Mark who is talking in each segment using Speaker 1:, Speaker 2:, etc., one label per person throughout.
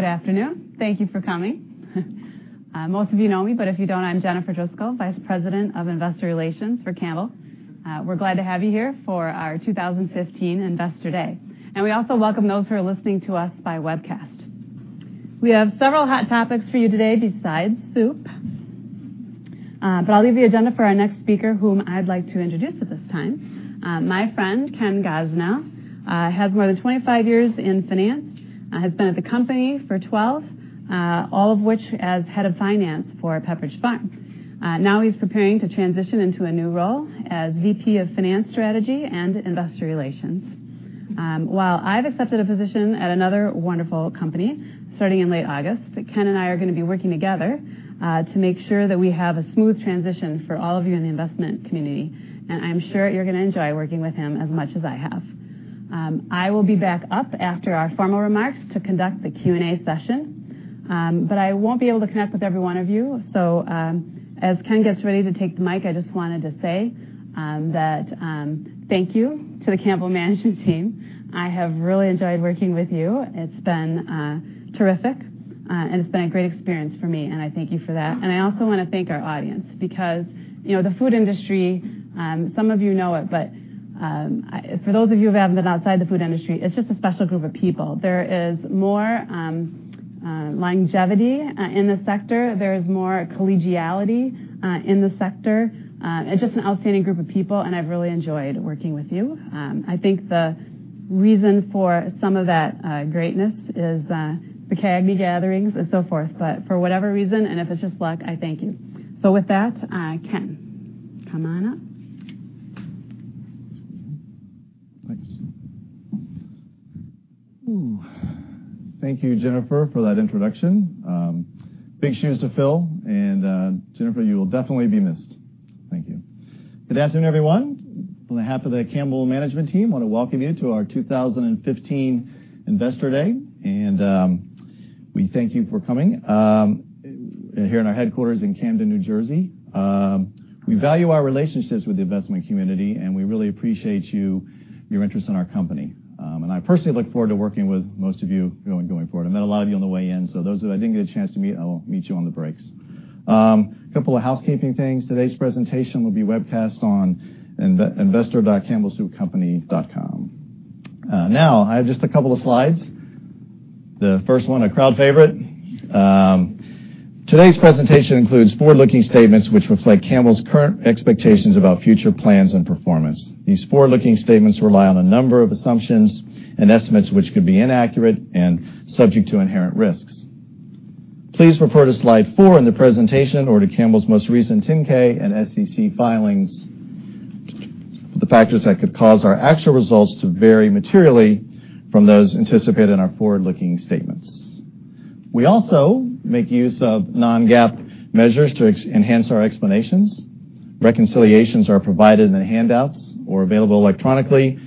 Speaker 1: Good afternoon. Thank you for coming. Most of you know me, but if you don't, I'm Jennifer Driscoll, Vice President of Investor Relations for Campbell. We're glad to have you here for our 2015 Investor Day. We also welcome those who are listening to us by webcast. We have several hot topics for you today besides soup. I'll leave the agenda for our next speaker, whom I'd like to introduce at this time. My friend Ken Gosnell has more than 25 years in finance, has been at the company for 12, all of which as head of finance for Pepperidge Farm. He's preparing to transition into a new role as VP of Finance Strategy and Investor Relations. While I've accepted a position at another wonderful company starting in late August, Ken and I are going to be working together to make sure that we have a smooth transition for all of you in the investment community. I'm sure you're going to enjoy working with him as much as I have. I will be back up after our formal remarks to conduct the Q&A session. I won't be able to connect with every one of you. As Ken gets ready to take the mic, I just wanted to say thank you to the Campbell management team. I have really enjoyed working with you. It's been terrific. It's been a great experience for me, and I thank you for that. I also want to thank our audience because the food industry, some of you know it, but for those of you who have been outside the food industry, it's just a special group of people. There is more longevity in the sector. There is more collegiality in the sector. It's just an outstanding group of people, and I've really enjoyed working with you. I think the reason for some of that greatness is the CAGNY gatherings and so forth. For whatever reason, and if it's just luck, I thank you. With that, Ken, come on up.
Speaker 2: Thanks. Thank you, Jennifer, for that introduction. Big shoes to fill. Jennifer, you will definitely be missed. Thank you. Good afternoon, everyone. On behalf of the Campbell management team, I want to welcome you to our 2015 Investor Day. We thank you for coming here to our headquarters in Camden, New Jersey. We value our relationships with the investment community. We really appreciate your interest in our company. I personally look forward to working with most of you going forward. I met a lot of you on the way in. Those who I didn't get a chance to meet, I will meet you on the breaks. A couple of housekeeping things. Today's presentation will be webcast on investor.campbellsoupcompany.com. I have just a couple of slides. The first one, a crowd favorite. Today's presentation includes forward-looking statements which reflect Campbell's current expectations about future plans and performance. These forward-looking statements rely on a number of assumptions and estimates which could be inaccurate and subject to inherent risks. Please refer to slide four in the presentation or to Campbell's most recent 10-K and SEC filings for the factors that could cause our actual results to vary materially from those anticipated in our forward-looking statements. We also make use of non-GAAP measures to enhance our explanations. Reconciliations are provided in the handouts or available electronically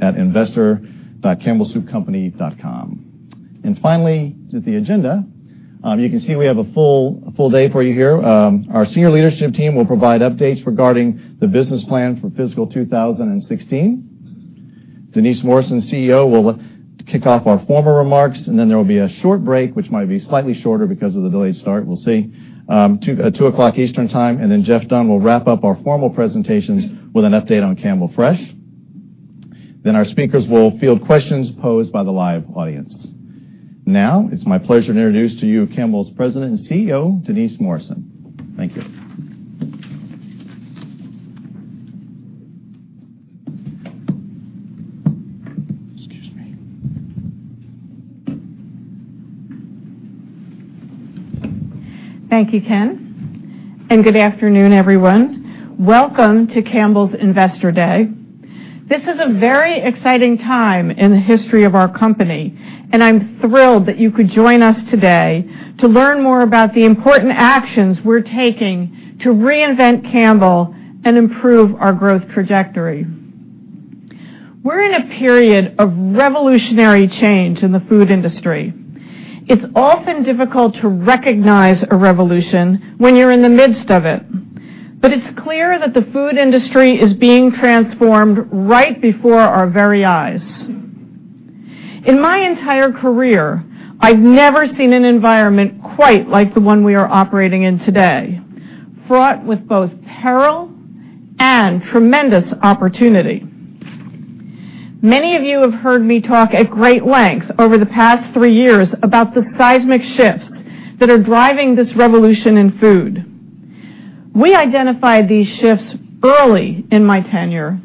Speaker 2: at investor.campbellsoupcompany.com. Finally, to the agenda. You can see we have a full day for you here. Our senior leadership team will provide updates regarding the business plan for fiscal 2016. Denise Morrison, CEO, will kick off our formal remarks, and then there will be a short break, which might be slightly shorter because of the delayed start, we'll see, at 2:00 Eastern Time, and then Jeff Dunn will wrap up our formal presentations with an update on Campbell Fresh. Then our speakers will field questions posed by the live audience. Now it's my pleasure to introduce to you Campbell's President and CEO, Denise Morrison. Thank you. Excuse me.
Speaker 3: Thank you, Ken, and good afternoon, everyone. Welcome to Campbell's Investor Day. This is a very exciting time in the history of our company, and I'm thrilled that you could join us today to learn more about the important actions we're taking to reinvent Campbell and improve our growth trajectory. We're in a period of revolutionary change in the food industry. It's often difficult to recognize a revolution when you're in the midst of it, but it's clear that the food industry is being transformed right before our very eyes. In my entire career, I've never seen an environment quite like the one we are operating in today, fraught with both peril and tremendous opportunity. Many of you have heard me talk at great length over the past three years about the seismic shifts that are driving this revolution in food. We identified these shifts early in my tenure,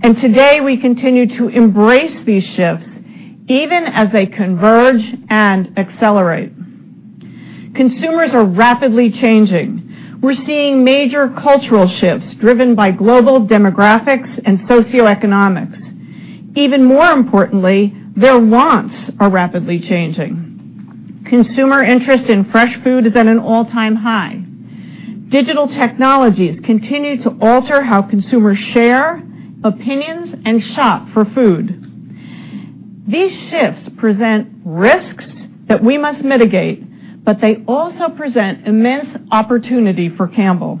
Speaker 3: and today we continue to embrace these shifts even as they converge and accelerate. Consumers are rapidly changing. We're seeing major cultural shifts driven by global demographics and socioeconomics. Even more importantly, their wants are rapidly changing. Consumer interest in fresh food is at an all-time high. Digital technologies continue to alter how consumers share opinions and shop for food. These shifts present risks that we must mitigate, but they also present immense opportunity for Campbell.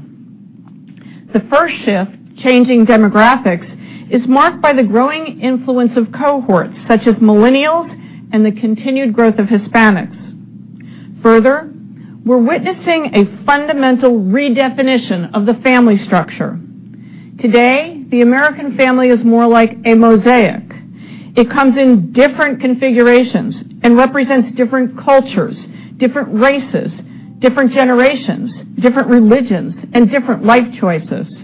Speaker 3: The first shift, changing demographics, is marked by the growing influence of cohorts such as millennials and the continued growth of Hispanics. We're witnessing a fundamental redefinition of the family structure. Today, the American family is more like a mosaic. It comes in different configurations and represents different cultures, different races, different generations, different religions, and different life choices.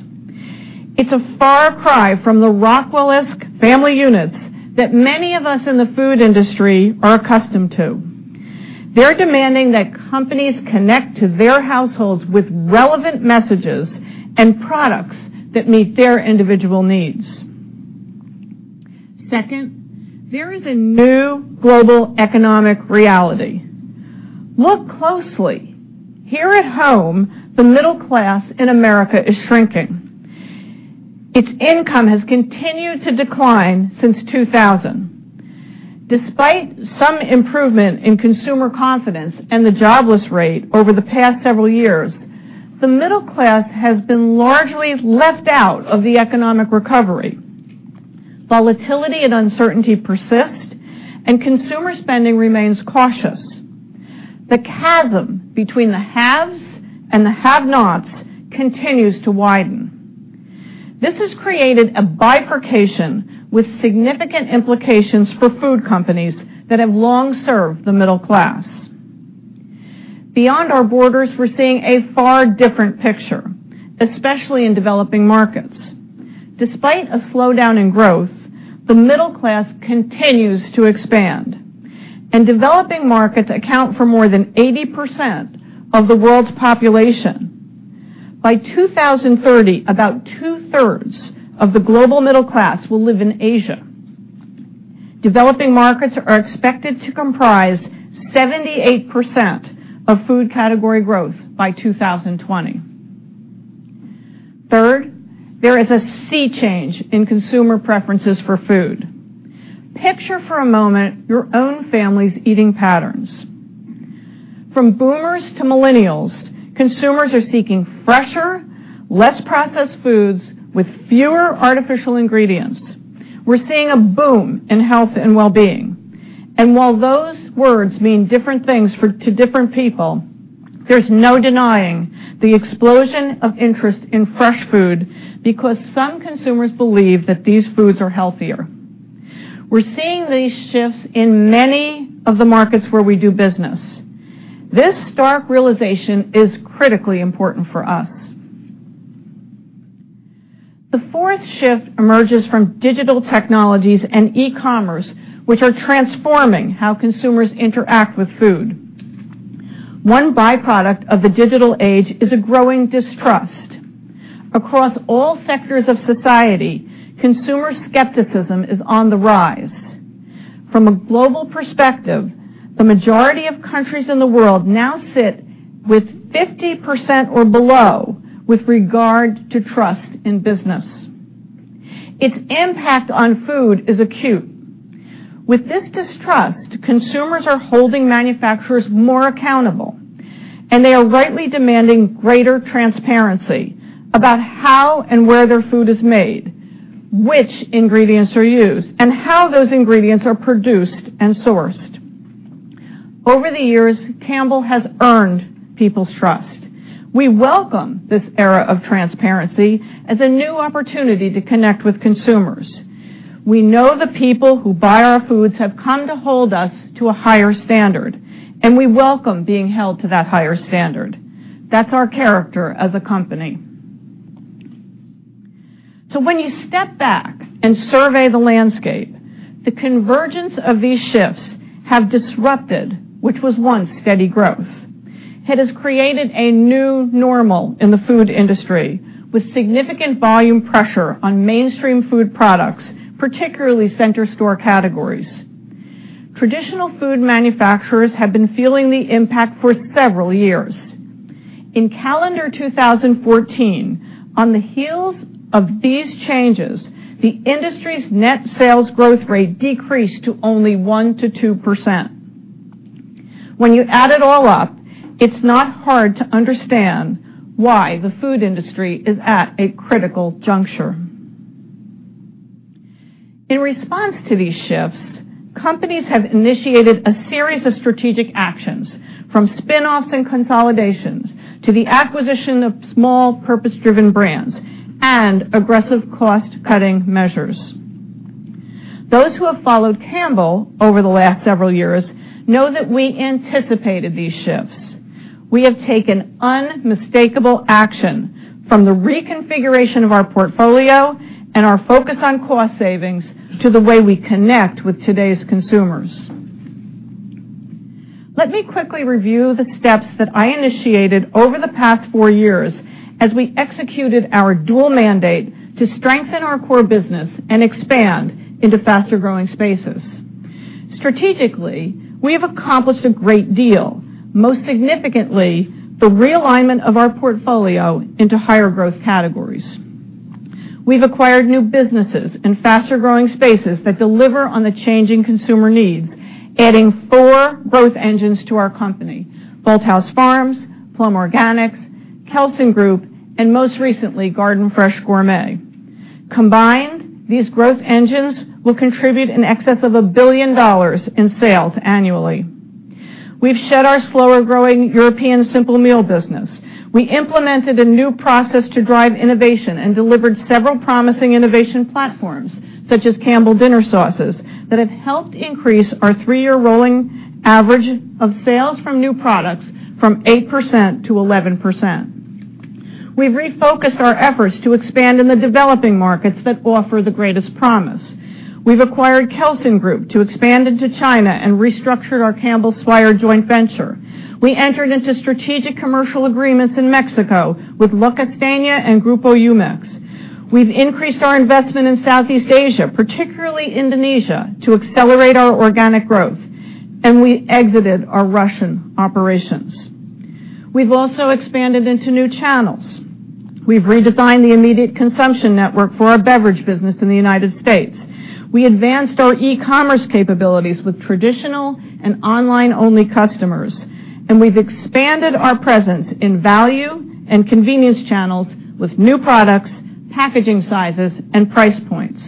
Speaker 3: It's a far cry from the Rockwell-esque family units that many of us in the food industry are accustomed to. They're demanding that companies connect to their households with relevant messages and products that meet their individual needs. Second, there is a new global economic reality. Look closely. Here at home, the middle class in America is shrinking. Its income has continued to decline since 2000. Despite some improvement in consumer confidence and the jobless rate over the past several years, the middle class has been largely left out of the economic recovery. Volatility and uncertainty persist, and consumer spending remains cautious. The chasm between the haves and the have-nots continues to widen. This has created a bifurcation with significant implications for food companies that have long served the middle class. Beyond our borders, we're seeing a far different picture, especially in developing markets. Despite a slowdown in growth, the middle class continues to expand, and developing markets account for more than 80% of the world's population. By 2030, about two-thirds of the global middle class will live in Asia. Developing markets are expected to comprise 78% of food category growth by 2020. Third, there is a sea change in consumer preferences for food. Picture for a moment your own family's eating patterns. From boomers to millennials, consumers are seeking fresher, less processed foods with fewer artificial ingredients. We're seeing a boom in health and wellbeing, and while those words mean different things to different people, there's no denying the explosion of interest in fresh food because some consumers believe that these foods are healthier. We're seeing these shifts in many of the markets where we do business. This stark realization is critically important for us. The fourth shift emerges from digital technologies and e-commerce, which are transforming how consumers interact with food. One byproduct of the digital age is a growing distrust. Across all sectors of society, consumer skepticism is on the rise. From a global perspective, the majority of countries in the world now sit with 50% or below with regard to trust in business. Its impact on food is acute. With this distrust, consumers are holding manufacturers more accountable, and they are rightly demanding greater transparency about how and where their food is made, which ingredients are used, and how those ingredients are produced and sourced. Over the years, Campbell has earned people's trust. We welcome this era of transparency as a new opportunity to connect with consumers. We know the people who buy our foods have come to hold us to a higher standard, and we welcome being held to that higher standard. That's our character as a company. When you step back and survey the landscape, the convergence of these shifts have disrupted which was once steady growth. It has created a new normal in the food industry, with significant volume pressure on mainstream food products, particularly center store categories. Traditional food manufacturers have been feeling the impact for several years. In calendar 2014, on the heels of these changes, the industry's net sales growth rate decreased to only 1%-2%. When you add it all up, it's not hard to understand why the food industry is at a critical juncture. In response to these shifts, companies have initiated a series of strategic actions, from spinoffs and consolidations to the acquisition of small purpose-driven brands and aggressive cost-cutting measures. Those who have followed Campbell over the last several years know that we anticipated these shifts. We have taken unmistakable action from the reconfiguration of our portfolio and our focus on cost savings to the way we connect with today's consumers. Let me quickly review the steps that I initiated over the past four years as we executed our dual mandate to strengthen our core business and expand into faster-growing spaces. Strategically, we have accomplished a great deal, most significantly, the realignment of our portfolio into higher growth categories. We've acquired new businesses in faster-growing spaces that deliver on the changing consumer needs, adding four growth engines to our company, Bolthouse Farms, Plum Organics, Kelsen Group, and most recently, Garden Fresh Gourmet. Combined, these growth engines will contribute in excess of $1 billion in sales annually. We've shed our slower-growing European simple meal business. We implemented a new process to drive innovation and delivered several promising innovation platforms, such as Campbell Dinner Sauces, that have helped increase our three-year rolling average of sales from new products from 8%-11%. We've refocused our efforts to expand in the developing markets that offer the greatest promise. We've acquired Kelsen Group to expand into China and restructured our Campbell Swire joint venture. We entered into strategic commercial agreements in Mexico with La Costeña and Grupo Jumex. We've increased our investment in Southeast Asia, particularly Indonesia, to accelerate our organic growth, and we exited our Russian operations. We've also expanded into new channels. We've redesigned the immediate consumption network for our beverage business in the U.S. We advanced our e-commerce capabilities with traditional and online-only customers, and we've expanded our presence in value and convenience channels with new products, packaging sizes, and price points.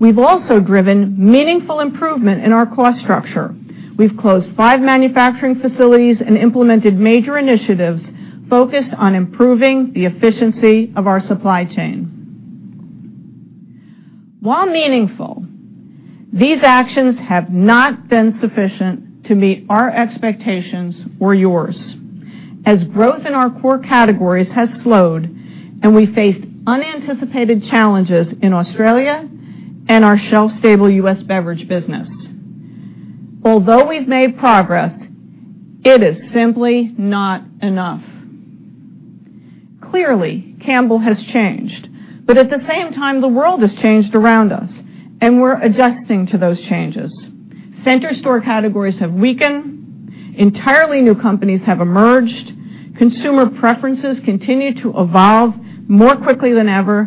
Speaker 3: We've also driven meaningful improvement in our cost structure. We've closed five manufacturing facilities and implemented major initiatives focused on improving the efficiency of our supply chain. While meaningful, these actions have not been sufficient to meet our expectations or yours, as growth in our core categories has slowed and we faced unanticipated challenges in Australia and our shelf-stable U.S. beverage business. Although we've made progress, it is simply not enough. Clearly, Campbell has changed, but at the same time, the world has changed around us, and we're adjusting to those changes. Center store categories have weakened, entirely new companies have emerged, consumer preferences continue to evolve more quickly than ever,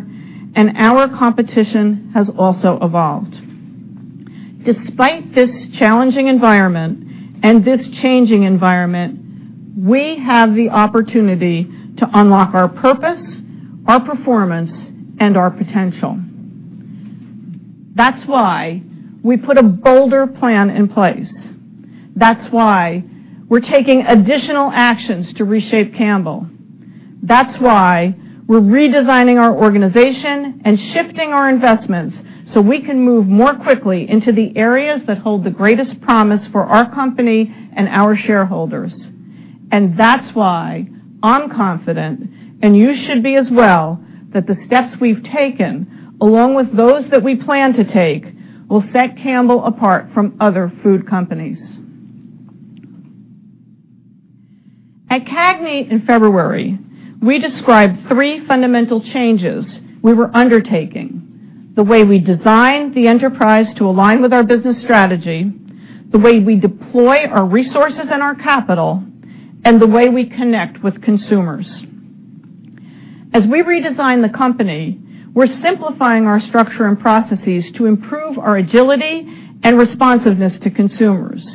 Speaker 3: and our competition has also evolved. Despite this challenging environment and this changing environment, we have the opportunity to unlock our purpose, our performance, and our potential. That's why we put a bolder plan in place. That's why we're taking additional actions to reshape Campbell. That's why we're redesigning our organization and shifting our investments so we can move more quickly into the areas that hold the greatest promise for our company and our shareholders. That's why I'm confident, and you should be as well, that the steps we've taken, along with those that we plan to take, will set Campbell apart from other food companies. At CAGNY in February, we described three fundamental changes we were undertaking, the way we design the enterprise to align with our business strategy, the way we deploy our resources and our capital, and the way we connect with consumers. As we redesign the company, we're simplifying our structure and processes to improve our agility and responsiveness to consumers.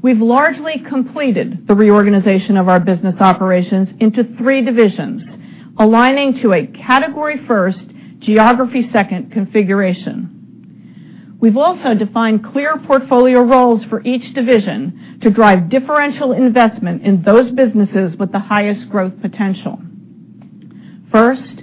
Speaker 3: We've largely completed the reorganization of our business operations into three divisions, aligning to a category first, geography second configuration. We've also defined clear portfolio roles for each division to drive differential investment in those businesses with the highest growth potential. First,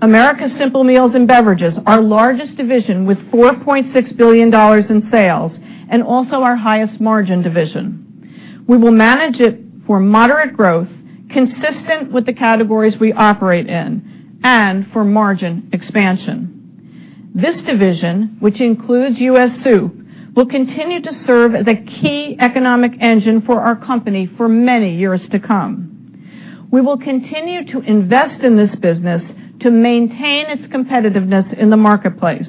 Speaker 3: Americas Simple Meals and Beverages, our largest division with $4.6 billion in sales, and also our highest margin division. We will manage it for moderate growth consistent with the categories we operate in and for margin expansion. This division, which includes U.S. Soup, will continue to serve as a key economic engine for our company for many years to come. We will continue to invest in this business to maintain its competitiveness in the marketplace.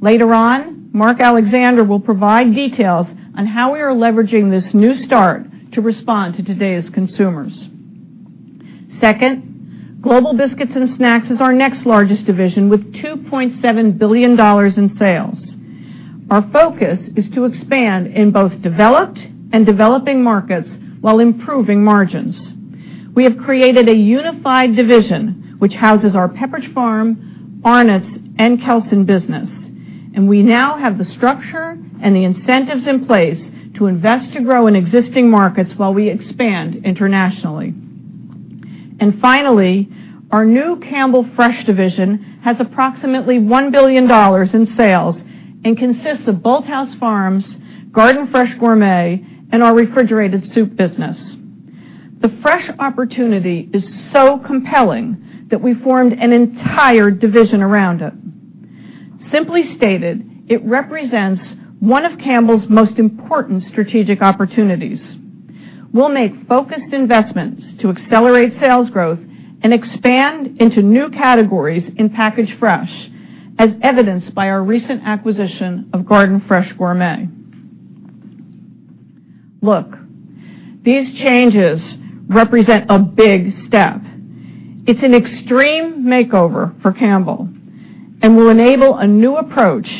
Speaker 3: Later on, Mark Alexander will provide details on how we are leveraging this new start to respond to today's consumers. Second, Global Biscuits and Snacks is our next largest division with $2.7 billion in sales. Our focus is to expand in both developed and developing markets while improving margins. We have created a unified division which houses our Pepperidge Farm, Arnott's, and Kelsen business, and we now have the structure and the incentives in place to invest to grow in existing markets while we expand internationally. Finally, our new Campbell Fresh division has approximately $1 billion in sales and consists of Bolthouse Farms, Garden Fresh Gourmet, and our refrigerated soup business. The Fresh opportunity is so compelling that we formed an entire division around it. Simply stated, it represents one of Campbell's most important strategic opportunities. We'll make focused investments to accelerate sales growth and expand into new categories in Packaged Fresh, as evidenced by our recent acquisition of Garden Fresh Gourmet. These changes represent a big step. It's an extreme makeover for Campbell, and will enable a new approach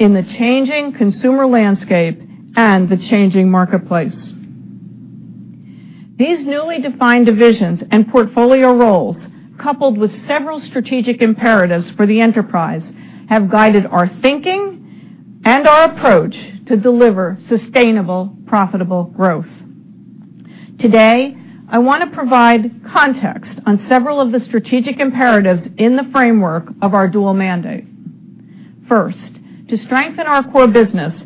Speaker 3: in the changing consumer landscape and the changing marketplace. These newly defined divisions and portfolio roles, coupled with several strategic imperatives for the enterprise, have guided our thinking and our approach to deliver sustainable, profitable growth. Today, I want to provide context on several of the strategic imperatives in the framework of our dual mandate. First, to strengthen our core business,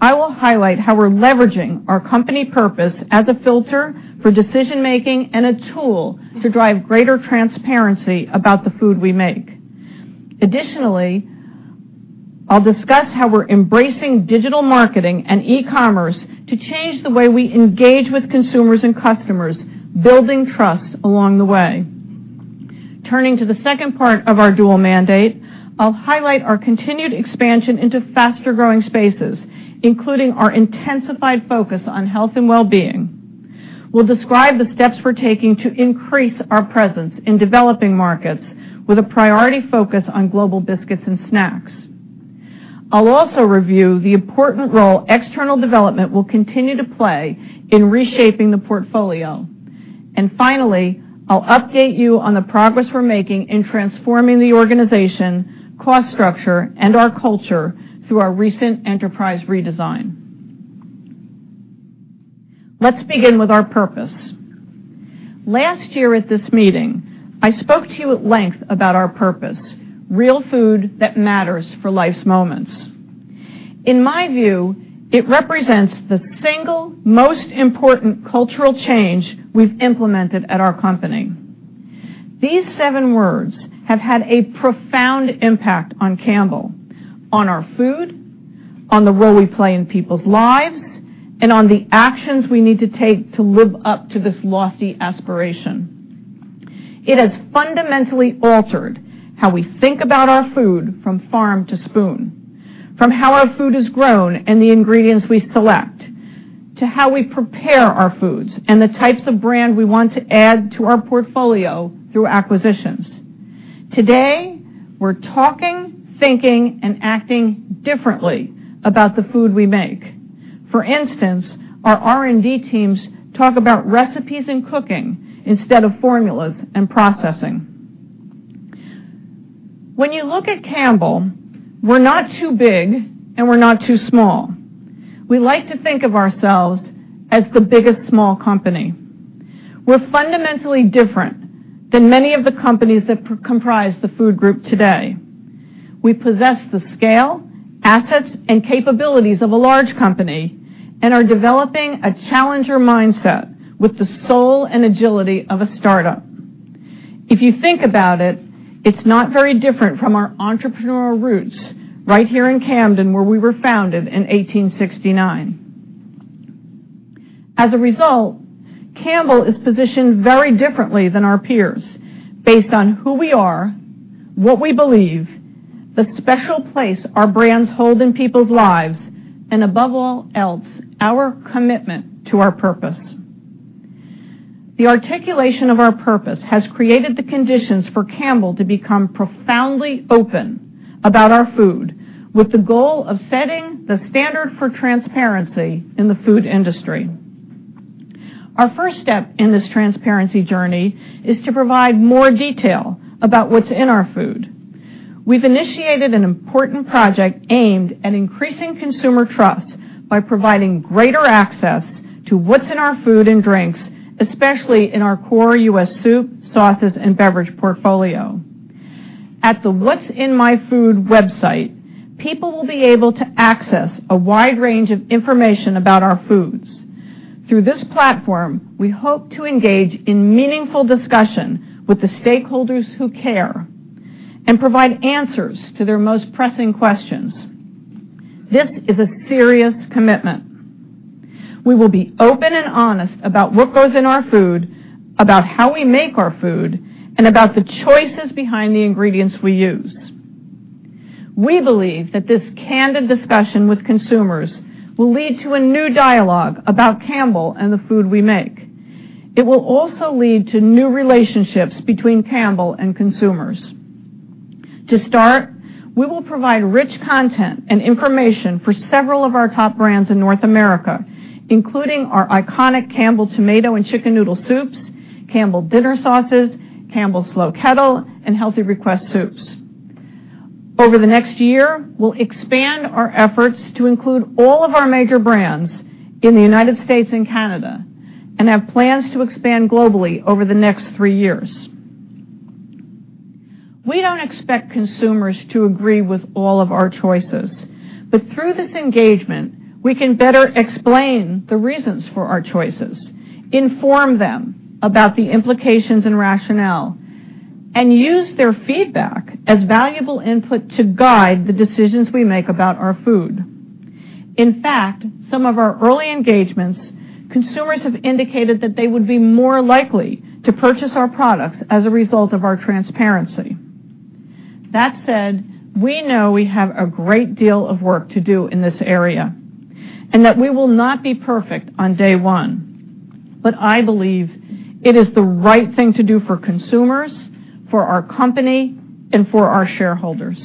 Speaker 3: I will highlight how we're leveraging our company purpose as a filter for decision-making and a tool to drive greater transparency about the food we make. Additionally, I'll discuss how we're embracing digital marketing and e-commerce to change the way we engage with consumers and customers, building trust along the way. Turning to the second part of our dual mandate, I'll highlight our continued expansion into faster-growing spaces, including our intensified focus on health and well-being. We'll describe the steps we're taking to increase our presence in developing markets with a priority focus on Global Biscuits and Snacks. I'll also review the important role external development will continue to play in reshaping the portfolio. Finally, I'll update you on the progress we're making in transforming the organization, cost structure, and our culture through our recent enterprise redesign. Let's begin with our purpose. Last year at this meeting, I spoke to you at length about our purpose, real food that matters for life's moments. In my view, it represents the single most important cultural change we've implemented at our company. These seven words have had a profound impact on Campbell, on our food, on the role we play in people's lives, and on the actions we need to take to live up to this lofty aspiration. It has fundamentally altered how we think about our food from farm to spoon, from how our food is grown and the ingredients we select, to how we prepare our foods and the types of brand we want to add to our portfolio through acquisitions. Today, we're talking, thinking, and acting differently about the food we make. For instance, our R&D teams talk about recipes and cooking instead of formulas and processing. When you look at Campbell, we're not too big and we're not too small. We like to think of ourselves as the biggest small company. We're fundamentally different than many of the companies that comprise the food group today. We possess the scale, assets, and capabilities of a large company and are developing a challenger mindset with the soul and agility of a startup. If you think about it's not very different from our entrepreneurial roots right here in Camden where we were founded in 1869. As a result, Campbell is positioned very differently than our peers based on who we are, what we believe, the special place our brands hold in people's lives, and above all else, our commitment to our purpose. The articulation of our purpose has created the conditions for Campbell to become profoundly open about our food with the goal of setting the standard for transparency in the food industry. Our first step in this transparency journey is to provide more detail about what's in our food. We've initiated an important project aimed at increasing consumer trust by providing greater access to what's in our food and drinks, especially in our core U.S. soup, sauces, and beverage portfolio. At the whatsinmyfood.com website, people will be able to access a wide range of information about our foods. Through this platform, we hope to engage in meaningful discussion with the stakeholders who care and provide answers to their most pressing questions. This is a serious commitment. We will be open and honest about what goes in our food, about how we make our food, and about the choices behind the ingredients we use. We believe that this candid discussion with consumers will lead to a new dialogue about Campbell and the food we make. It will also lead to new relationships between Campbell and consumers. To start, we will provide rich content and information for several of our top brands in North America, including our iconic Campbell Tomato and Chicken Noodle Soups, Campbell Dinner Sauces, Campbell's Slow Kettle, and Healthy Request Soups. Over the next year, we'll expand our efforts to include all of our major brands in the U.S. and Canada, and have plans to expand globally over the next three years. We don't expect consumers to agree with all of our choices. Through this engagement, we can better explain the reasons for our choices, inform them about the implications and rationale, and use their feedback as valuable input to guide the decisions we make about our food. In fact, some of our early engagements, consumers have indicated that they would be more likely to purchase our products as a result of our transparency. That said, we know we have a great deal of work to do in this area, and that we will not be perfect on day one. I believe it is the right thing to do for consumers, for our company, and for our shareholders.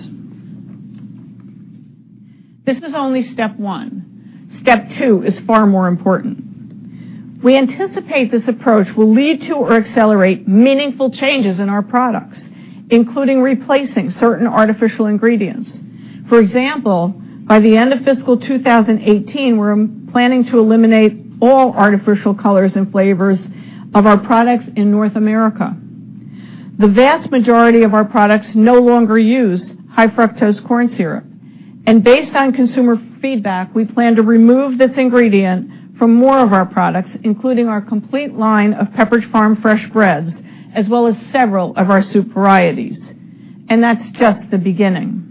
Speaker 3: This is only step 1. Step 2 is far more important. We anticipate this approach will lead to or accelerate meaningful changes in our products, including replacing certain artificial ingredients. For example, by the end of fiscal 2018, we're planning to eliminate all artificial colors and flavors of our products in North America. The vast majority of our products no longer use high-fructose corn syrup. Based on consumer feedback, we plan to remove this ingredient from more of our products, including our complete line of Pepperidge Farm fresh breads, as well as several of our soup varieties. That's just the beginning.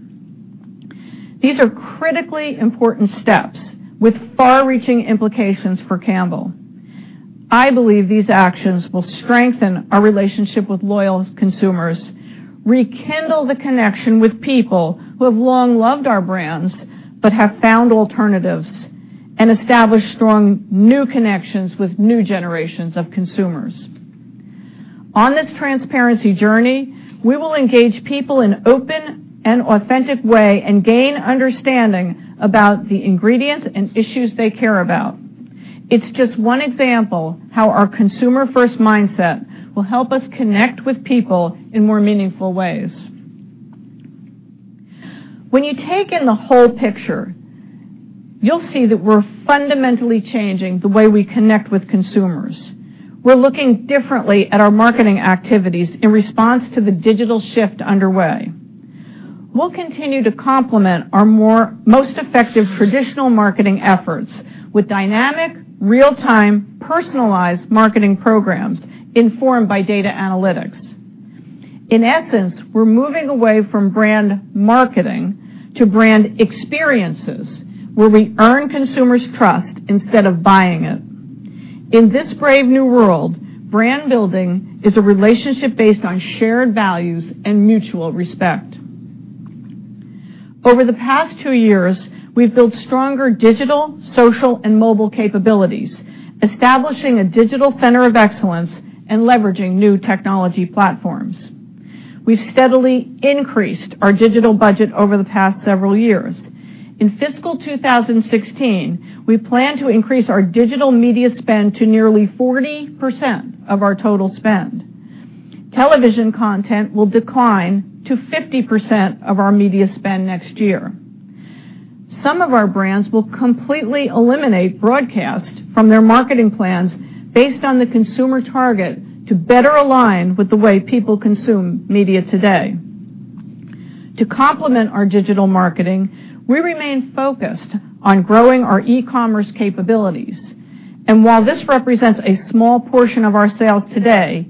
Speaker 3: These are critically important steps with far-reaching implications for Campbell. I believe these actions will strengthen our relationship with loyal consumers, rekindle the connection with people who have long loved our brands but have found alternatives, and establish strong new connections with new generations of consumers. On this transparency journey, we will engage people in an open and authentic way and gain understanding about the ingredients and issues they care about. It's just one example how our consumer-first mindset will help us connect with people in more meaningful ways. When you take in the whole picture, you'll see that we're fundamentally changing the way we connect with consumers. We're looking differently at our marketing activities in response to the digital shift underway. We'll continue to complement our most effective traditional marketing efforts with dynamic, real-time, personalized marketing programs informed by data analytics. In essence, we're moving away from brand marketing to brand experiences where we earn consumers' trust instead of buying it. In this brave new world, brand building is a relationship based on shared values and mutual respect. Over the past two years, we've built stronger digital, social, and mobile capabilities, establishing a digital center of excellence and leveraging new technology platforms. We've steadily increased our digital budget over the past several years. In fiscal 2016, we plan to increase our digital media spend to nearly 40% of our total spend. Television content will decline to 50% of our media spend next year. Some of our brands will completely eliminate broadcast from their marketing plans based on the consumer target to better align with the way people consume media today. To complement our digital marketing, we remain focused on growing our e-commerce capabilities. While this represents a small portion of our sales today,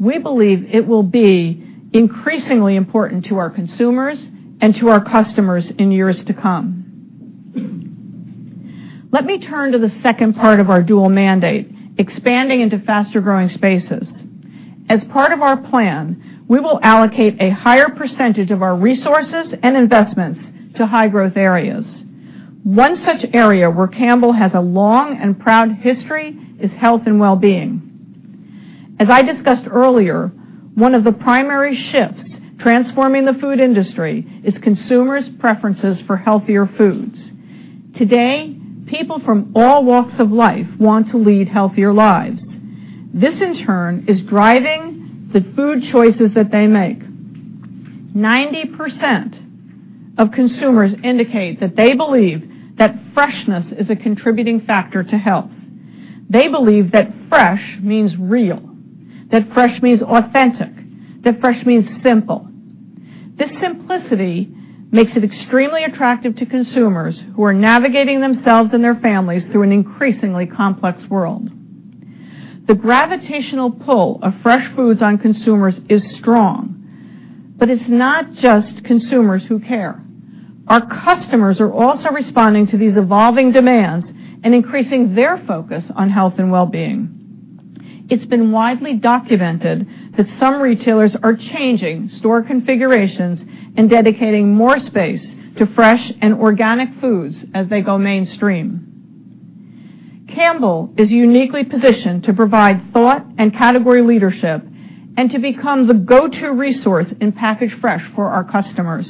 Speaker 3: we believe it will be increasingly important to our consumers and to our customers in years to come. Let me turn to the second part of our dual mandate, expanding into faster-growing spaces. As part of our plan, we will allocate a higher percentage of our resources and investments to high-growth areas. One such area where Campbell has a long and proud history is health and wellbeing. As I discussed earlier, one of the primary shifts transforming the food industry is consumers' preferences for healthier foods. Today, people from all walks of life want to lead healthier lives. This, in turn, is driving the food choices that they make. 90% of consumers indicate that they believe that freshness is a contributing factor to health. They believe that fresh means real, that fresh means authentic, that fresh means simple. This simplicity makes it extremely attractive to consumers who are navigating themselves and their families through an increasingly complex world. The gravitational pull of fresh foods on consumers is strong, it's not just consumers who care. Our customers are also responding to these evolving demands and increasing their focus on health and wellbeing. It's been widely documented that some retailers are changing store configurations and dedicating more space to fresh and organic foods as they go mainstream. Campbell is uniquely positioned to provide thought and category leadership and to become the go-to resource in packaged fresh for our customers.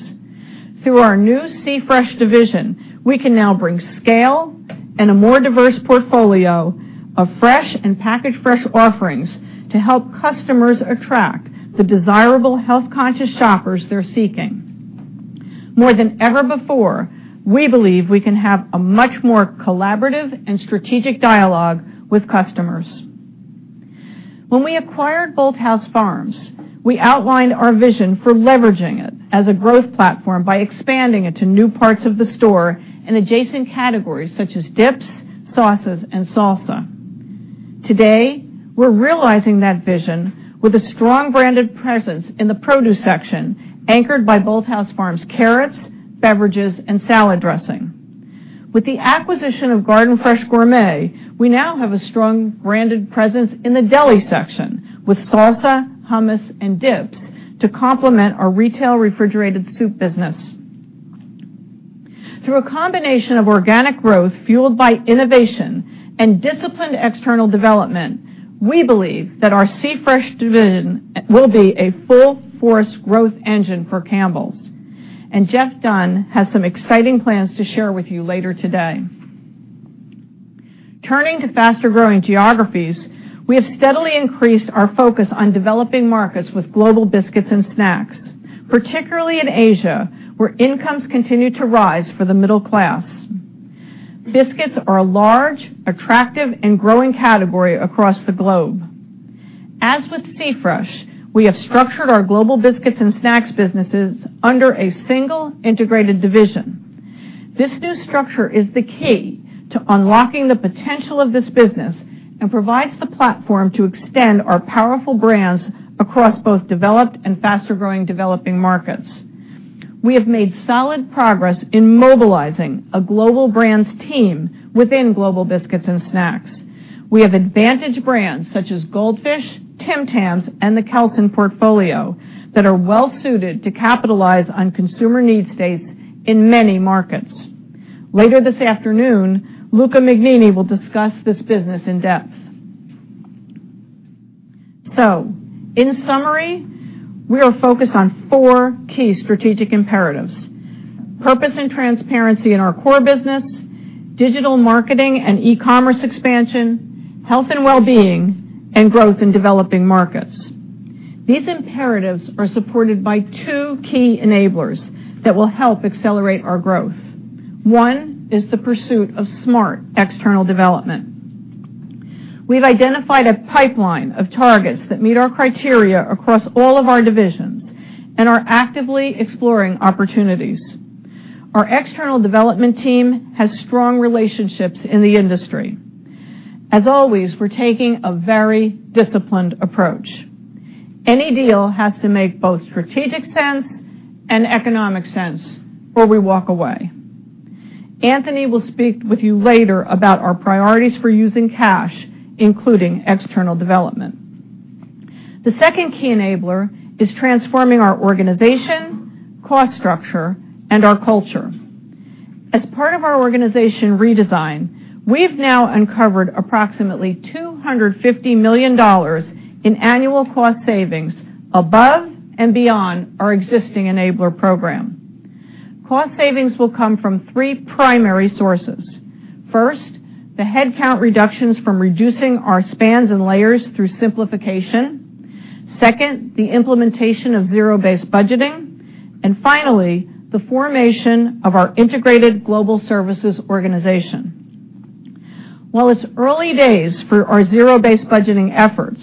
Speaker 3: Through our new C-Fresh division, we can now bring scale and a more diverse portfolio of fresh and packaged fresh offerings to help customers attract the desirable health-conscious shoppers they're seeking. More than ever before, we believe we can have a much more collaborative and strategic dialogue with customers. When we acquired Bolthouse Farms, we outlined our vision for leveraging it as a growth platform by expanding it to new parts of the store and adjacent categories such as dips, sauces, and salsa. Today, we're realizing that vision with a strong branded presence in the produce section, anchored by Bolthouse Farms carrots, beverages, and salad dressing. With the acquisition of Garden Fresh Gourmet, we now have a strong branded presence in the deli section, with salsa, hummus, and dips to complement our retail refrigerated soup business. Through a combination of organic growth fueled by innovation and disciplined external development, we believe that our C-Fresh division will be a full-force growth engine for Campbell's. Jeff Dunn has some exciting plans to share with you later today. Turning to faster-growing geographies, we have steadily increased our focus on developing markets with Global Biscuits and Snacks, particularly in Asia, where incomes continue to rise for the middle class. Biscuits are a large, attractive, and growing category across the globe. As with C-Fresh, we have structured our Global Biscuits and Snacks businesses under a single integrated division. This new structure is the key to unlocking the potential of this business and provides the platform to extend our powerful brands across both developed and faster-growing developing markets. We have made solid progress in mobilizing a global brands team within Global Biscuits and Snacks. We have advantage brands such as Goldfish, Tim Tams, and the Kelsen portfolio that are well-suited to capitalize on consumer need states in many markets. Later this afternoon, Luca Mignini will discuss this business in depth. In summary, we are focused on four key strategic imperatives. Purpose and transparency in our core business, digital marketing and e-commerce expansion, health and well-being, and growth in developing markets. These imperatives are supported by two key enablers that will help accelerate our growth. One is the pursuit of smart external development. We've identified a pipeline of targets that meet our criteria across all of our divisions and are actively exploring opportunities. Our external development team has strong relationships in the industry. As always, we're taking a very disciplined approach. Any deal has to make both strategic sense and economic sense, or we walk away. Anthony will speak with you later about our priorities for using cash, including external development. The second key enabler is transforming our organization, cost structure, and our culture. As part of our organization redesign, we've now uncovered approximately $250 million in annual cost savings above and beyond our existing enabler program. Cost savings will come from three primary sources. First, the headcount reductions from reducing our spans and layers through simplification. Second, the implementation of zero-based budgeting. Finally, the formation of our integrated global services organization. While it's early days for our zero-based budgeting efforts,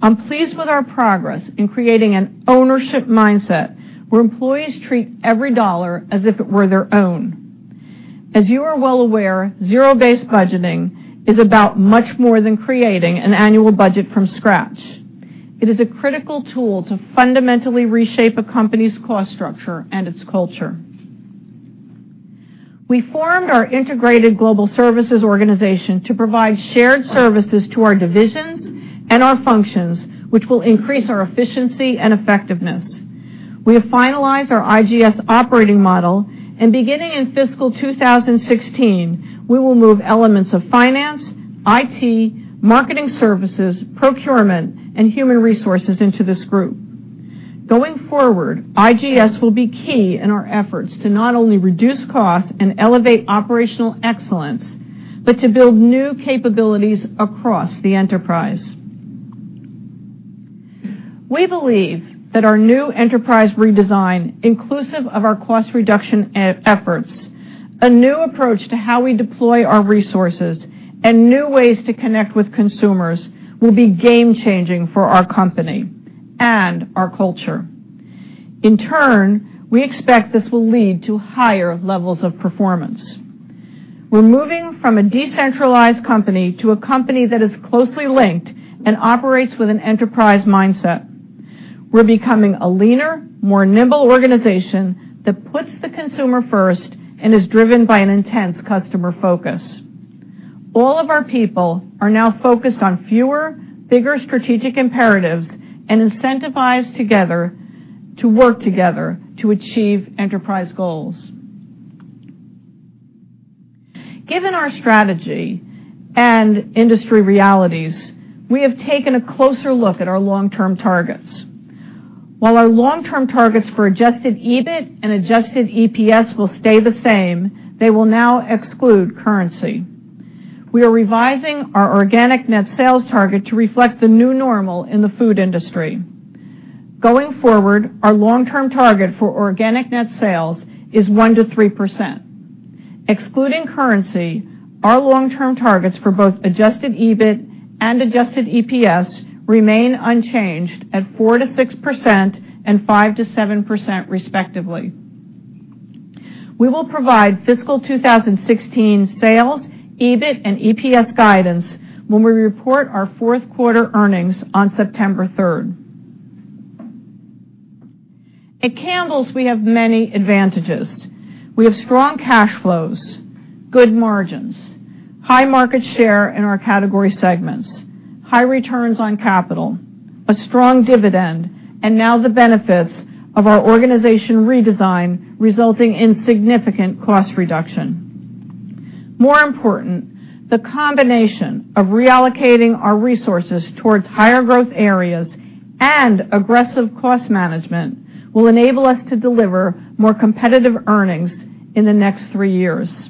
Speaker 3: I'm pleased with our progress in creating an ownership mindset where employees treat every dollar as if it were their own. As you are well aware, zero-based budgeting is about much more than creating an annual budget from scratch. It is a critical tool to fundamentally reshape a company's cost structure and its culture. We formed our integrated global services organization to provide shared services to our divisions and our functions, which will increase our efficiency and effectiveness. We have finalized our IGS operating model and beginning in fiscal 2016, we will move elements of finance, IT, marketing services, procurement, and human resources into this group. Going forward, IGS will be key in our efforts to not only reduce costs and elevate operational excellence, but to build new capabilities across the enterprise. We believe that our new enterprise redesign, inclusive of our cost reduction efforts, a new approach to how we deploy our resources, and new ways to connect with consumers will be game-changing for our company and our culture. In turn, we expect this will lead to higher levels of performance. We're moving from a decentralized company to a company that is closely linked and operates with an enterprise mindset. We're becoming a leaner, more nimble organization that puts the consumer first and is driven by an intense customer focus. All of our people are now focused on fewer, bigger strategic imperatives and incentivized together to work together to achieve enterprise goals. Given our strategy and industry realities, we have taken a closer look at our long-term targets. While our long-term targets for adjusted EBIT and adjusted EPS will stay the same, they will now exclude currency. We are revising our organic net sales target to reflect the new normal in the food industry. Going forward, our long-term target for organic net sales is 1%-3%. Excluding currency, our long-term targets for both adjusted EBIT and adjusted EPS remain unchanged at 4%-6% and 5%-7%, respectively. We will provide fiscal 2016 sales, EBIT, and EPS guidance when we report our fourth-quarter earnings on September 3rd. At Campbell's, we have many advantages. We have strong cash flows, good margins, high market share in our category segments, high returns on capital, a strong dividend, and now the benefits of our organization redesign resulting in significant cost reduction. More important, the combination of reallocating our resources towards higher growth areas and aggressive cost management will enable us to deliver more competitive earnings in the next three years.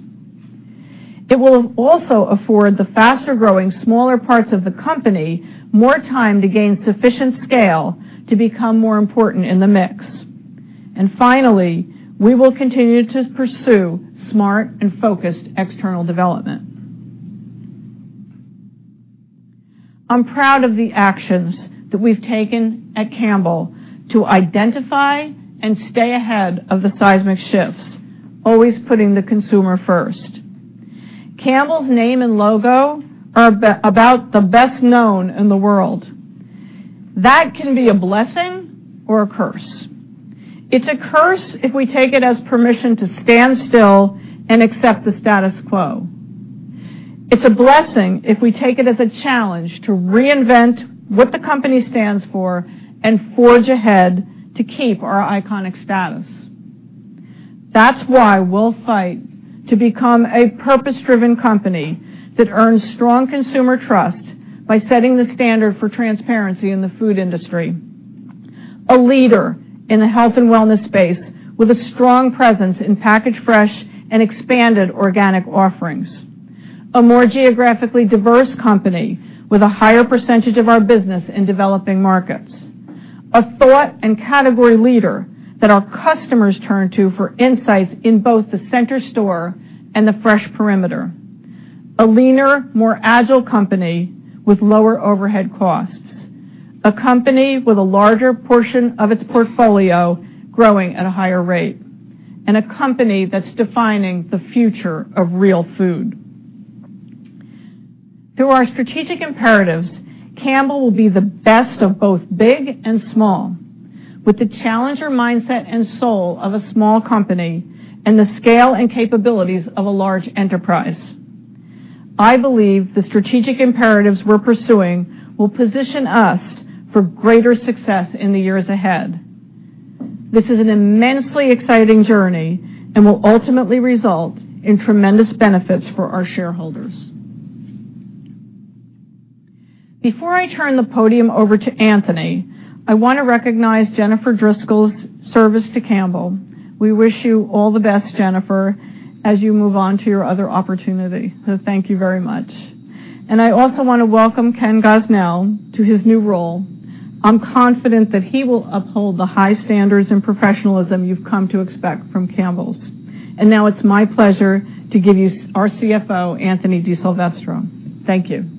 Speaker 3: It will also afford the faster-growing smaller parts of the company more time to gain sufficient scale to become more important in the mix. Finally, we will continue to pursue smart and focused external development. I'm proud of the actions that we've taken at Campbell to identify and stay ahead of the seismic shifts, always putting the consumer first. Campbell's name and logo are about the best known in the world. That can be a blessing or a curse. It's a curse if we take it as permission to stand still and accept the status quo. It's a blessing if we take it as a challenge to reinvent what the company stands for and forge ahead to keep our iconic status. That's why we'll fight to become a purpose-driven company that earns strong consumer trust by setting the standard for transparency in the food industry. A leader in the health and wellness space with a strong presence in package fresh and expanded organic offerings. A more geographically diverse company with a higher percentage of our business in developing markets. A thought and category leader that our customers turn to for insights in both the center store and the fresh perimeter. A leaner, more agile company with lower overhead costs. A company with a larger portion of its portfolio growing at a higher rate. A company that's defining the future of real food. Through our strategic imperatives, Campbell will be the best of both big and small, with the challenger mindset and soul of a small company and the scale and capabilities of a large enterprise. I believe the strategic imperatives we're pursuing will position us for greater success in the years ahead. This is an immensely exciting journey and will ultimately result in tremendous benefits for our shareholders. Before I turn the podium over to Anthony, I want to recognize Jennifer Driscoll's service to Campbell. We wish you all the best, Jennifer, as you move on to your other opportunity. Thank you very much. I also want to welcome Ken Gosnell to his new role. I'm confident that he will uphold the high standards and professionalism you've come to expect from Campbell's. Now it's my pleasure to give you our CFO, Anthony DiSilvestro. Thank you.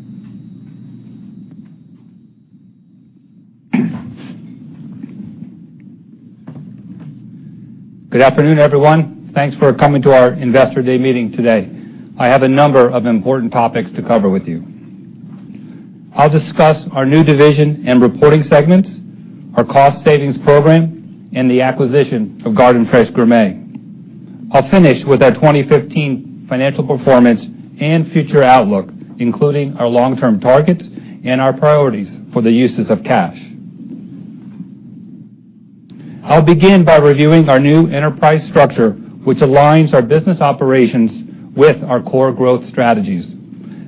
Speaker 4: Good afternoon, everyone. Thanks for coming to our Investor Day meeting today. I have a number of important topics to cover with you. I'll discuss our new division and reporting segments, our cost savings program, and the acquisition of Garden Fresh Gourmet. I'll finish with our 2015 financial performance and future outlook, including our long-term targets and our priorities for the uses of cash. I'll begin by reviewing our new enterprise structure, which aligns our business operations with our core growth strategies.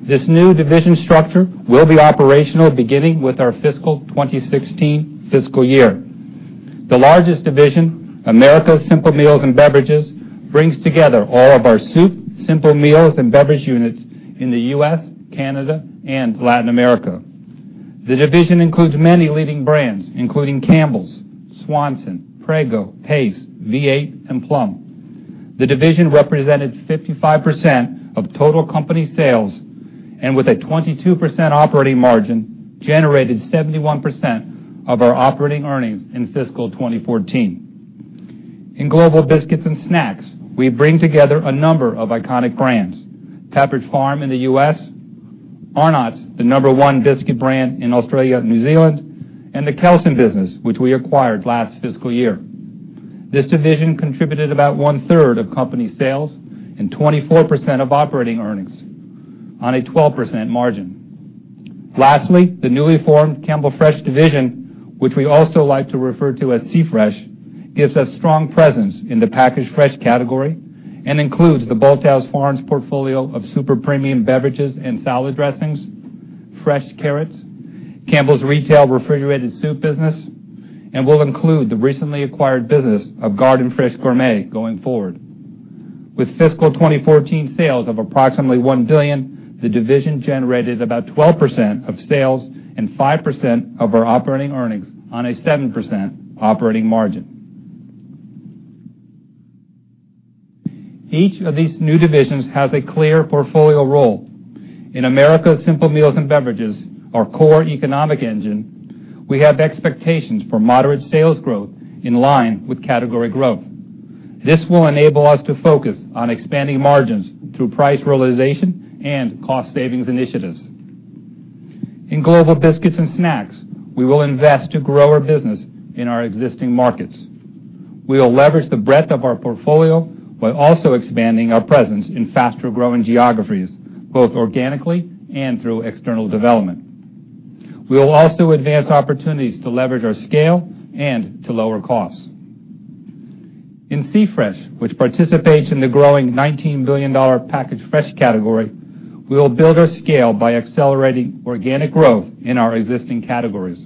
Speaker 4: This new division structure will be operational beginning with our fiscal 2016 fiscal year. The largest division, Americas Simple Meals and Beverages, brings together all of our soup, simple meals, and beverage units in the U.S., Canada, and Latin America. The division includes many leading brands, including Campbell's, Swanson, Prego, Pace, V8, and Plum. The division represented 55% of total company sales, and with a 22% operating margin, generated 71% of our operating earnings in fiscal 2014. In Global Biscuits and Snacks, we bring together a number of iconic brands, Pepperidge Farm in the U.S., Arnott's, the number one biscuit brand in Australia and New Zealand, and the Kelsen business, which we acquired last fiscal year. This division contributed about one-third of company sales and 24% of operating earnings on a 12% margin. Lastly, the newly formed Campbell Fresh division, which we also like to refer to as CFresh, gives us strong presence in the packaged fresh category and includes the Bolthouse Farms portfolio of super premium beverages and salad dressings, fresh carrots, Campbell's retail refrigerated soup business, and will include the recently acquired business of Garden Fresh Gourmet going forward. With fiscal 2014 sales of approximately $1 billion, the division generated about 12% of sales and 5% of our operating earnings on a 7% operating margin. Each of these new divisions has a clear portfolio role. In Americas Simple Meals and Beverages, our core economic engine, we have expectations for moderate sales growth in line with category growth. This will enable us to focus on expanding margins through price realization and cost savings initiatives. In Global Biscuits and Snacks, we will invest to grow our business in our existing markets. We will leverage the breadth of our portfolio while also expanding our presence in faster-growing geographies, both organically and through external development. We will also advance opportunities to leverage our scale and to lower costs. In C-Fresh, which participates in the growing $19 billion packaged fresh category, we will build our scale by accelerating organic growth in our existing categories.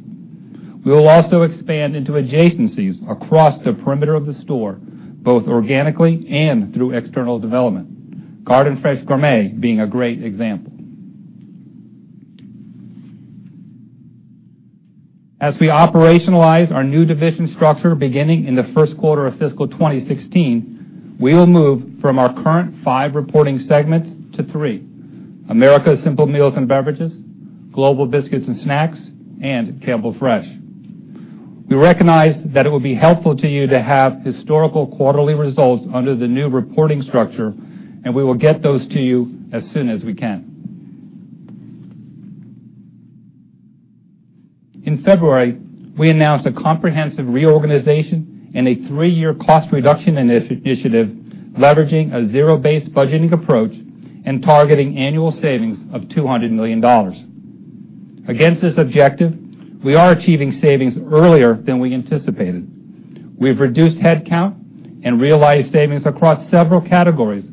Speaker 4: We will also expand into adjacencies across the perimeter of the store, both organically and through external development, Garden Fresh Gourmet being a great example. As we operationalize our new division structure beginning in the first quarter of fiscal 2016, we will move from our current 5 reporting segments to 3, Americas Simple Meals and Beverages, Global Biscuits and Snacks, and Campbell Fresh. We recognize that it would be helpful to you to have historical quarterly results under the new reporting structure, and we will get those to you as soon as we can. In February, we announced a comprehensive reorganization and a three-year cost reduction initiative, leveraging a zero-based budgeting approach and targeting annual savings of $200 million. Against this objective, we are achieving savings earlier than we anticipated. We've reduced headcount and realized savings across several categories,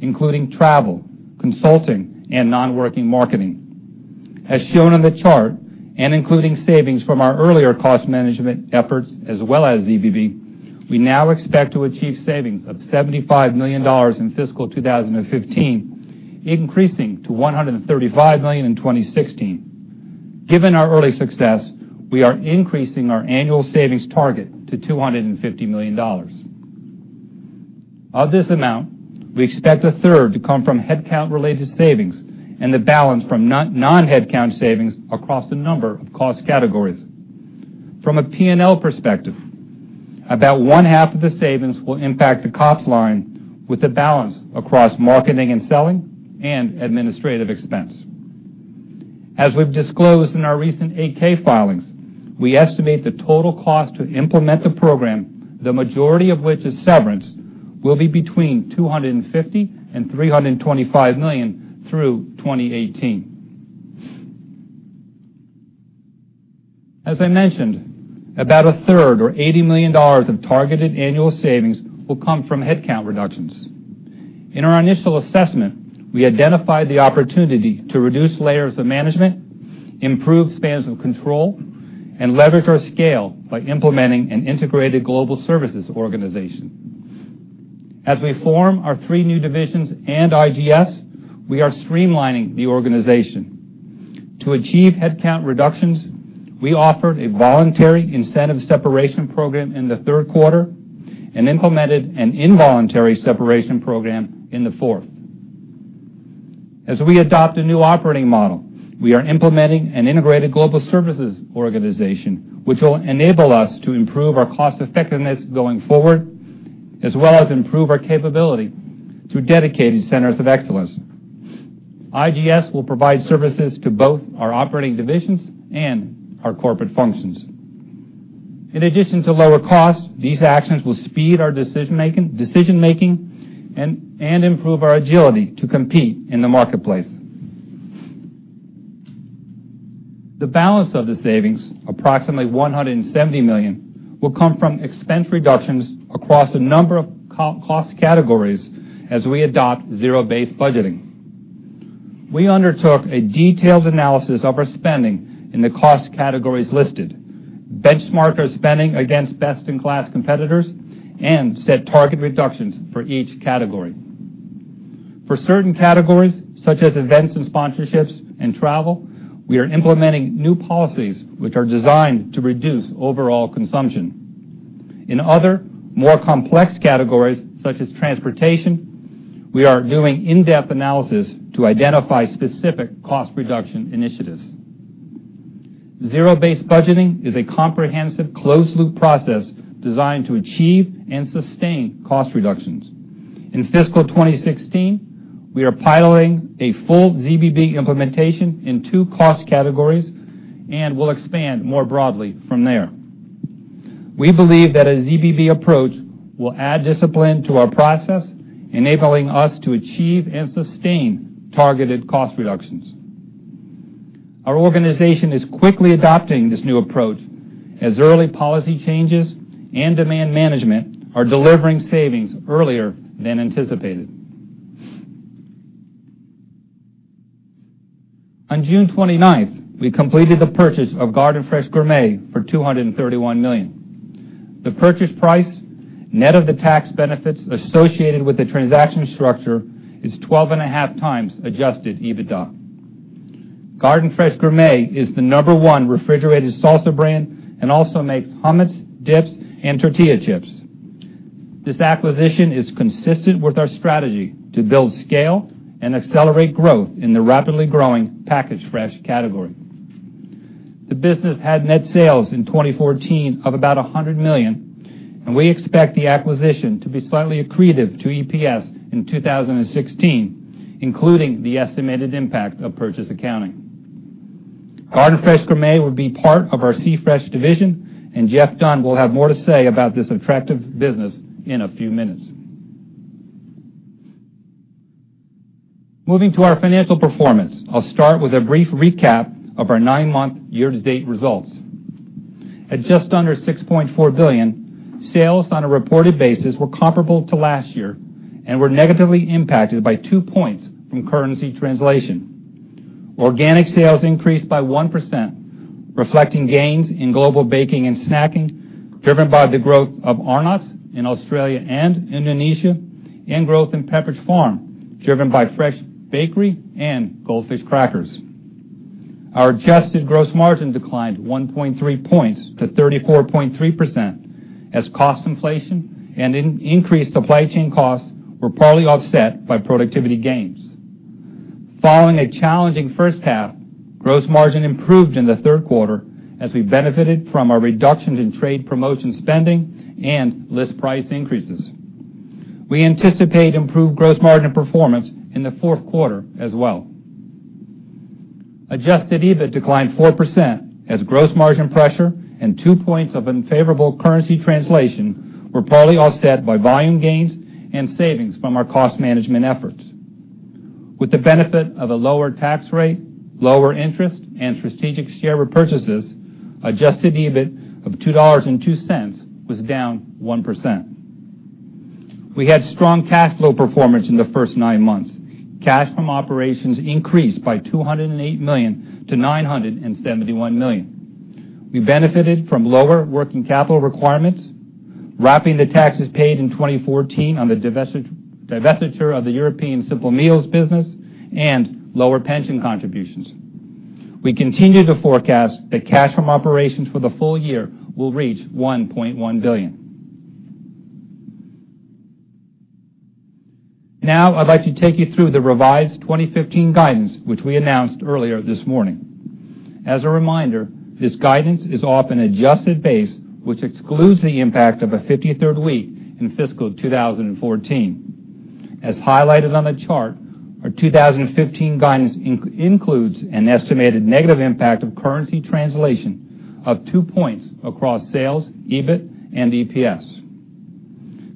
Speaker 4: including travel, consulting, and non-working marketing. As shown on the chart, and including savings from our earlier cost management efforts as well as ZBB, we now expect to achieve savings of $75 million in fiscal 2015, increasing to $135 million in 2016. Given our early success, we are increasing our annual savings target to $250 million. Of this amount, we expect a third to come from headcount-related savings and the balance from non-headcount savings across a number of cost categories. From a P&L perspective, about one-half of the savings will impact the cost line with the balance across marketing and selling and administrative expense. As we've disclosed in our recent 8-K filings, we estimate the total cost to implement the program, the majority of which is severance, will be between $250 million-$325 million through 2018. As I mentioned, about a third or $80 million of targeted annual savings will come from headcount reductions. In our initial assessment, we identified the opportunity to reduce layers of management, improve spans of control, and leverage our scale by implementing an integrated global services organization. As we form our three new divisions and IGS, we are streamlining the organization. To achieve headcount reductions, we offered a voluntary incentive separation program in the third quarter and implemented an involuntary separation program in the fourth. As we adopt a new operating model, we are implementing an integrated global services organization, which will enable us to improve our cost-effectiveness going forward, as well as improve our capability through dedicated centers of excellence. IGS will provide services to both our operating divisions and our corporate functions. In addition to lower costs, these actions will speed our decision-making and improve our agility to compete in the marketplace. The balance of the savings, approximately $170 million, will come from expense reductions across a number of cost categories as we adopt zero-based budgeting. We undertook a detailed analysis of our spending in the cost categories listed, benchmarked our spending against best-in-class competitors, and set target reductions for each category. For certain categories, such as events and sponsorships and travel, we are implementing new policies which are designed to reduce overall consumption. In other, more complex categories, such as transportation, we are doing in-depth analysis to identify specific cost reduction initiatives. Zero-based budgeting is a comprehensive, closed-loop process designed to achieve and sustain cost reductions. In fiscal 2016, we are piloting a full ZBB implementation in 2 cost categories and will expand more broadly from there. We believe that a ZBB approach will add discipline to our process, enabling us to achieve and sustain targeted cost reductions. Our organization is quickly adopting this new approach as early policy changes and demand management are delivering savings earlier than anticipated. On June 29th, we completed the purchase of Garden Fresh Gourmet for $231 million. The purchase price, net of the tax benefits associated with the transaction structure, is 12.5 times adjusted EBITDA. Garden Fresh Gourmet is the number 1 refrigerated salsa brand and also makes hummus, dips, and tortilla chips. This acquisition is consistent with our strategy to build scale and accelerate growth in the rapidly growing packaged fresh category. The business had net sales in 2014 of about $100 million, and we expect the acquisition to be slightly accretive to EPS in 2016, including the estimated impact of purchase accounting. Garden Fresh Gourmet will be part of our C-Fresh division, and Jeff Dunn will have more to say about this attractive business in a few minutes. Moving to our financial performance, I'll start with a brief recap of our nine-month year-to-date results. At just under $6.4 billion, sales on a reported basis were comparable to last year and were negatively impacted by two points from currency translation. Organic sales increased by 1%, reflecting gains in global baking and snacking, driven by the growth of Arnott's in Australia and Indonesia, and growth in Pepperidge Farm, driven by fresh bakery and Goldfish crackers. Our adjusted gross margin declined 1.3 points to 34.3% as cost inflation and increased supply chain costs were partly offset by productivity gains. Following a challenging first half, gross margin improved in the third quarter as we benefited from our reductions in trade promotion spending and list price increases. We anticipate improved gross margin performance in the fourth quarter as well. Adjusted EBIT declined 4% as gross margin pressure and two points of unfavorable currency translation were partly offset by volume gains and savings from our cost management efforts. With the benefit of a lower tax rate, lower interest, and strategic share repurchases, adjusted EPS of $2.02 was down 1%. I'd like to take you through the revised 2015 guidance, which we announced earlier this morning. As a reminder, this guidance is off an adjusted base, which excludes the impact of a 53rd week in fiscal 2014. As highlighted on the chart, our 2015 guidance includes an estimated negative impact of currency translation of two points across sales, EBIT, and EPS.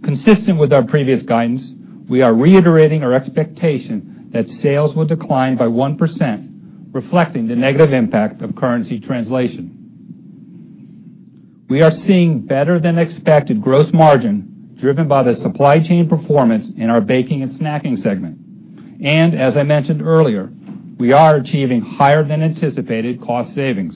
Speaker 4: Consistent with our previous guidance, we are reiterating our expectation that sales will decline by 1%, reflecting the negative impact of currency translation. We had strong cash flow performance in the first nine months. Cash from operations increased by $208 million to $971 million. We benefited from lower working capital requirements, wrapping the taxes paid in 2014 on the divestiture of the European Simple Meals business and lower pension contributions. We continue to forecast that cash from operations for the full year will reach $1.1 billion. We are seeing better-than-expected gross margin driven by the supply chain performance in our baking and snacking segment, and as I mentioned earlier, we are achieving higher-than-anticipated cost savings.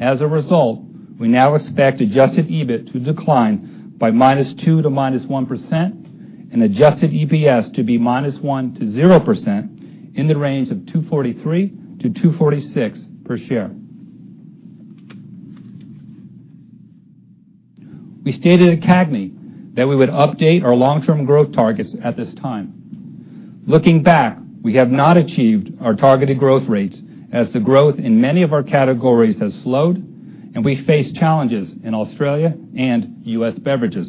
Speaker 4: As a result, we now expect adjusted EBIT to decline by -2% to -1%, and adjusted EPS to be -1% to 0% in the range of $2.43-$2.46 per share. We stated at CAGNY that we would update our long-term growth targets at this time. Looking back, we have not achieved our targeted growth rates as the growth in many of our categories has slowed, and we face challenges in Australia and U.S. beverages.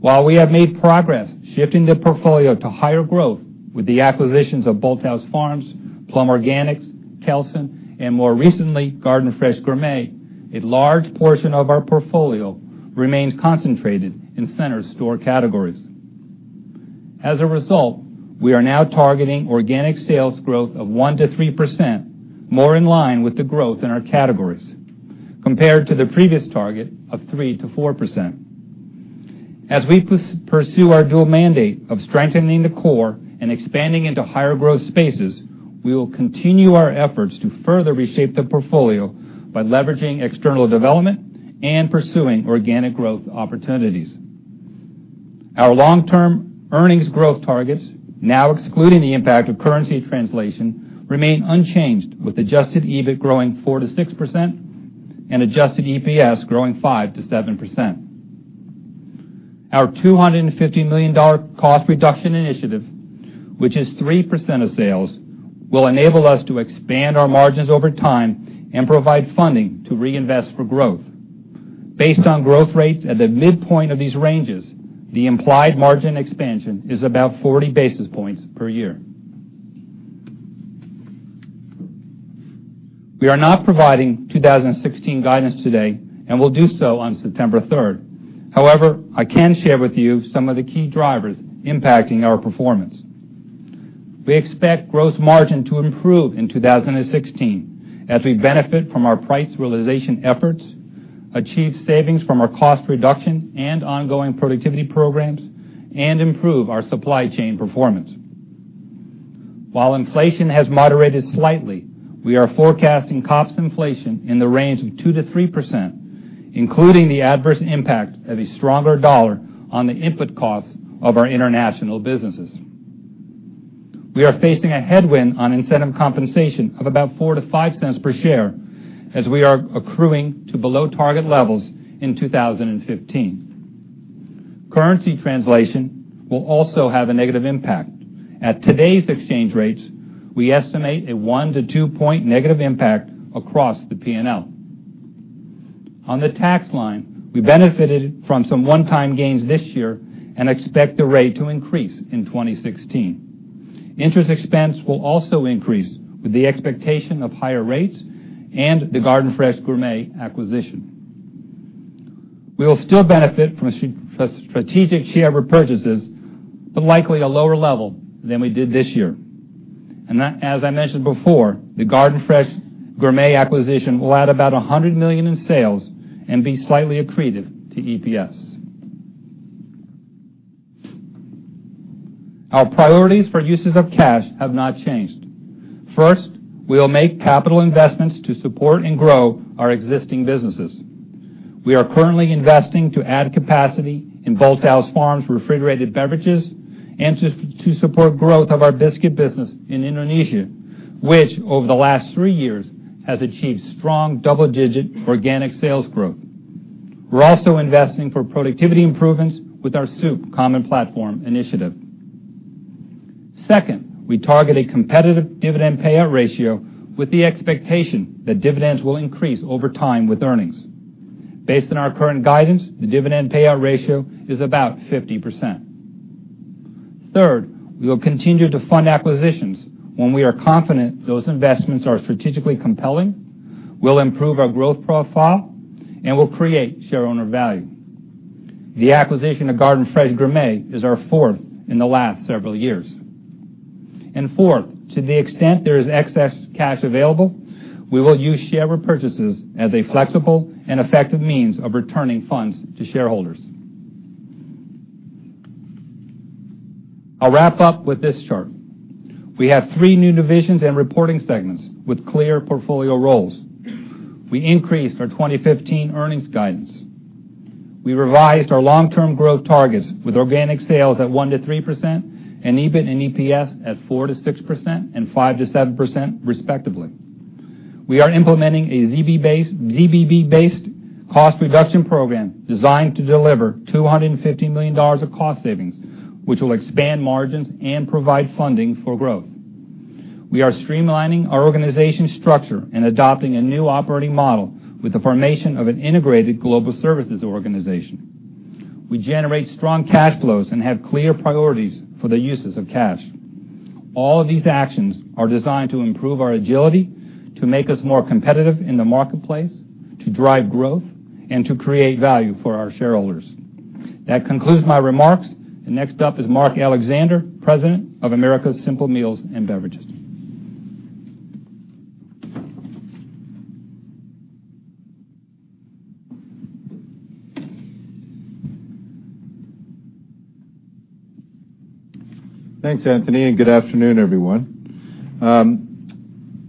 Speaker 4: While we have made progress shifting the portfolio to higher growth with the acquisitions of Bolthouse Farms, Plum Organics, Kelsen, and more recently, Garden Fresh Gourmet, a large portion of our portfolio remains concentrated in center store categories. As a result, we are now targeting organic sales growth of 1%-3%, more in line with the growth in our categories compared to the previous target of 3%-4%. As we pursue our dual mandate of strengthening the core and expanding into higher growth spaces, we will continue our efforts to further reshape the portfolio by leveraging external development and pursuing organic growth opportunities. Our long-term earnings growth targets, now excluding the impact of currency translation, remain unchanged with adjusted EBIT growing 4%-6% and adjusted EPS growing 5%-7%. Our $250 million cost reduction initiative, which is 3% of sales, will enable us to expand our margins over time and provide funding to reinvest for growth. Based on growth rates at the midpoint of these ranges, the implied margin expansion is about 40 basis points per year. We are not providing 2016 guidance today and will do so on September 3rd. However, I can share with you some of the key drivers impacting our performance. We expect gross margin to improve in 2016 as we benefit from our price realization efforts, achieve savings from our cost reduction and ongoing productivity programs, and improve our supply chain performance. While inflation has moderated slightly, we are forecasting cost inflation in the range of 2%-3%, including the adverse impact of a stronger dollar on the input costs of our international businesses. We are facing a headwind on incentive compensation of about $0.04-$0.05 per share as we are accruing to below-target levels in 2015. Currency translation will also have a negative impact. At today's exchange rates, we estimate a one- to two-point negative impact across the P&L. On the tax line, we benefited from some one-time gains this year and expect the rate to increase in 2016. Interest expense will also increase with the expectation of higher rates and the Garden Fresh Gourmet acquisition. We will still benefit from strategic share repurchases, but likely a lower level than we did this year. As I mentioned before, the Garden Fresh Gourmet acquisition will add about $100 million in sales and be slightly accretive to EPS. Our priorities for uses of cash have not changed. First, we will make capital investments to support and grow our existing businesses. We are currently investing to add capacity in Bolthouse Farms refrigerated beverages and to support growth of our biscuit business in Indonesia, which, over the last three years, has achieved strong double-digit organic sales growth. We're also investing for productivity improvements with our Soup Common Platform initiative. Second, we target a competitive dividend payout ratio with the expectation that dividends will increase over time with earnings. Based on our current guidance, the dividend payout ratio is about 50%. Third, we will continue to fund acquisitions when we are confident those investments are strategically compelling, will improve our growth profile, and will create shareowner value. The acquisition of Garden Fresh Gourmet is our fourth in the last several years. Fourth, to the extent there is excess cash available, we will use share repurchases as a flexible and effective means of returning funds to shareholders. I'll wrap up with this chart. We have three new divisions and reporting segments with clear portfolio roles. We increased our 2015 earnings guidance. We revised our long-term growth targets with organic sales at 1%-3% and EBIT and EPS at 4%-6% and 5%-7%, respectively. We are implementing a ZBB-based cost reduction program designed to deliver $250 million of cost savings, which will expand margins and provide funding for growth. We are streamlining our organization structure and adopting a new operating model with the formation of an Integrated Global Services organization. We generate strong cash flows and have clear priorities for the uses of cash. All these actions are designed to improve our agility, to make us more competitive in the marketplace, to drive growth, and to create value for our shareholders. That concludes my remarks. Next up is Mark Alexander, President of Americas Simple Meals and Beverages.
Speaker 5: Thanks, Anthony, and good afternoon, everyone.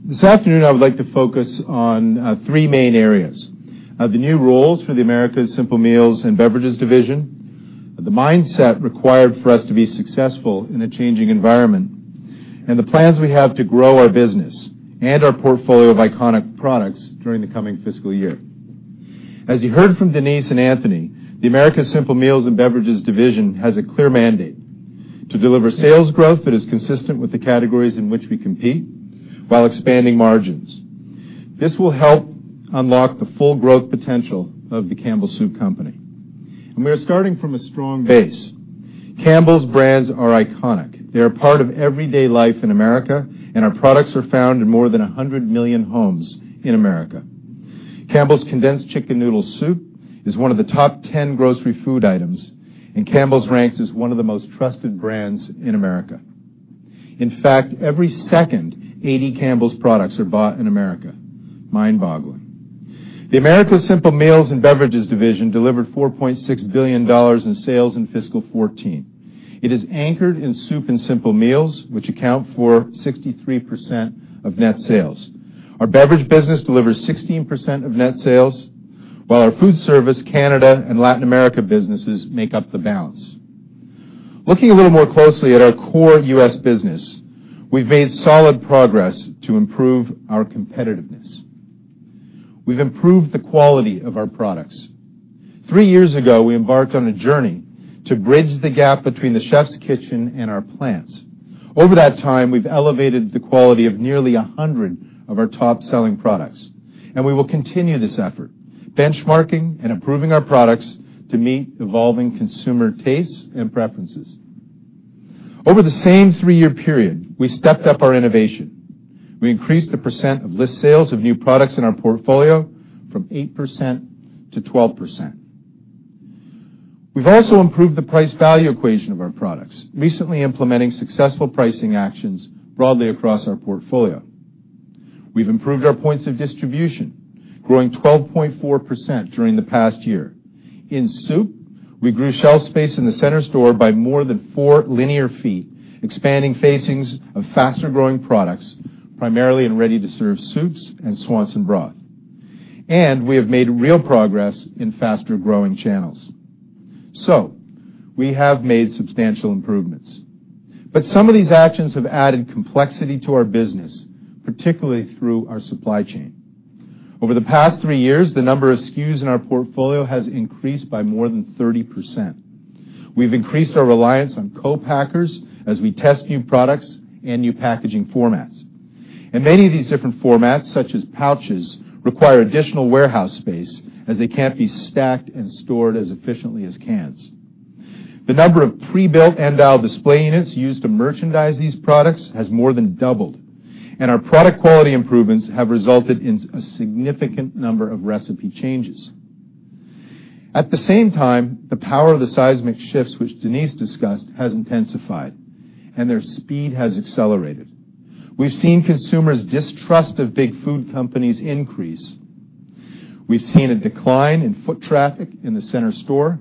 Speaker 5: This afternoon, I would like to focus on three main areas. The new roles for the Americas Simple Meals and Beverages division, the mindset required for us to be successful in a changing environment, and the plans we have to grow our business and our portfolio of iconic products during the coming fiscal year. As you heard from Denise and Anthony, the Americas Simple Meals and Beverages division has a clear mandate to deliver sales growth that is consistent with the categories in which we compete while expanding margins. This will help unlock the full growth potential of the Campbell Soup Company. We are starting from a strong base. Campbell's brands are iconic. They are part of everyday life in America, and our products are found in more than 100 million homes in America. Campbell's Chicken Noodle Soup is one of the top 10 grocery food items, and Campbell's ranks as one of the most trusted brands in America. In fact, every second, 80 Campbell's products are bought in America. Mind-boggling. The Americas Simple Meals and Beverages division delivered $4.6 billion in sales in fiscal 2014. It is anchored in soup and simple meals, which account for 63% of net sales. Our beverage business delivers 16% of net sales, while our food service, Canada, and Latin America businesses make up the balance. Looking a little more closely at our core U.S. business, we've made solid progress to improve our competitiveness. We've improved the quality of our products. Three years ago, we embarked on a journey to bridge the gap between the chef's kitchen and our plants. Over that time, we've elevated the quality of nearly 100 of our top-selling products, and we will continue this effort, benchmarking and improving our products to meet evolving consumer tastes and preferences. Over the same three-year period, we stepped up our innovation. We increased the percent of list sales of new products in our portfolio from 8% to 12%. We've also improved the price-value equation of our products, recently implementing successful pricing actions broadly across our portfolio. We've improved our points of distribution, growing 12.4% during the past year. In soup, we grew shelf space in the center store by more than four linear feet, expanding facings of faster-growing products, primarily in ready-to-serve soups and Swanson broth. We have made real progress in faster-growing channels. We have made substantial improvements. Some of these actions have added complexity to our business, particularly through our supply chain. Over the past three years, the number of SKUs in our portfolio has increased by more than 30%. We've increased our reliance on co-packers as we test new products and new packaging formats. Many of these different formats, such as pouches, require additional warehouse space as they can't be stacked and stored as efficiently as cans. The number of pre-built end aisle display units used to merchandise these products has more than doubled, and our product quality improvements have resulted in a significant number of recipe changes. At the same time, the power of the seismic shifts which Denise discussed has intensified, and their speed has accelerated. We've seen consumers' distrust of big food companies increase. We've seen a decline in foot traffic in the center store,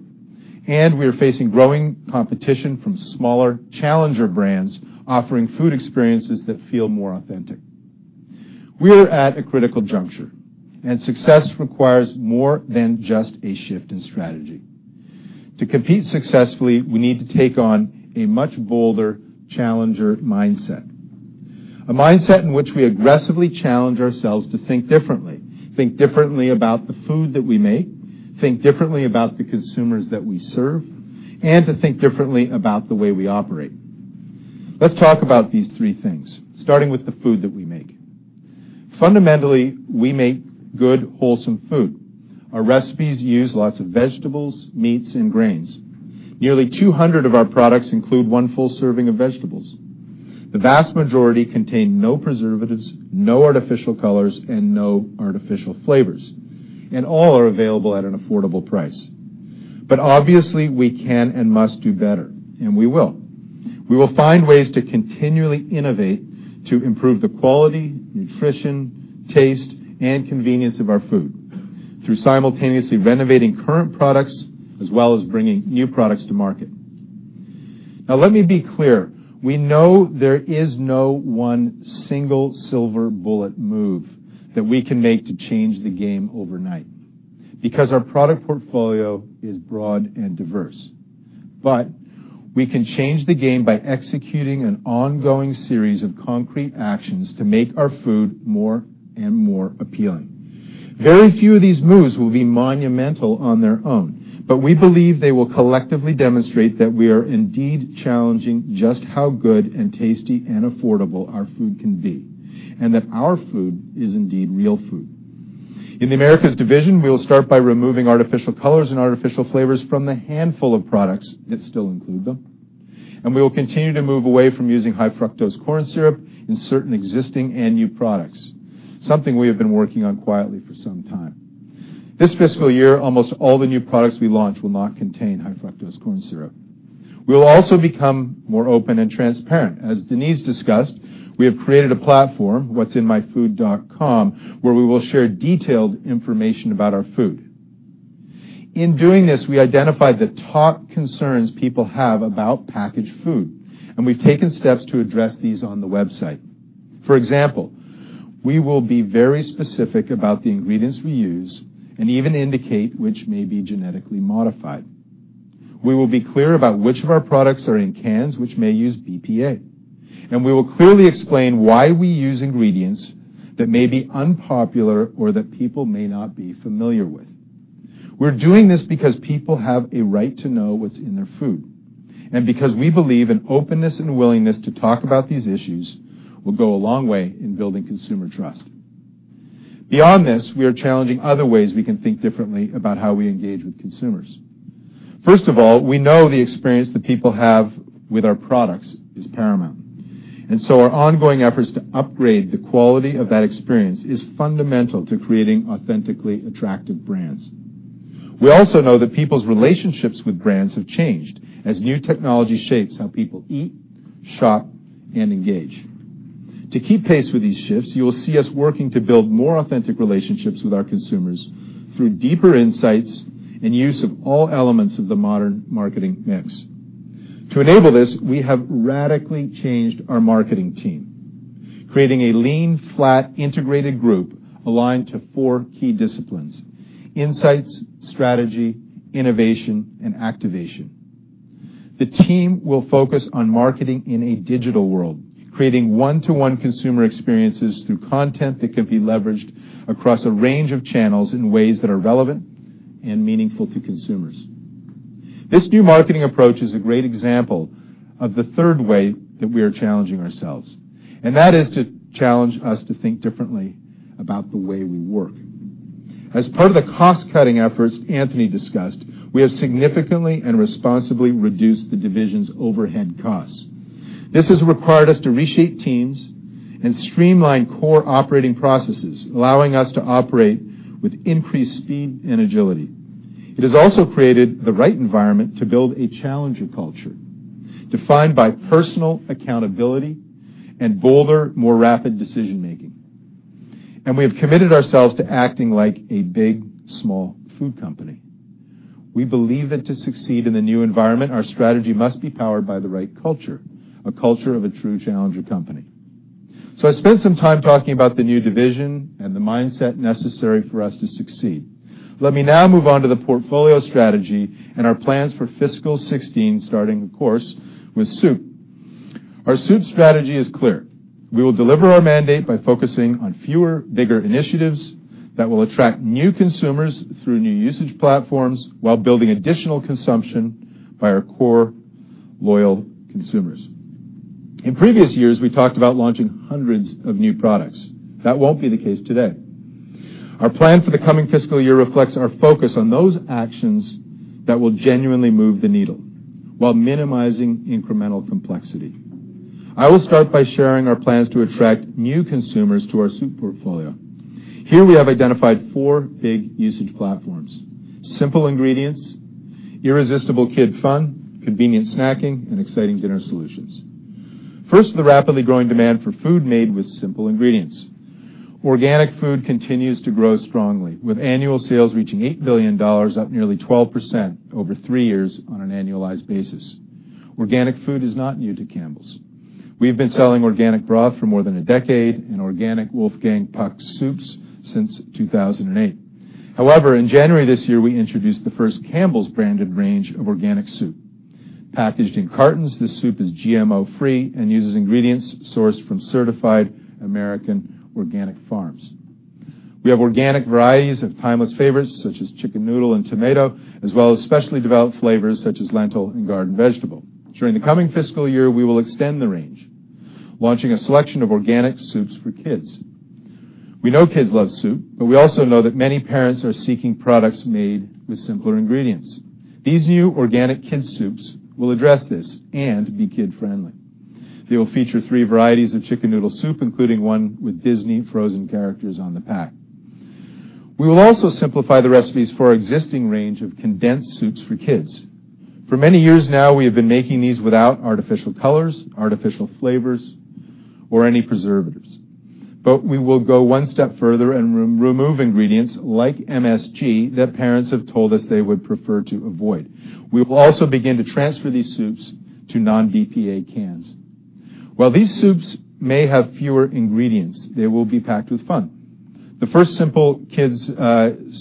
Speaker 5: and we are facing growing competition from smaller challenger brands offering food experiences that feel more authentic. We are at a critical juncture, success requires more than just a shift in strategy. To compete successfully, we need to take on a much bolder challenger mindset. A mindset in which we aggressively challenge ourselves to think differently, think differently about the food that we make, think differently about the consumers that we serve, and to think differently about the way we operate. Let's talk about these three things, starting with the food that we make. Fundamentally, we make good, wholesome food. Our recipes use lots of vegetables, meats, and grains. Nearly 200 of our products include one full serving of vegetables. The vast majority contain no preservatives, no artificial colors, and no artificial flavors, All are available at an affordable price. Obviously, we can and must do better, and we will. We will find ways to continually innovate to improve the quality, nutrition, taste, and convenience of our food through simultaneously renovating current products as well as bringing new products to market. Let me be clear, we know there is no one single silver bullet move that we can make to change the game overnight, because our product portfolio is broad and diverse. We can change the game by executing an ongoing series of concrete actions to make our food more and more appealing. Very few of these moves will be monumental on their own, but we believe they will collectively demonstrate that we are indeed challenging just how good and tasty and affordable our food can be, and that our food is indeed real food. In the Americas division, we will start by removing artificial colors and artificial flavors from the handful of products that still include them, We will continue to move away from using high-fructose corn syrup in certain existing and new products, something we have been working on quietly for some time. This fiscal year, almost all the new products we launch will not contain high-fructose corn syrup. We'll also become more open and transparent. As Denise discussed, we have created a platform, whatsinmyfood.com, where we will share detailed information about our food. In doing this, we identified the top concerns people have about packaged food, We've taken steps to address these on the website. For example, we will be very specific about the ingredients we use and even indicate which may be genetically modified. We will be clear about which of our products are in cans, which may use BPA, We will clearly explain why we use ingredients that may be unpopular or that people may not be familiar with. We're doing this because people have a right to know what's in their food, Because we believe in openness and willingness to talk about these issues will go a long way in building consumer trust. Beyond this, we are challenging other ways we can think differently about how we engage with consumers. We know the experience that people have with our products is paramount, Our ongoing efforts to upgrade the quality of that experience is fundamental to creating authentically attractive brands. We also know that people's relationships with brands have changed as new technology shapes how people eat, shop, and engage. To keep pace with these shifts, you will see us working to build more authentic relationships with our consumers through deeper insights and use of all elements of the modern marketing mix. To enable this, we have radically changed our marketing team, creating a lean, flat, integrated group aligned to four key disciplines, insights, strategy, innovation, and activation. The team will focus on marketing in a digital world, creating one-to-one consumer experiences through content that can be leveraged across a range of channels in ways that are relevant and meaningful to consumers. This new marketing approach is a great example of the third way that we are challenging ourselves, and that is to challenge us to think differently about the way we work. As part of the cost-cutting efforts Anthony discussed, we have significantly and responsibly reduced the division's overhead costs. This has required us to reshape teams and streamline core operating processes, allowing us to operate with increased speed and agility. It has also created the right environment to build a challenger culture defined by personal accountability and bolder, more rapid decision-making. We have committed ourselves to acting like a big, small food company. We believe that to succeed in the new environment, our strategy must be powered by the right culture, a culture of a true challenger company. I spent some time talking about the new division and the mindset necessary for us to succeed. Let me now move on to the portfolio strategy and our plans for fiscal 2016, starting, of course, with soup. Our soup strategy is clear. We will deliver our mandate by focusing on fewer, bigger initiatives that will attract new consumers through new usage platforms, while building additional consumption by our core loyal consumers. In previous years, we talked about launching hundreds of new products. That won't be the case today. Our plan for the coming fiscal year reflects our focus on those actions that will genuinely move the needle while minimizing incremental complexity. I will start by sharing our plans to attract new consumers to our soup portfolio. Here we have identified four big usage platforms. Simple ingredients, irresistible kid fun, convenient snacking, and exciting dinner solutions. First, the rapidly growing demand for food made with simple ingredients. Organic food continues to grow strongly, with annual sales reaching $8 billion, up nearly 12% over three years on an annualized basis. Organic food is not new to Campbell's. We've been selling organic broth for more than a decade and organic Wolfgang Puck soups since 2008. However, in January this year, we introduced the first Campbell's branded range of organic soup. Packaged in cartons, this soup is GMO-free and uses ingredients sourced from certified American organic farms. We have organic varieties of timeless favorites such as chicken noodle and tomato, as well as specially developed flavors such as lentil and garden vegetable. During the coming fiscal year, we will extend the range, launching a selection of organic soups for kids. We know kids love soup, but we also know that many parents are seeking products made with simpler ingredients. These new organic kid soups will address this and be kid-friendly. They will feature three varieties of chicken noodle soup, including one with Disney Frozen characters on the pack. We will also simplify the recipes for our existing range of condensed soups for kids. For many years now, we have been making these without artificial colors, artificial flavors, or any preservatives. We will go one step further and remove ingredients like MSG that parents have told us they would prefer to avoid. We will also begin to transfer these soups to non-BPA cans. While these soups may have fewer ingredients, they will be packed with fun. The first simple kid's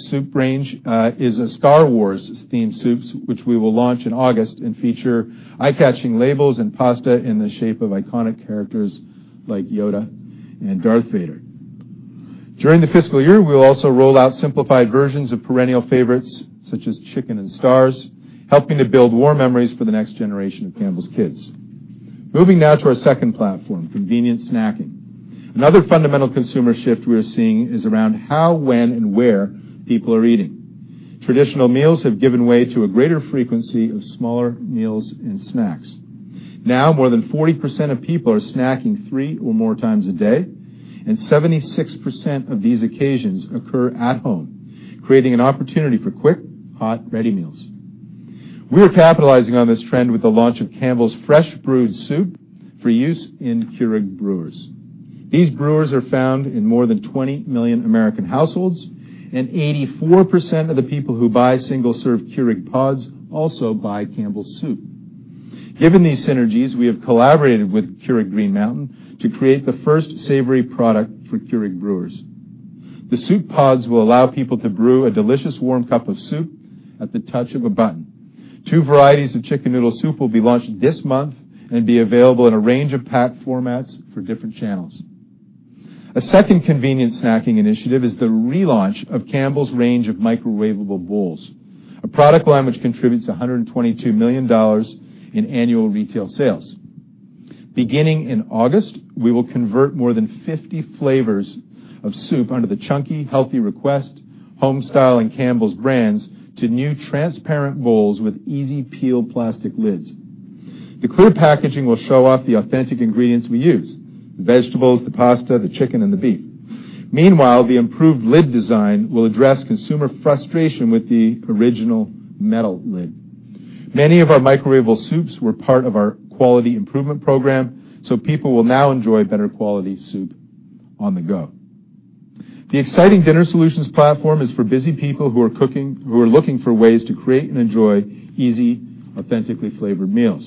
Speaker 5: soup range is Star Wars-themed soups, which we will launch in August and feature eye-catching labels and pasta in the shape of iconic characters like Yoda and Darth Vader. During the fiscal year, we will also roll out simplified versions of perennial favorites such as Chicken & Stars, helping to build warm memories for the next generation of Campbell's kids. Moving now to our second platform, convenient snacking. Another fundamental consumer shift we are seeing is around how, when, and where people are eating. Traditional meals have given way to a greater frequency of smaller meals and snacks. More than 40% of people are snacking three or more times a day, and 76% of these occasions occur at home, creating an opportunity for quick, hot, ready meals. We are capitalizing on this trend with the launch of Campbell's Fresh Brewed Soup for use in Keurig brewers. These brewers are found in more than 20 million American households, and 84% of the people who buy single-serve Keurig pods also buy Campbell's soup. Given these synergies, we have collaborated with Keurig Green Mountain to create the first savory product for Keurig brewers. The soup pods will allow people to brew a delicious warm cup of soup at the touch of a button. Two varieties of chicken noodle soup will be launched this month and be available in a range of pack formats for different channels. A second convenient snacking initiative is the relaunch of Campbell's range of microwavable bowls, a product line which contributes $122 million in annual retail sales. Beginning in August, we will convert more than 50 flavors of soup under the Chunky, Healthy Request, Homestyle, and Campbell's brands to new transparent bowls with easy-peel plastic lids. The clear packaging will show off the authentic ingredients we use, the vegetables, the pasta, the chicken, and the beef. Meanwhile, the improved lid design will address consumer frustration with the original metal lid. Many of our microwavable soups were part of our quality improvement program, people will now enjoy better quality soup on the go. The exciting dinner solutions platform is for busy people who are looking for ways to create and enjoy easy, authentically flavored meals.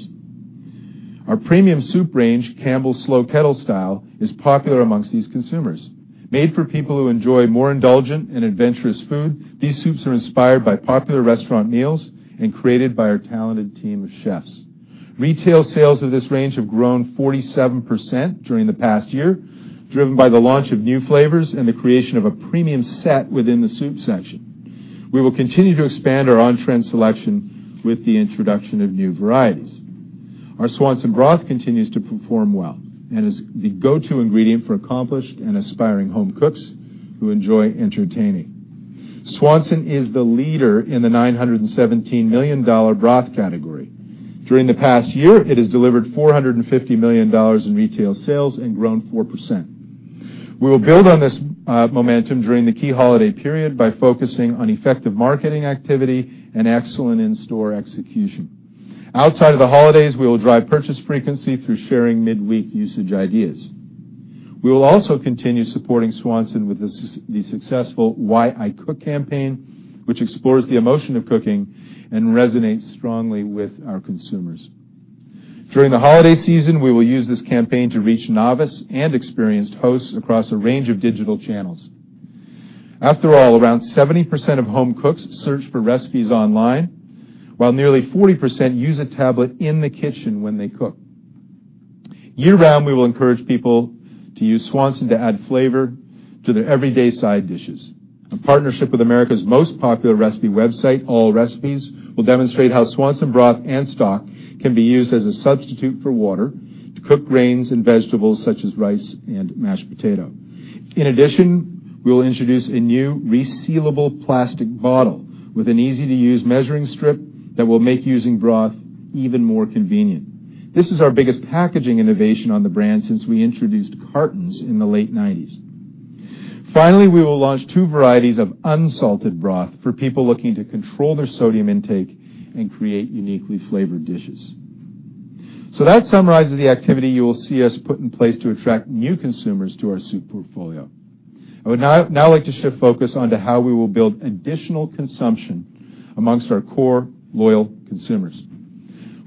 Speaker 5: Our premium soup range, Campbell's Slow Kettle Style, is popular amongst these consumers. Made for people who enjoy more indulgent and adventurous food, these soups are inspired by popular restaurant meals and created by our talented team of chefs. Retail sales of this range have grown 47% during the past year, driven by the launch of new flavors and the creation of a premium set within the soup section. We will continue to expand our on-trend selection with the introduction of new varieties. Our Swanson broth continues to perform well and is the go-to ingredient for accomplished and aspiring home cooks who enjoy entertaining. Swanson is the leader in the $917 million broth category. During the past year, it has delivered $450 million in retail sales and grown 4%. We will build on this momentum during the key holiday period by focusing on effective marketing activity and excellent in-store execution. Outside of the holidays, we will drive purchase frequency through sharing midweek usage ideas. We will also continue supporting Swanson with the successful Why I Cook campaign, which explores the emotion of cooking and resonates strongly with our consumers. During the holiday season, we will use this campaign to reach novice and experienced hosts across a range of digital channels. After all, around 70% of home cooks search for recipes online, while nearly 40% use a tablet in the kitchen when they cook. Year-round, we will encourage people to use Swanson to add flavor to their everyday side dishes. A partnership with America's most popular recipe website, Allrecipes, will demonstrate how Swanson broth and stock can be used as a substitute for water to cook grains and vegetables, such as rice and mashed potato. In addition, we will introduce a new resealable plastic bottle with an easy-to-use measuring strip that will make using broth even more convenient. This is our biggest packaging innovation on the brand since we introduced cartons in the late '90s. Finally, we will launch two varieties of unsalted broth for people looking to control their sodium intake and create uniquely flavored dishes. That summarizes the activity you will see us put in place to attract new consumers to our soup portfolio. I would now like to shift focus on to how we will build additional consumption amongst our core loyal consumers.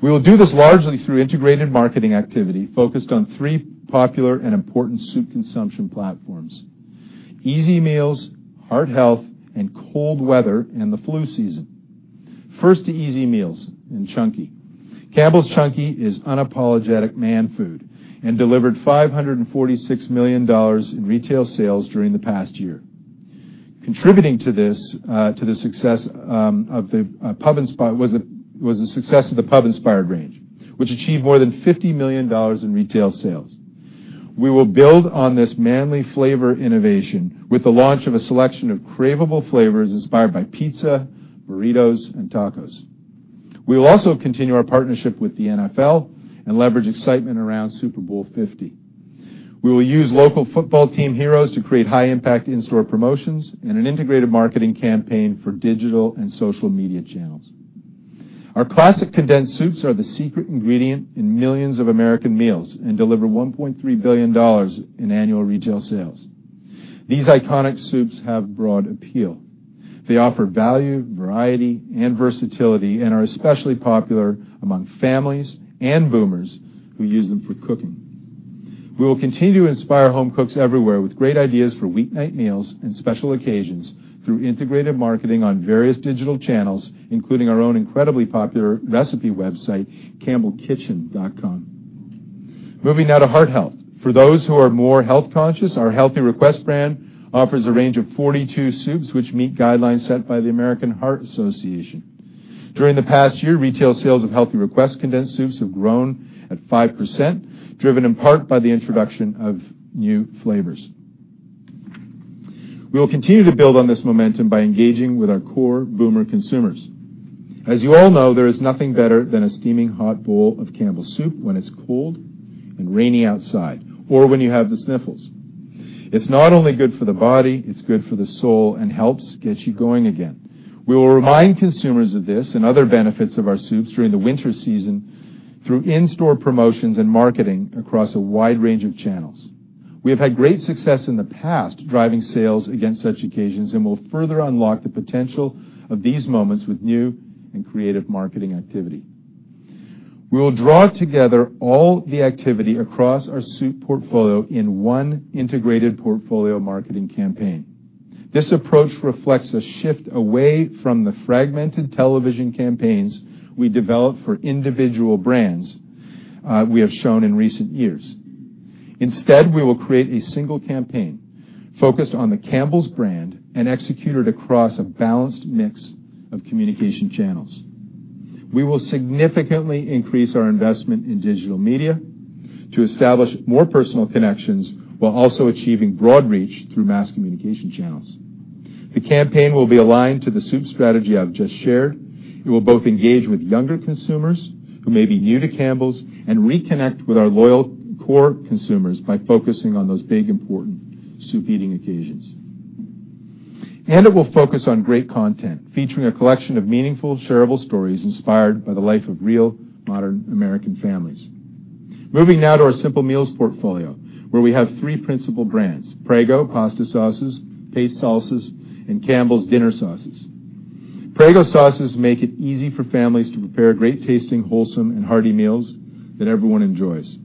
Speaker 5: We will do this largely through integrated marketing activity focused on three popular and important soup consumption platforms: easy meals, heart health, and cold weather and the flu season. First, to easy meals and Chunky. Campbell's Chunky is unapologetic man food and delivered $546 million in retail sales during the past year. Contributing to the success was the success of the pub-inspired range, which achieved more than $50 million in retail sales. We will build on this manly flavor innovation with the launch of a selection of craveable flavors inspired by pizza, burritos, and tacos. We will also continue our partnership with the NFL and leverage excitement around Super Bowl 50. We will use local football team heroes to create high-impact in-store promotions and an integrated marketing campaign for digital and social media channels. Our classic condensed soups are the secret ingredient in millions of American meals and deliver $1.3 billion in annual retail sales. These iconic soups have broad appeal. They offer value, variety, and versatility, and are especially popular among families and boomers who use them for cooking. We will continue to inspire home cooks everywhere with great ideas for weeknight meals and special occasions through integrated marketing on various digital channels, including our own incredibly popular recipe website, campbellkitchen.com. Moving now to heart health. For those who are more health-conscious, our Healthy Request brand offers a range of 42 soups which meet guidelines set by the American Heart Association. During the past year, retail sales of Healthy Request condensed soups have grown at 5%, driven in part by the introduction of new flavors. We will continue to build on this momentum by engaging with our core boomer consumers. As you all know, there is nothing better than a steaming hot bowl of Campbell's soup when it's cold and rainy outside, or when you have the sniffles. It's not only good for the body, it's good for the soul and helps get you going again. We will remind consumers of this and other benefits of our soups during the winter season through in-store promotions and marketing across a wide range of channels. We have had great success in the past driving sales against such occasions, and will further unlock the potential of these moments with new and creative marketing activity. We will draw together all the activity across our soup portfolio in one integrated portfolio marketing campaign. This approach reflects a shift away from the fragmented television campaigns we developed for individual brands we have shown in recent years. Instead, we will create a single campaign focused on the Campbell's brand and executed across a balanced mix of communication channels. We will significantly increase our investment in digital media to establish more personal connections while also achieving broad reach through mass communication channels. The campaign will be aligned to the soup strategy I've just shared. It will both engage with younger consumers who may be new to Campbell's and reconnect with our loyal core consumers by focusing on those big, important soup-eating occasions. It will focus on great content, featuring a collection of meaningful, shareable stories inspired by the life of real modern American families. Moving now to our Simple Meals portfolio, where we have three principal brands, Prego pasta sauces, Pace salsas, and Campbell's Dinner Sauces. Prego sauces make it easy for families to prepare great-tasting, wholesome, and hearty meals that everyone enjoys.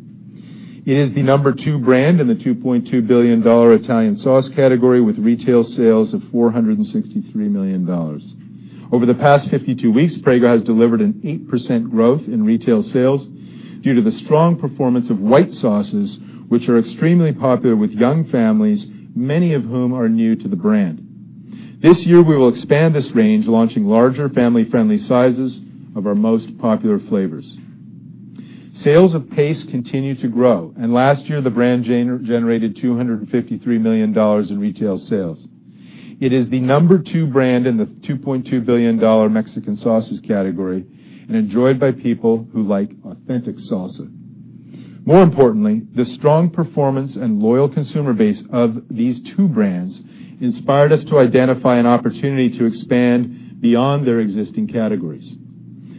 Speaker 5: It is the number 2 brand in the $2.2 billion Italian sauce category, with retail sales of $463 million. Over the past 52 weeks, Prego has delivered an 8% growth in retail sales due to the strong performance of white sauces, which are extremely popular with young families, many of whom are new to the brand. This year, we will expand this range, launching larger family-friendly sizes of our most popular flavors. Sales of Pace continue to grow, and last year, the brand generated $253 million in retail sales. It is the number 2 brand in the $2.2 billion Mexican sauces category and enjoyed by people who like authentic salsa. More importantly, the strong performance and loyal consumer base of these two brands inspired us to identify an opportunity to expand beyond their existing categories.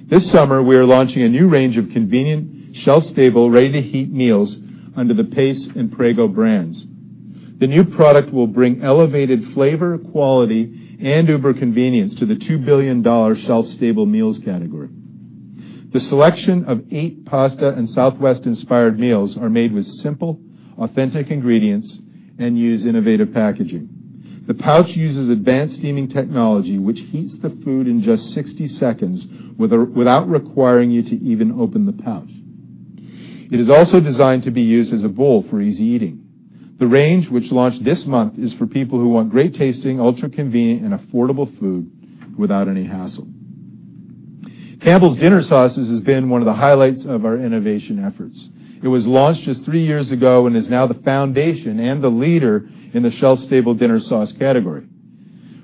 Speaker 5: This summer, we are launching a new range of convenient, shelf-stable, ready-to-heat meals under the Pace and Prego brands. The new product will bring elevated flavor, quality, and uber convenience to the $2 billion shelf-stable meals category. The selection of eight pasta and southwest-inspired meals are made with simple, authentic ingredients and use innovative packaging. The pouch uses advanced steaming technology, which heats the food in just 60 seconds, without requiring you to even open the pouch. It is also designed to be used as a bowl for easy eating. The range, which launched this month, is for people who want great-tasting, ultra-convenient, and affordable food without any hassle. Campbell's Dinner Sauces has been one of the highlights of our innovation efforts. It was launched just three years ago and is now the foundation and the leader in the shelf-stable dinner sauce category,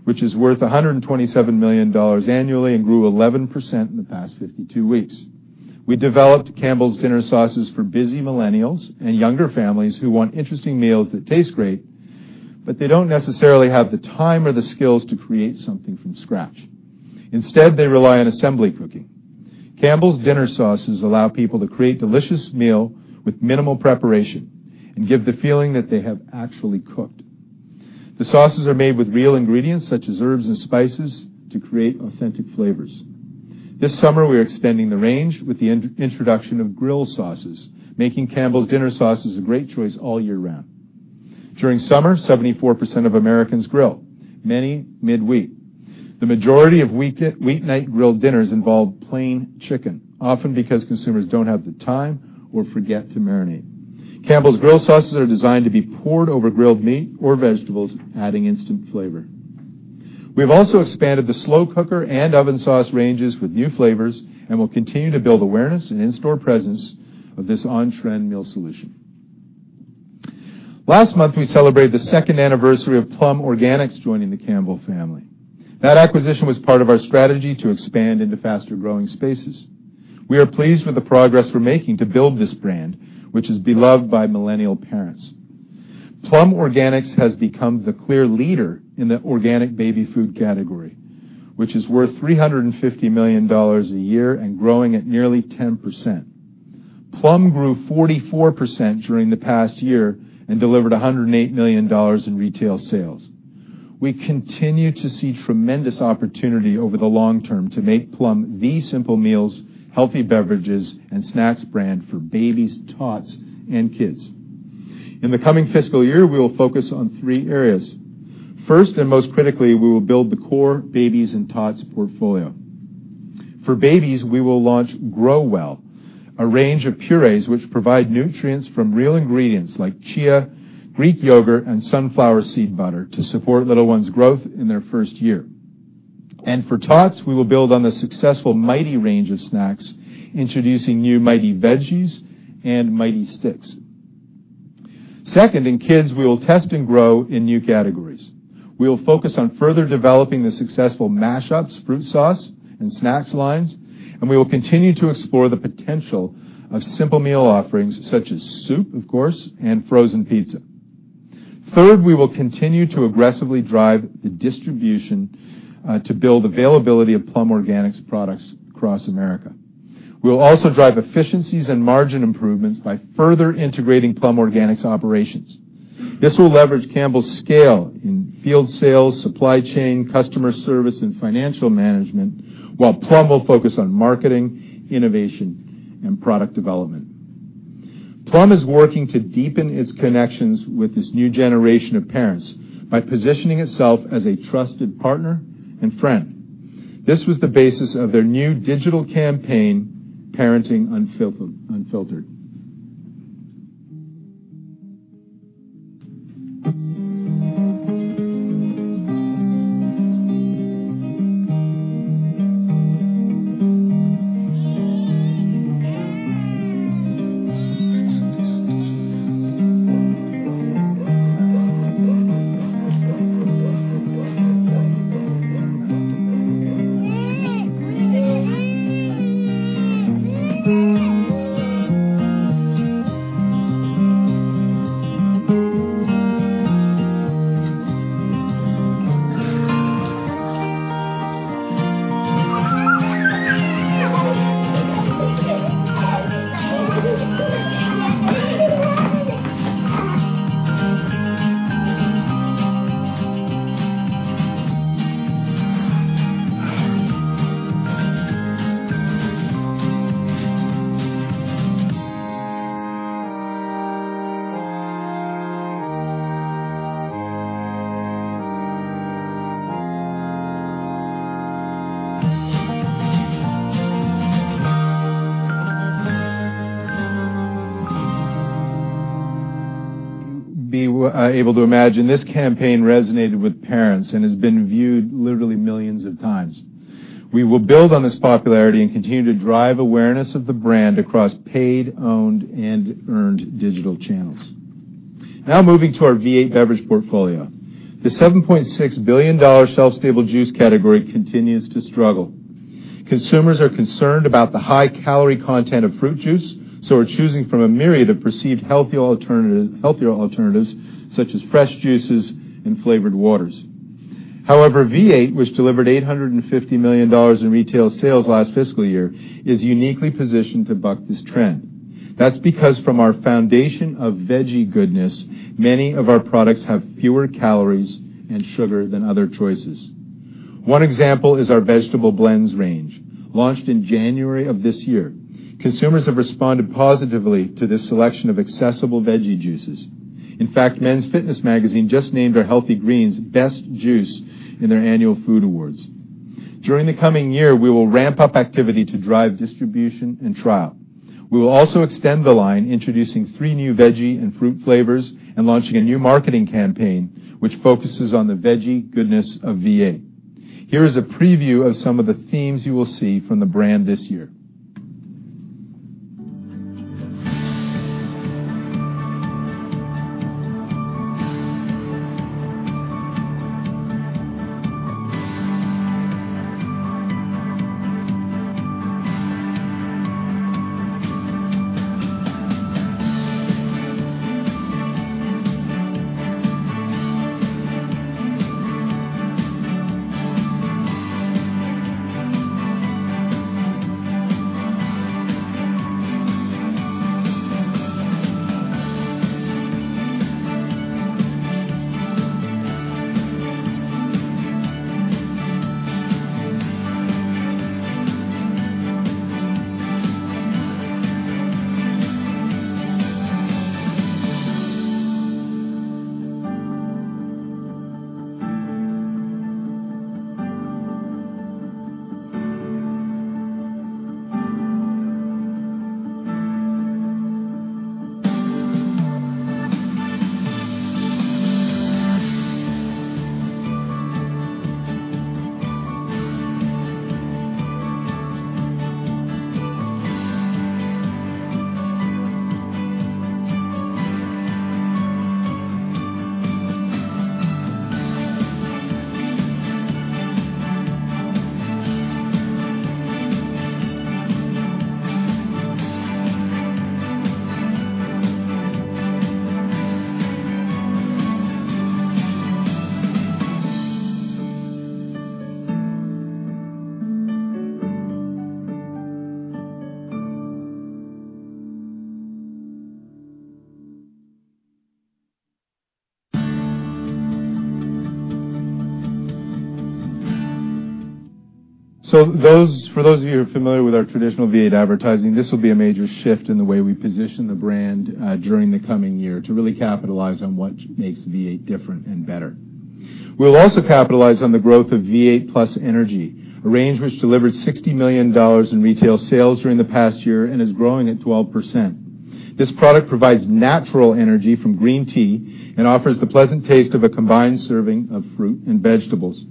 Speaker 5: which is worth $127 million annually and grew 11% in the past 52 weeks. We developed Campbell's Dinner Sauces for busy millennials and younger families who want interesting meals that taste great. They don't necessarily have the time or the skills to create something from scratch. Instead, they rely on assembly cooking. Campbell's Dinner Sauces allow people to create delicious meal with minimal preparation and give the feeling that they have actually cooked. The sauces are made with real ingredients, such as herbs and spices, to create authentic flavors. This summer, we are expanding the range with the introduction of Grill Sauces, making Campbell's Dinner Sauces a great choice all year round. During summer, 74% of Americans grill, many midweek. The majority of weeknight grill dinners involve plain chicken, often because consumers don't have the time or forget to marinate. Campbell's Grill Sauces are designed to be poured over grilled meat or vegetables, adding instant flavor. We've also expanded the slow cooker and oven sauce ranges with new flavors and will continue to build awareness and in-store presence of this on-trend meal solution. Last month, we celebrated the second anniversary of Plum Organics joining the Campbell family. That acquisition was part of our strategy to expand into faster-growing spaces. We are pleased with the progress we're making to build this brand, which is beloved by millennial parents. Plum Organics has become the clear leader in the organic baby food category, which is worth $350 million a year and growing at nearly 10%. Plum grew 44% during the past year and delivered $108 million in retail sales. We continue to see tremendous opportunity over the long term to make Plum the simple meals, healthy beverages, and snacks brand for babies, tots, and kids. In the coming fiscal year, we will focus on three areas. First, and most critically, we will build the core babies and tots portfolio. For babies, we will launch Grow Well, a range of purees which provide nutrients from real ingredients like chia, Greek yogurt, and sunflower seed butter to support little ones' growth in their first year. For tots, we will build on the successful Mighty range of snacks, introducing new Mighty Veggies and Mighty Sticks. Second, in kids, we will test and grow in new categories. We will focus on further developing the successful Mash-Ups fruit sauce and snacks lines. We will continue to explore the potential of simple meal offerings such as soup, of course, and frozen pizza. Third, we will continue to aggressively drive the distribution to build availability of Plum Organics products across America. We will also drive efficiencies and margin improvements by further integrating Plum Organics operations. This will leverage Campbell's scale in field sales, supply chain, customer service, and financial management, while Plum will focus on marketing, innovation, and product development. Plum is working to deepen its connections with this new generation of parents by positioning itself as a trusted partner and friend. This was the basis of their new digital campaign, Parenting Unfiltered. Be able to imagine this campaign resonated with parents and has been viewed literally millions of times. We will build on this popularity and continue to drive awareness of the brand across paid, owned, and earned digital channels. Now moving to our V8 beverage portfolio. The $7.6 billion shelf-stable juice category continues to struggle. Consumers are concerned about the high-calorie content of fruit juice, are choosing from a myriad of perceived healthier alternatives, such as fresh juices and flavored waters. However, V8, which delivered $850 million in retail sales last fiscal year, is uniquely positioned to buck this trend. That's because from our foundation of veggie goodness, many of our products have fewer calories and sugar than other choices. One example is our vegetable blends range. Launched in January of this year, consumers have responded positively to this selection of accessible veggie juices. In fact, Men's Fitness Magazine just named our Healthy Greens best juice in their annual food awards. During the coming year, we will ramp up activity to drive distribution and trial. We will also extend the line, introducing three new veggie and fruit flavors, and launching a new marketing campaign, which focuses on the veggie goodness of V8. Here is a preview of some of the themes you will see from the brand this year. For those of you who are familiar with our traditional V8 advertising, this will be a major shift in the way we position the brand during the coming year to really capitalize on what makes V8 different and better. We'll also capitalize on the growth of V8 +Energy, a range which delivered $60 million in retail sales during the past year and is growing at 12%. This product provides natural energy from green tea and offers the pleasant taste of a combined serving of fruit and vegetables.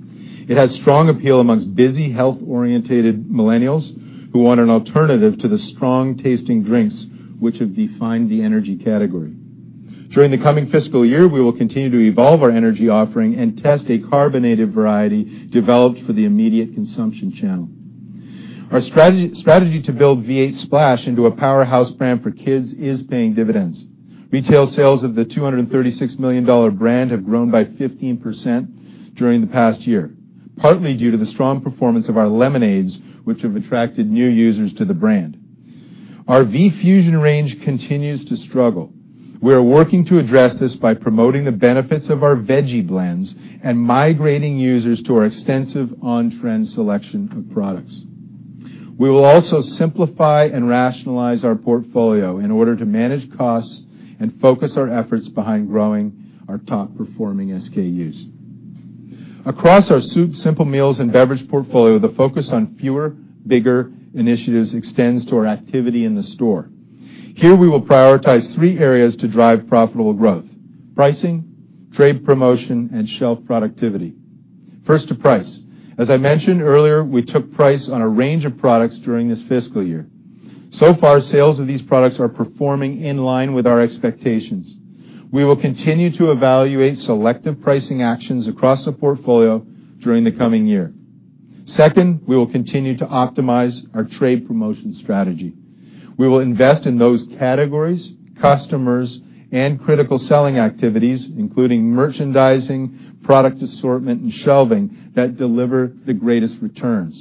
Speaker 5: It has strong appeal amongst busy, health-orientated millennials who want an alternative to the strong-tasting drinks, which have defined the energy category. During the coming fiscal year, we will continue to evolve our energy offering and test a carbonated variety developed for the immediate consumption channel. Our strategy to build V8 Splash into a powerhouse brand for kids is paying dividends. Retail sales of the $236 million brand have grown by 15% during the past year, partly due to the strong performance of our lemonades, which have attracted new users to the brand. Our V8 V-Fusion range continues to struggle. We are working to address this by promoting the benefits of our veggie blends and migrating users to our extensive on-trend selection of products. We will also simplify and rationalize our portfolio in order to manage costs and focus our efforts behind growing our top-performing SKUs. Across our soup, Simple Meals, and beverage portfolio, the focus on fewer, bigger initiatives extends to our activity in the store. Here, we will prioritize three areas to drive profitable growth, pricing, trade promotion, and shelf productivity. First to price. As I mentioned earlier, we took price on a range of products during this fiscal year. So far, sales of these products are performing in line with our expectations. We will continue to evaluate selective pricing actions across the portfolio during the coming year. Second, we will continue to optimize our trade promotion strategy. We will invest in those categories, customers, and critical selling activities, including merchandising, product assortment, and shelving that deliver the greatest returns.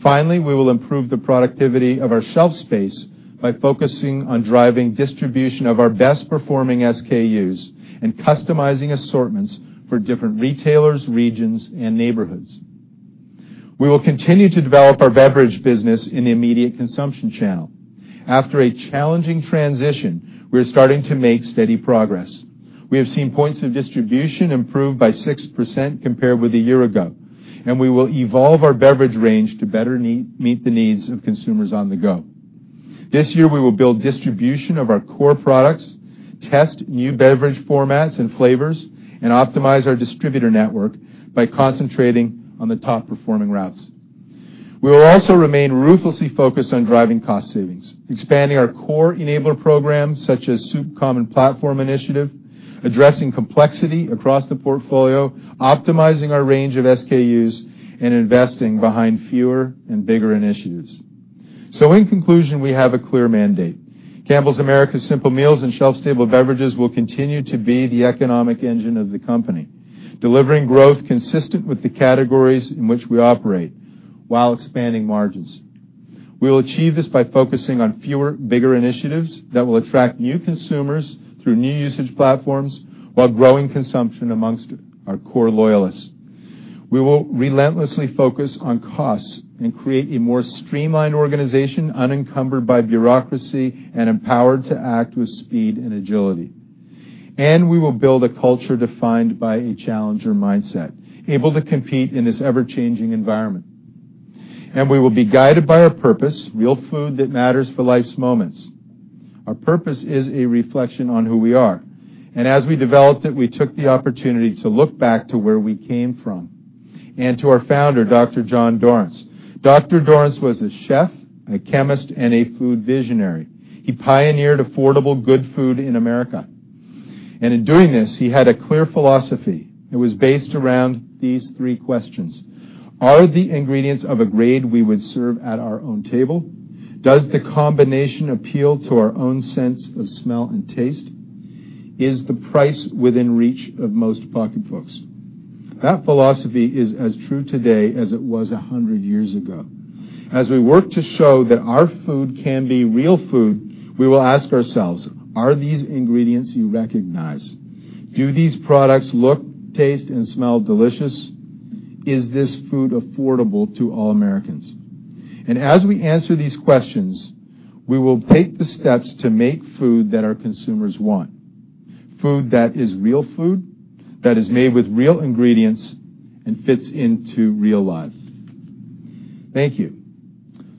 Speaker 5: Finally, we will improve the productivity of our shelf space by focusing on driving distribution of our best-performing SKUs and customizing assortments for different retailers, regions, and neighborhoods. We will continue to develop our beverage business in the immediate consumption channel. After a challenging transition, we're starting to make steady progress. We have seen points of distribution improve by 6% compared with a year ago. We will evolve our beverage range to better meet the needs of consumers on the go. This year, we will build distribution of our core products, test new beverage formats and flavors, and optimize our distributor network by concentrating on the top-performing routes. We will also remain ruthlessly focused on driving cost savings, expanding our core enabler programs such as Soup Common Platform initiative, addressing complexity across the portfolio, optimizing our range of SKUs, and investing behind fewer and bigger initiatives. In conclusion, we have a clear mandate. Campbell's Americas Simple Meals and shelf-stable beverages will continue to be the economic engine of the company, delivering growth consistent with the categories in which we operate, while expanding margins. We will achieve this by focusing on fewer, bigger initiatives that will attract new consumers through new usage platforms while growing consumption amongst our core loyalists. We will relentlessly focus on costs and create a more streamlined organization unencumbered by bureaucracy and empowered to act with speed and agility. We will build a culture defined by a challenger mindset, able to compete in this ever-changing environment. We will be guided by our purpose, real food that matters for life's moments. Our purpose is a reflection on who we are. As we developed it, we took the opportunity to look back to where we came from, and to our founder, Dr. John Dorrance. Dr. Dorrance was a chef, a chemist, and a food visionary. He pioneered affordable good food in America. In doing this, he had a clear philosophy that was based around these three questions. Are the ingredients of a grade we would serve at our own table? Does the combination appeal to our own sense of smell and taste? Is the price within reach of most pocketbooks? That philosophy is as true today as it was 100 years ago. As we work to show that our food can be real food, we will ask ourselves, are these ingredients you recognize? Do these products look, taste, and smell delicious? Is this food affordable to all Americans? As we answer these questions, we will take the steps to make food that our consumers want. Food that is real food, that is made with real ingredients, and fits into real lives. Thank you.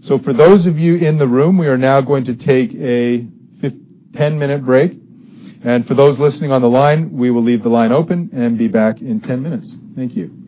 Speaker 5: For those of you in the room, we are now going to take a 10-minute break. For those listening on the line, we will leave the line open and be back in 10 minutes. Thank you.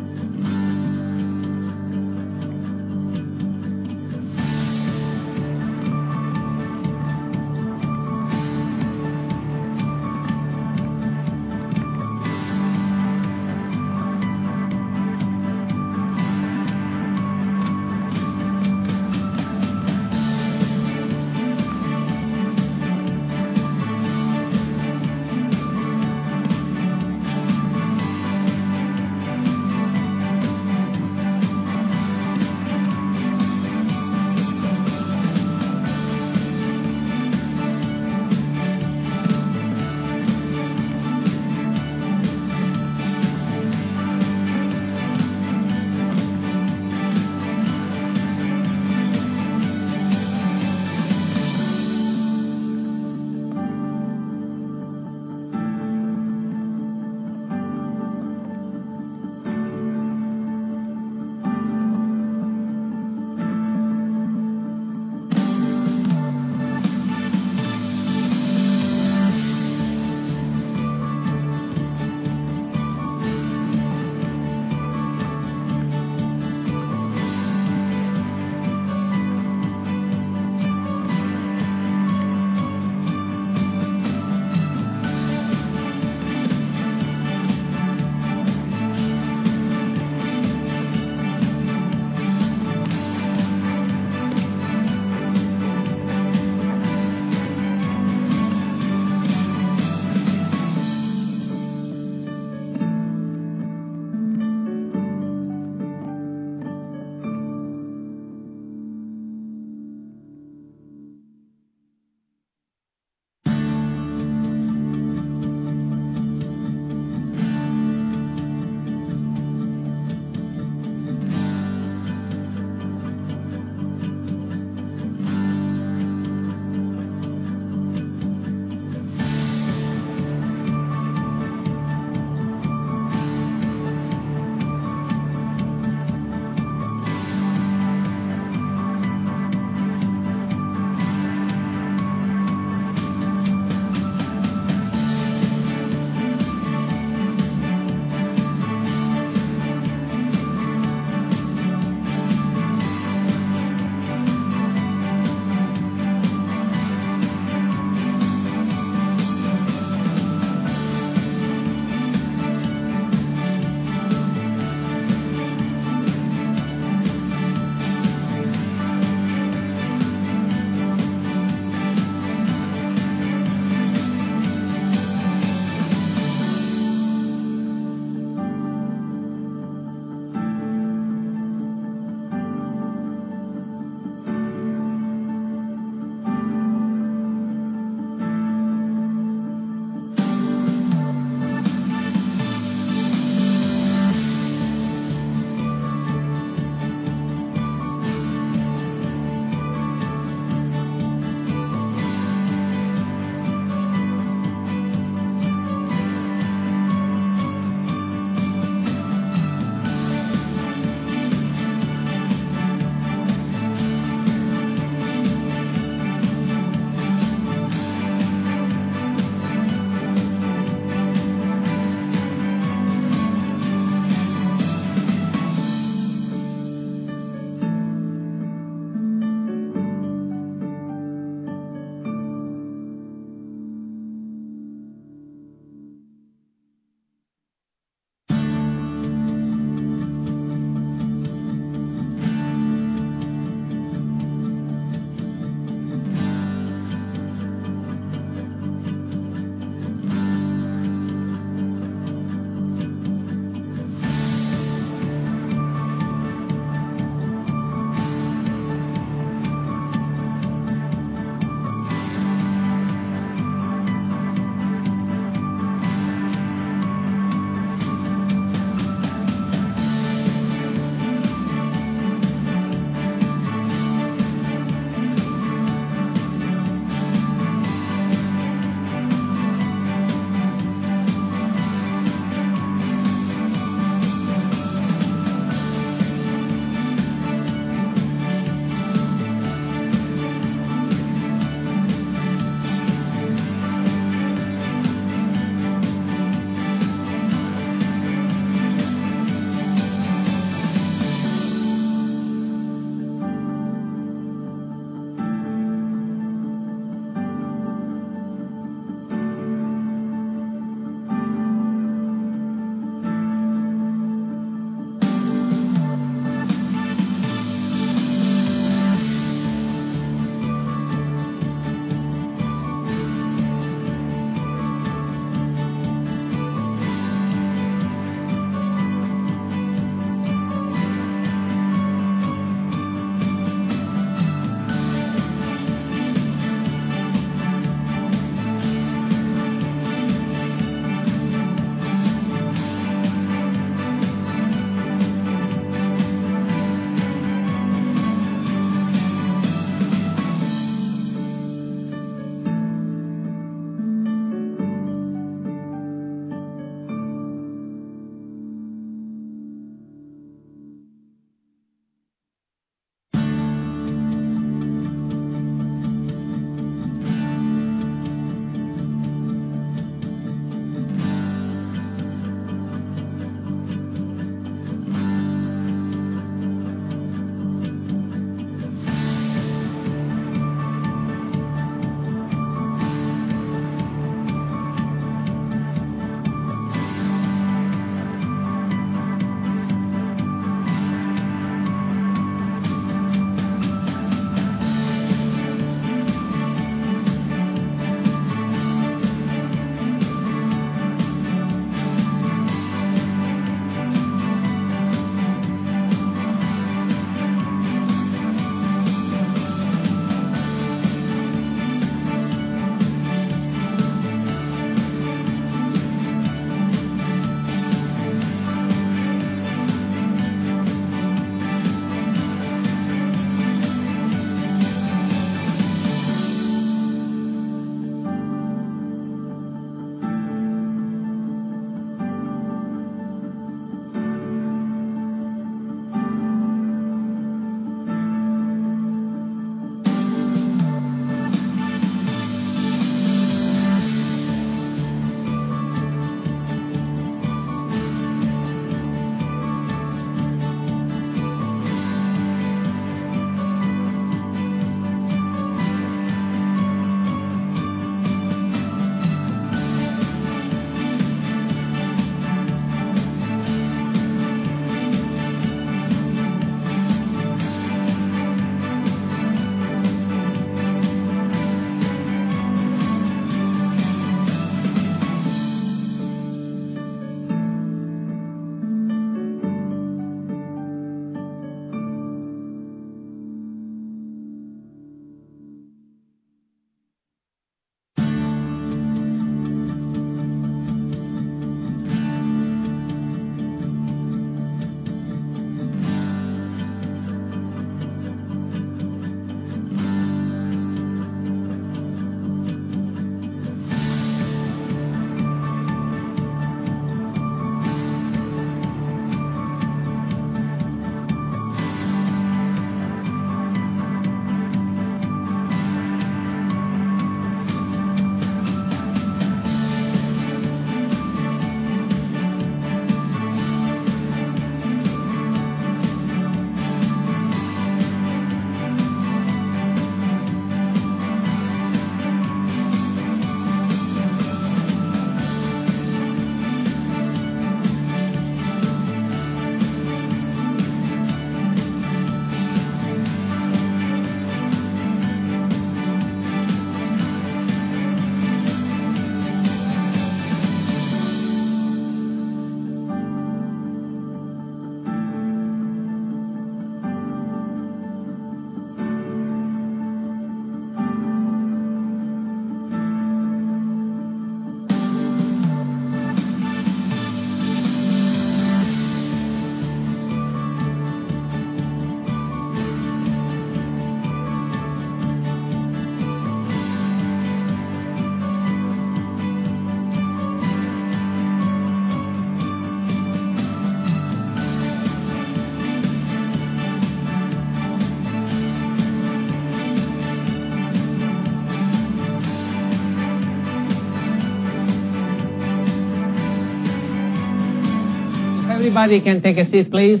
Speaker 6: If everybody can take a seat, please.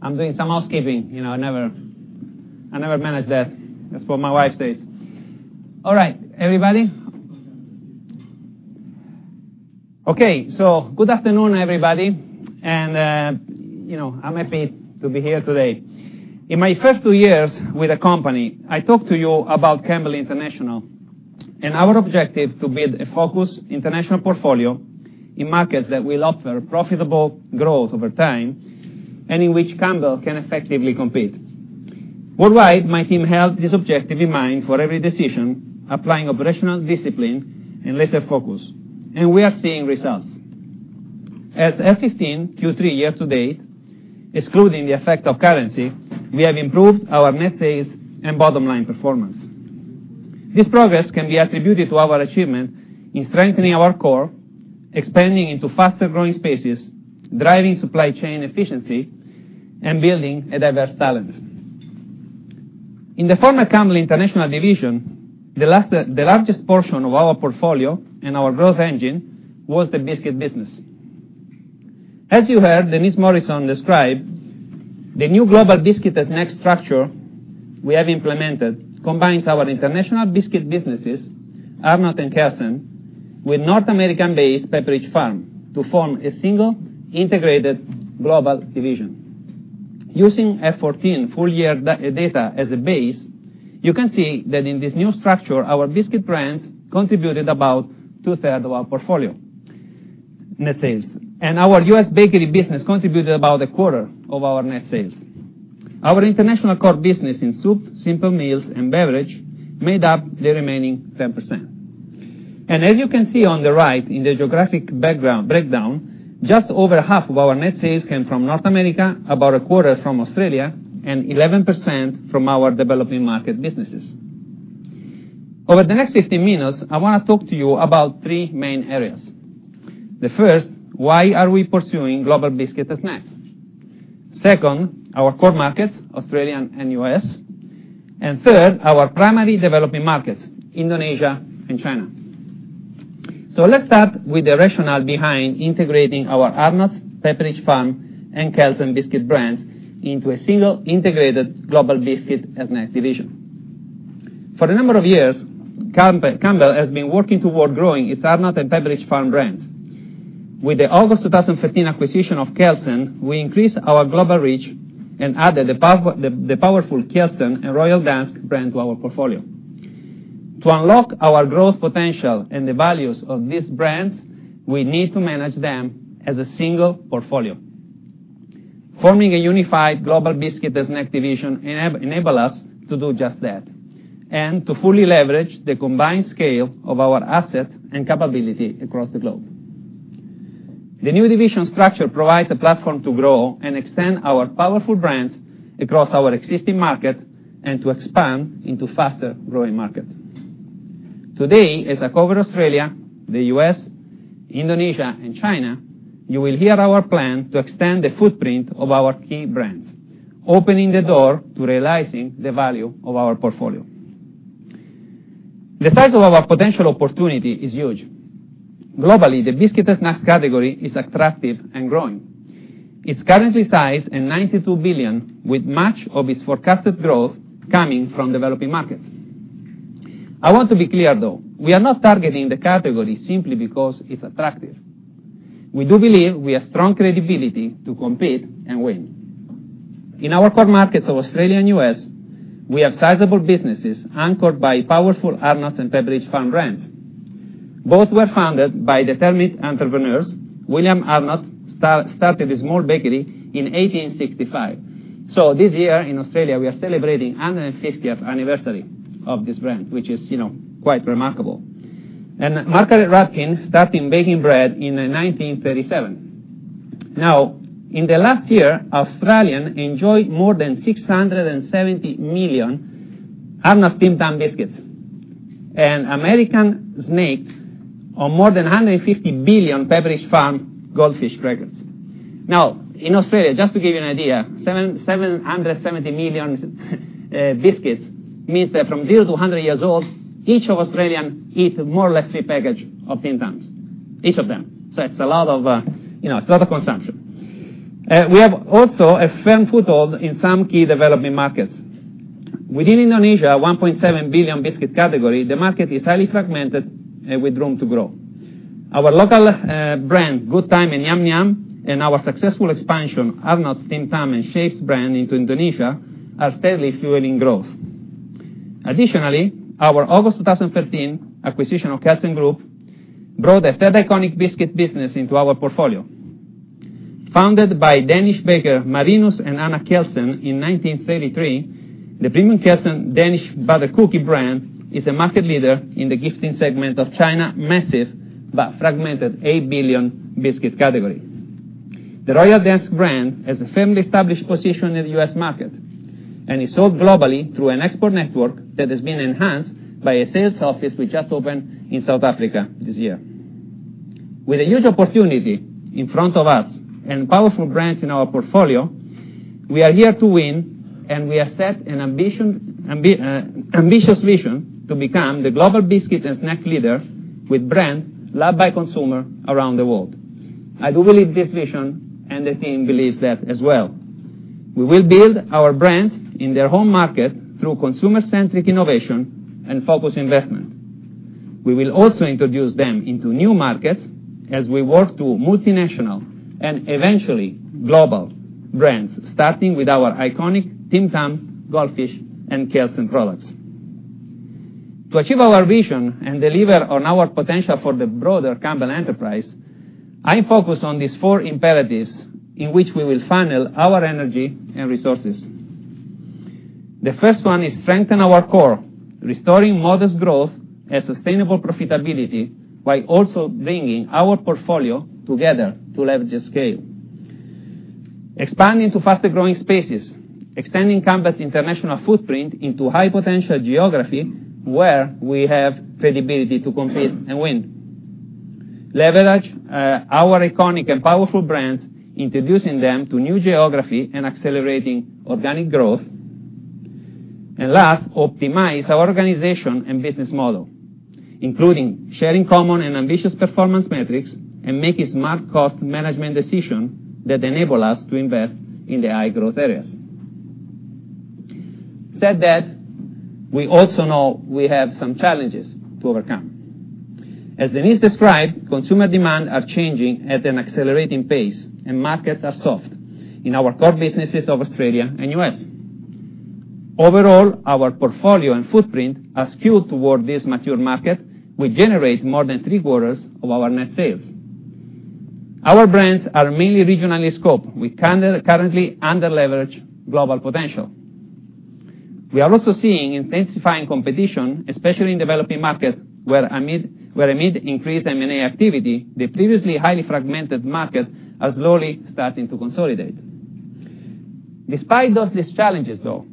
Speaker 6: I'm doing some housekeeping. I never manage that. That's what my wife says. All right, everybody. Okay. Good afternoon, everybody, and I'm happy to be here today. In my first two years with the company, I talked to you about Campbell International and our objective to build a focused international portfolio in markets that will offer profitable growth over time and in which Campbell can effectively compete. Worldwide, my team held this objective in mind for every decision, applying operational discipline and laser focus, and we are seeing results. As FY 2015 Q3 year-to-date, excluding the effect of currency, we have improved our net sales and bottom-line performance. This progress can be attributed to our achievement in strengthening our core, expanding into faster-growing spaces, driving supply chain efficiency, and building a diverse talent. In the former Campbell International division, the largest portion of our portfolio and our growth engine was the biscuit business. As you heard Denise Morrison describe, the new global biscuit snack structure we have implemented combines our international biscuit businesses, Arnott's and Kelsen, with North American-based Pepperidge Farm to form a single integrated global division. Using FY 2014 full-year data as a base, you can see that in this new structure, our biscuit brands contributed about two-thirds of our portfolio net sales, and our U.S. bakery business contributed about a quarter of our net sales. Our international core business in soup, simple meals, and beverage made up the remaining 10%. As you can see on the right in the geographic breakdown, just over half of our net sales came from North America, about a quarter from Australia, and 11% from our developing market businesses. Over the next 15 minutes, I want to talk to you about three main areas. The first, why are we pursuing global biscuit snacks? Second, our core markets, Australia and U.S. Third, our primary developing markets, Indonesia and China. Let's start with the rationale behind integrating our Arnott's, Pepperidge Farm, and Kelsen biscuit brands into a single integrated global biscuit and snack division. For a number of years, Campbell has been working toward growing its Arnott's and Pepperidge Farm brands. With the August 2013 acquisition of Kelsen, we increased our global reach and added the powerful Kelsen and Royal Dansk brand to our portfolio. To unlock our growth potential and the values of these brands, we need to manage them as a single portfolio. Forming a unified global biscuit and snack division enable us to do just that, and to fully leverage the combined scale of our assets and capability across the globe. The new division structure provides a platform to grow and extend our powerful brands across our existing market and to expand into faster-growing markets. Today, as I cover Australia, the U.S., Indonesia, and China, you will hear our plan to extend the footprint of our key brands, opening the door to realizing the value of our portfolio. The size of our potential opportunity is huge. Globally, the biscuit and snacks category is attractive and growing. It's currently sized at $92 billion, with much of its forecasted growth coming from developing markets. I want to be clear, though. We are not targeting the category simply because it's attractive. We do believe we have strong credibility to compete and win. In our core markets of Australia and U.S., we have sizable businesses anchored by powerful Arnott's and Pepperidge Farm brands. Both were founded by determined entrepreneurs. William Arnott started a small bakery in 1865. This year in Australia, we are celebrating 150th anniversary of this brand, which is quite remarkable. Margaret Rudkin started baking bread in 1937. In the last year, Australians enjoyed more than 670 million Arnott's Tim Tam biscuits, and Americans snacked on more than 150 billion Pepperidge Farm Goldfish crackers. In Australia, just to give you an idea, 770 million biscuits means that from 0 to 100 years old, each Australian eats more or less three package of Tim Tams, each of them. It's a lot of consumption. We have also a firm foothold in some key developing markets. Within Indonesia, a $1.7 billion biscuit category, the market is highly fragmented, with room to grow. Our local brand, Good Time and Yum-Yum, and our successful expansion, Arnott's Tim Tam and Shapes brand into Indonesia, are steadily fueling growth. Additionally, our August 2015 acquisition of Kelsen Group brought a third iconic biscuit business into our portfolio. Founded by Danish baker Marinus and Anna Kelsen in 1933, the premium Kelsen Danish butter cookie brand is a market leader in the gifting segment of China, massive but fragmented, $8 billion biscuit category. The Royal Dansk brand has a firmly established position in the U.S. market and is sold globally through an export network that has been enhanced by a sales office we just opened in South Africa this year. With a huge opportunity in front of us and powerful brands in our portfolio, we are here to win, we have set an ambitious vision to become the global biscuit and snack leader with brands loved by consumers around the world. I do believe this vision and the team believes that as well. We will build our brands in their home market through consumer-centric innovation and focused investment. We will also introduce them into new markets as we work to multinational and eventually global brands, starting with our iconic Tim Tam, Goldfish, and Kelsen products. To achieve our vision and deliver on our potential for the broader Campbell enterprise, I focus on these four imperatives in which we will funnel our energy and resources. The first one is strengthen our core, restoring modest growth and sustainable profitability while also bringing our portfolio together to leverage the scale. Expand into faster-growing spaces, extending Campbell's international footprint into high-potential geography where we have credibility to compete and win. Leverage our iconic and powerful brands, introducing them to new geography and accelerating organic growth. Last, optimize our organization and business model, including sharing common and ambitious performance metrics and making smart cost management decision that enable us to invest in the high-growth areas. Said that, we also know we have some challenges to overcome. As Denise described, consumer demand are changing at an accelerating pace and markets are soft in our core businesses of Australia and U.S. Overall, our portfolio and footprint are skewed toward this mature market, which generate more than three-quarters of our net sales. Our brands are mainly regionally scoped. We currently under-leverage global potential. We are also seeing intensifying competition, especially in developing markets, where amid increased M&A activity, the previously highly fragmented market are slowly starting to consolidate. Despite those challenges though,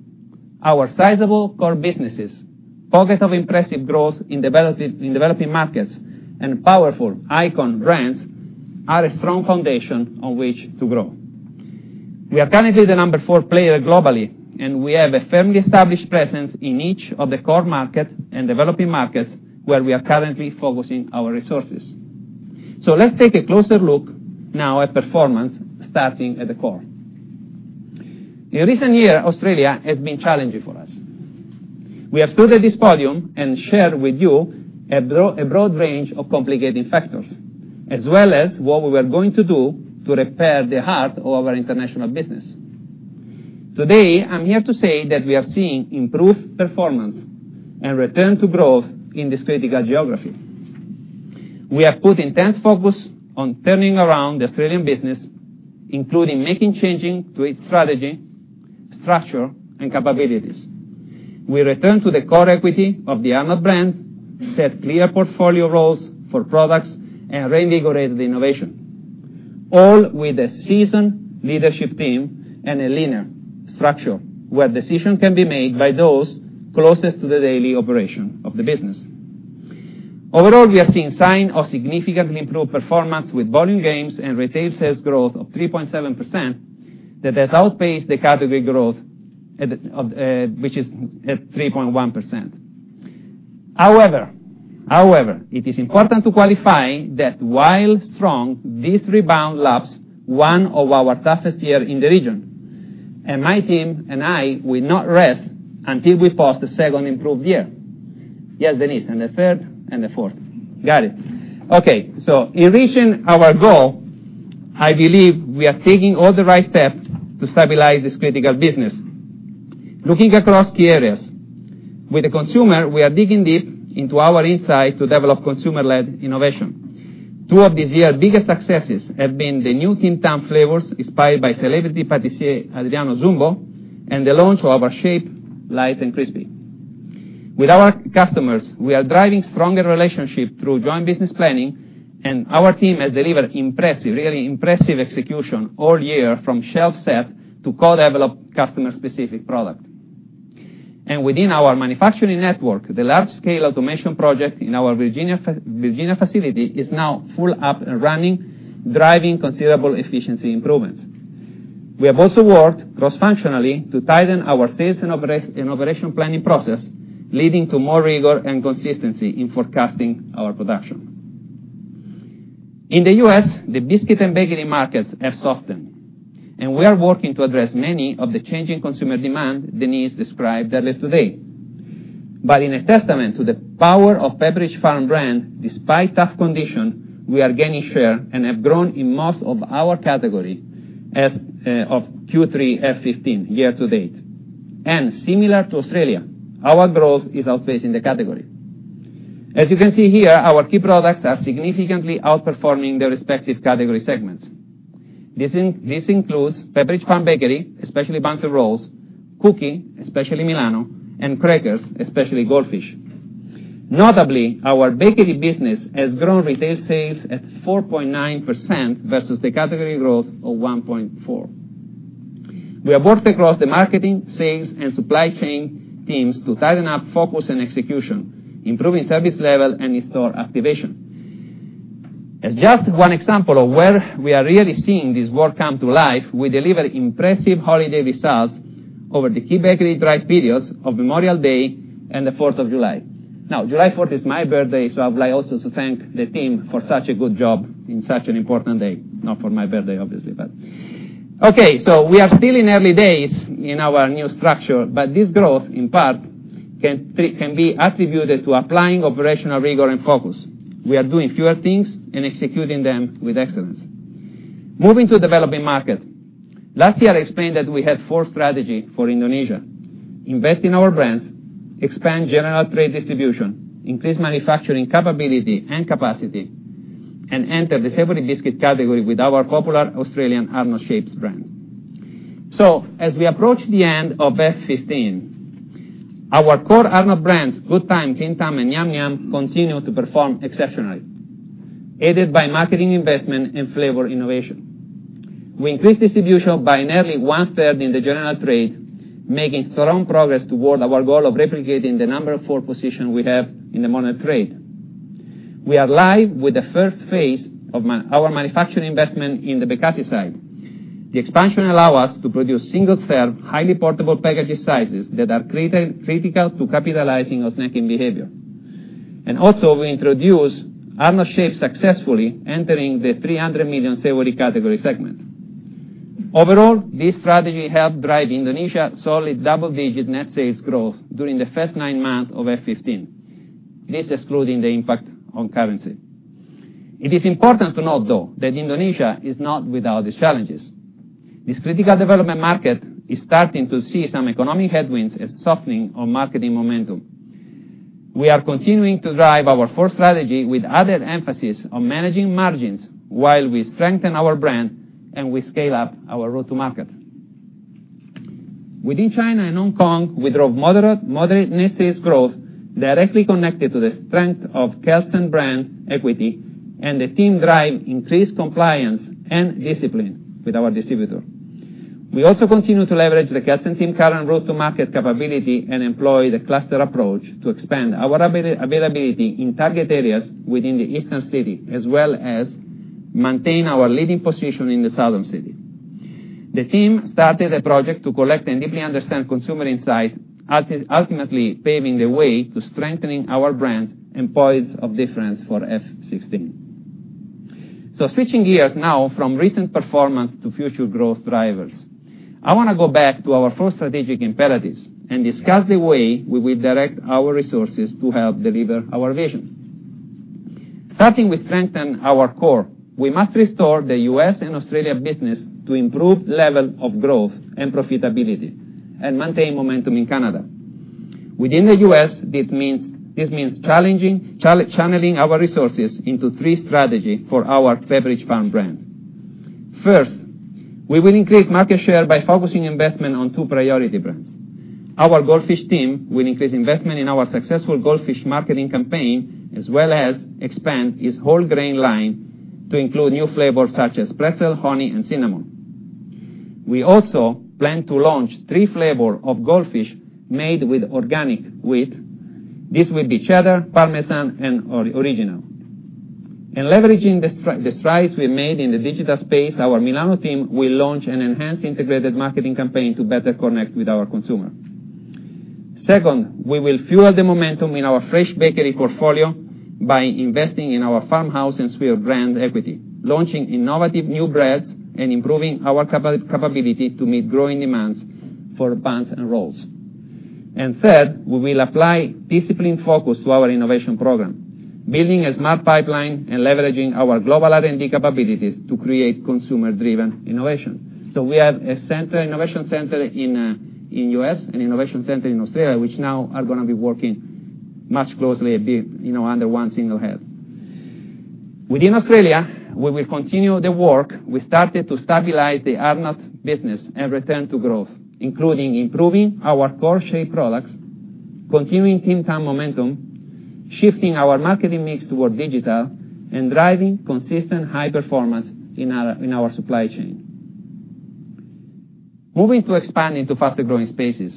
Speaker 6: our sizable core businesses, pockets of impressive growth in developing markets, and powerful icon brands are a strong foundation on which to grow. We are currently the number four player globally, and we have a firmly established presence in each of the core market and developing markets where we are currently focusing our resources. Let's take a closer look now at performance, starting at the core. In recent year, Australia has been challenging for us. We have stood at this podium and shared with you a broad range of complicating factors, as well as what we were going to do to repair the heart of our international business. Today, I'm here to say that we are seeing improved performance and return to growth in this critical geography. We have put intense focus on turning around the Australian business, including making changing to its strategy, structure, and capabilities. We return to the core equity of the Arnott's brand, set clear portfolio roles for products, and reinvigorated innovation. All with a seasoned leadership team and a leaner structure, where decisions can be made by those closest to the daily operation of the business. Overall, we are seeing sign of significantly improved performance with volume gains and retail sales growth of 3.7% that has outpaced the category growth, which is at 3.1%. However, it is important to qualify that while strong, this rebound laps one of our toughest year in the region, and my team and I will not rest until we pass the second improved year. Yes, Denise, and the third and the fourth. Got it. Okay. In reaching our goal, I believe we are taking all the right steps to stabilize this critical business. Looking across key areas. With the consumer, we are digging deep into our insight to develop consumer-led innovation. Two of this year's biggest successes have been the new Tim Tam flavors inspired by celebrity patissier Adriano Zumbo, and the launch of our Shapes Light & Crispy. With our customers, we are driving stronger relationship through joint business planning, and our team has delivered impressive, really impressive execution all year from shelf set to co-develop customer specific product. Within our manufacturing network, the large scale automation project in our Virginia facility is now full up and running, driving considerable efficiency improvements. We have also worked cross-functionally to tighten our sales and operation planning process, leading to more rigor and consistency in forecasting our production. In the U.S., the biscuit and bakery markets have softened, and we are working to address many of the changing consumer demand Denise described earlier today. In a testament to the power of Pepperidge Farm brand, despite tough condition, we are gaining share and have grown in most of our category as of Q3 FY 2015 year to date. Similar to Australia, our growth is outpacing the category. As you can see here, our key products are significantly outperforming their respective category segments. This includes Pepperidge Farm Bakery, especially Buns & Rolls; Cookie, especially Milano; and Crackers, especially Goldfish. Notably, our bakery business has grown retail sales at 4.9% versus the category growth of 1.4%. We have worked across the marketing, sales, and supply chain teams to tighten up focus and execution, improving service level and in-store activation. As just one example of where we are really seeing this work come to life, we deliver impressive holiday results over the key bakery drive periods of Memorial Day and the 4th of July. July 4 is my birthday, so I'd like also to thank the team for such a good job in such an important day. Not for my birthday, obviously, but we are still in early days in our new structure, but this growth, in part, can be attributed to applying operational rigor and focus. We are doing fewer things and executing them with excellence. Moving to developing market. Last year, I explained that we had four strategy for Indonesia: invest in our brands, expand general trade distribution, increase manufacturing capability and capacity, and enter the savory biscuit category with our popular Australian Arnott's Shapes brand. As we approach the end of FY 2015, our core Arnott's brands, Good Time, Tim Tam, and Yum-Yum continue to perform exceptionally, aided by marketing investment and flavor innovation. We increased distribution by nearly one-third in the general trade, making strong progress toward our goal of replicating the number 4 position we have in the modern trade. We are live with the first phase of our manufacturing investment in the Bekasi site. The expansion allow us to produce single-serve, highly portable packaging sizes that are critical to capitalizing on snacking behavior. We introduce Arnott's Shapes successfully entering the $300 million savory category segment. Overall, this strategy helped drive Indonesia's solid double-digit net sales growth during the first nine months of FY 2015, excluding the impact on currency. It is important to note, though, that Indonesia is not without its challenges. This critical development market is starting to see some economic headwinds and softening on marketing momentum. We are continuing to drive our four strategy with added emphasis on managing margins while we strengthen our brand and we scale up our route to market. Within China and Hong Kong, we drove moderate net sales growth directly connected to the strength of Kelsen brand equity and the team drive increased compliance and discipline with our distributor. We also continue to leverage the Kelsen team current route-to-market capability and employ the cluster approach to expand our availability in target areas within the eastern city, as well as maintain our leading position in the southern city. The team started a project to collect and deeply understand consumer insight, ultimately paving the way to strengthening our brand and points of difference for FY 2016. Switching gears now from recent performance to future growth drivers. I want to go back to our first strategic imperatives and discuss the way we will direct our resources to help deliver our vision. Starting with strengthen our core, we must restore the U.S. and Australian business to improved level of growth and profitability, and maintain momentum in Canada. Within the U.S., this means channeling our resources into three strategy for our Bolthouse Farms brand. First, we will increase market share by focusing investment on two priority brands. Our Goldfish team will increase investment in our successful Goldfish marketing campaign, as well as expand its whole grain line to include new flavors such as pretzel, honey, and cinnamon. We also plan to launch three flavor of Goldfish Made with Organic Wheat. This will be cheddar, parmesan, and original. In leveraging the strides we made in the digital space, our Milano team will launch an enhanced integrated marketing campaign to better connect with our consumer. Second, we will fuel the momentum in our fresh bakery portfolio by investing in our Farmhouse and Swirl brand equity, launching innovative new breads, and improving our capability to meet growing demands for Buns & Rolls. Third, we will apply disciplined focus to our innovation program, building a smart pipeline and leveraging our global R&D capabilities to create consumer-driven innovation. We have an innovation center in the U.S. and an innovation center in Australia, which now are going to be working much closely a bit under one single head. Within Australia, we will continue the work we started to stabilize the Arnott's business and return to growth, including improving our core Shapes products, continuing Tim Tam momentum, shifting our marketing mix toward digital, and driving consistent high performance in our supply chain. Moving to expand into faster-growing spaces.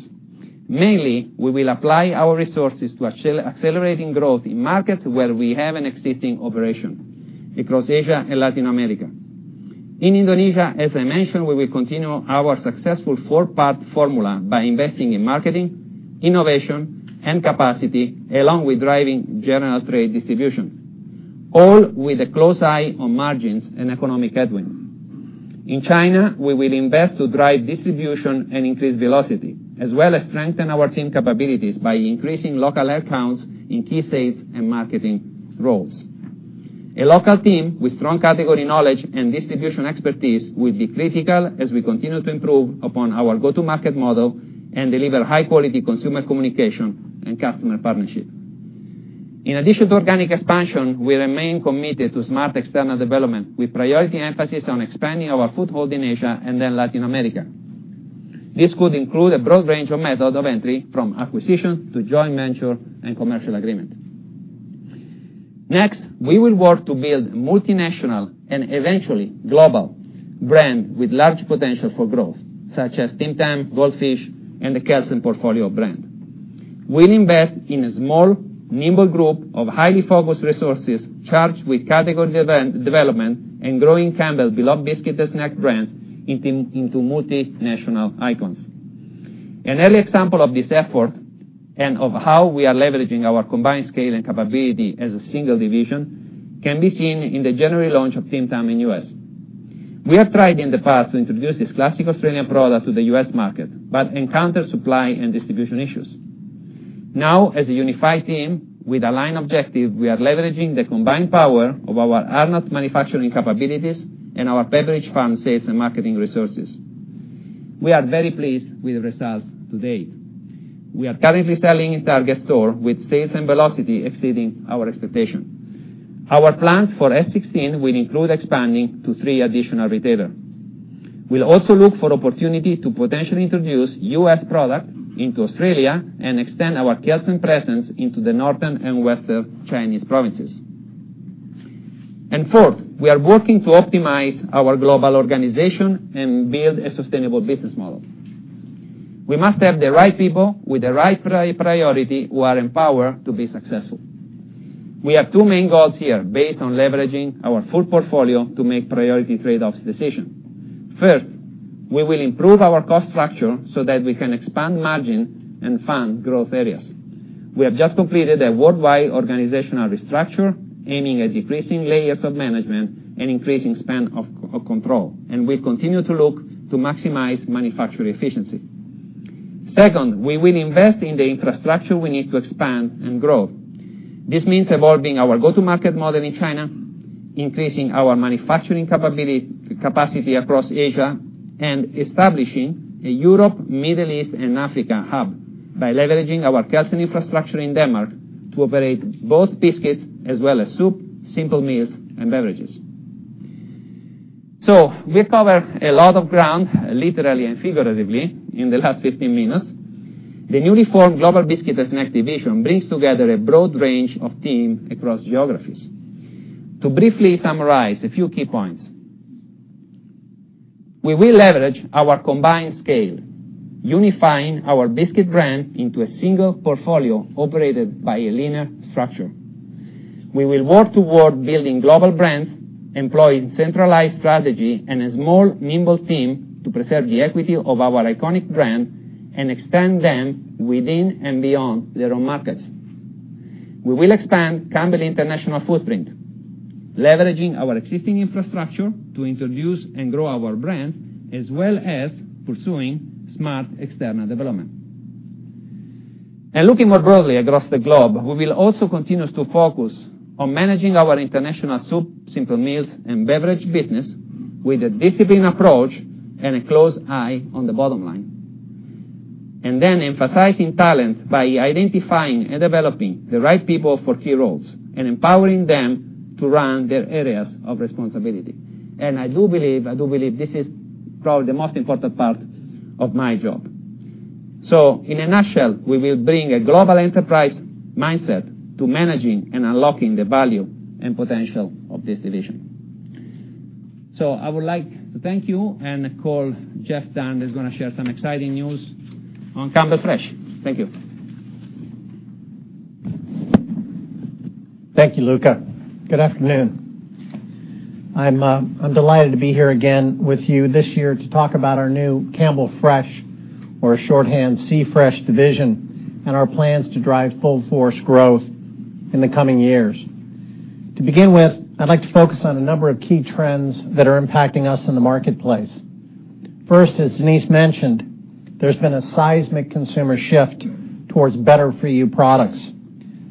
Speaker 6: Mainly, we will apply our resources to accelerating growth in markets where we have an existing operation, across Asia and Latin America. In Indonesia, as I mentioned, we will continue our successful four-part formula by investing in marketing, innovation, and capacity, along with driving general trade distribution, all with a close eye on margins and economic headwind. In China, we will invest to drive distribution and increase velocity, as well as strengthen our team capabilities by increasing local headcounts in key sales and marketing roles. A local team with strong category knowledge and distribution expertise will be critical as we continue to improve upon our go-to-market model and deliver high-quality consumer communication and customer partnership. In addition to organic expansion, we remain committed to smart external development, with priority emphasis on expanding our foothold in Asia and then Latin America. This could include a broad range of method of entry from acquisition to joint venture and commercial agreement. We will work to build multinational and eventually global brand with large potential for growth, such as Tim Tam, Goldfish, and the Kelsen portfolio brand. We'll invest in a small, nimble group of highly focused resources charged with category development and growing Campbell's beloved biscuit and snack brands into multinational icons. An early example of this effort and of how we are leveraging our combined scale and capability as a single division can be seen in the January launch of Tim Tam in the U.S. We have tried in the past to introduce this classic Australian product to the U.S. market, but encountered supply and distribution issues. Now, as a unified team with aligned objective, we are leveraging the combined power of our Arnott's manufacturing capabilities and our Pepperidge Farm sales and marketing resources. We are very pleased with the results to date. We are currently selling in Target store with sales and velocity exceeding our expectation. Our plans for FY 2016 will include expanding to three additional retailer. We'll also look for opportunity to potentially introduce U.S. product into Australia and extend our Kelsen presence into the northern and western Chinese provinces. Fourth, we are working to optimize our global organization and build a sustainable business model. We must have the right people with the right priority who are empowered to be successful. We have two main goals here based on leveraging our full portfolio to make priority trade-off decision. First, we will improve our cost structure so that we can expand margin and fund growth areas. We have just completed a worldwide organizational restructure, aiming at decreasing layers of management and increasing span of control, and we'll continue to look to maximize manufacturing efficiency. Second, we will invest in the infrastructure we need to expand and grow. This means evolving our go-to-market model in China, increasing our manufacturing capacity across Asia, and establishing a Europe, Middle East, and Africa hub by leveraging our Kelsen infrastructure in Denmark to operate both biscuits as well as soup, simple meals, and beverages. We've covered a lot of ground, literally and figuratively, in the last 15 minutes. The newly formed Global Biscuits and Snacks division brings together a broad range of teams across geographies. To briefly summarize a few key points, we will leverage our combined scale, unifying our biscuit brand into a single portfolio operated by a linear structure. We will work toward building global brands, employing centralized strategy, and a small, nimble team to preserve the equity of our iconic brand and extend them within and beyond their own markets. We will expand Campbell International footprint, leveraging our existing infrastructure to introduce and grow our brands, as well as pursuing smart external development. Looking more broadly across the globe, we will also continue to focus on managing our international soup, simple meals, and beverage business with a disciplined approach and a close eye on the bottom line. Emphasizing talent by identifying and developing the right people for key roles and empowering them to run their areas of responsibility. I do believe this is probably the most important part of my job. In a nutshell, we will bring a global enterprise mindset to managing and unlocking the value and potential of this division. I would like to thank you and call Jeff Dunn, who's going to share some exciting news on Campbell Fresh. Thank you.
Speaker 7: Thank you, Luca. Good afternoon. I'm delighted to be here again with you this year to talk about our new Campbell Fresh, or shorthand C-Fresh division, and our plans to drive full force growth in the coming years. To begin with, I'd like to focus on a number of key trends that are impacting us in the marketplace. First, as Denise mentioned, there's been a seismic consumer shift towards better-for-you products.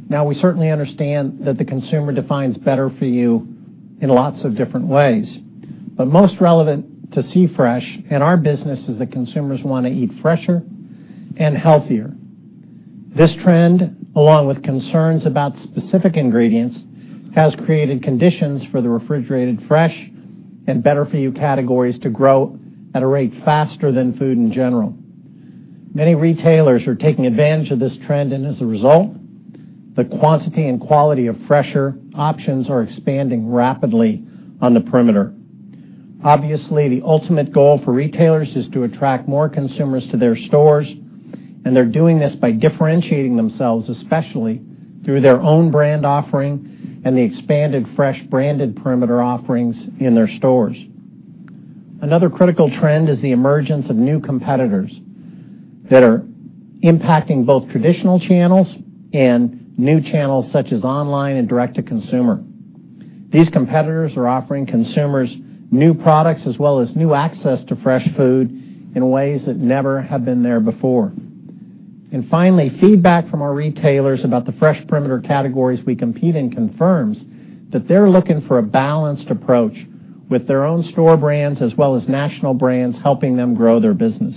Speaker 7: We certainly understand that the consumer defines better for you in lots of different ways, but most relevant to C-Fresh and our business is that consumers want to eat fresher and healthier. This trend, along with concerns about specific ingredients, has created conditions for the refrigerated fresh and better-for-you categories to grow at a rate faster than food in general. Many retailers are taking advantage of this trend. As a result, the quantity and quality of fresher options are expanding rapidly on the perimeter. Obviously, the ultimate goal for retailers is to attract more consumers to their stores, and they're doing this by differentiating themselves, especially through their own brand offering and the expanded fresh branded perimeter offerings in their stores. Another critical trend is the emergence of new competitors that are impacting both traditional channels and new channels such as online and direct-to-consumer. These competitors are offering consumers new products as well as new access to fresh food in ways that never have been there before. Finally, feedback from our retailers about the fresh perimeter categories we compete in confirms that they're looking for a balanced approach with their own store brands as well as national brands helping them grow their business.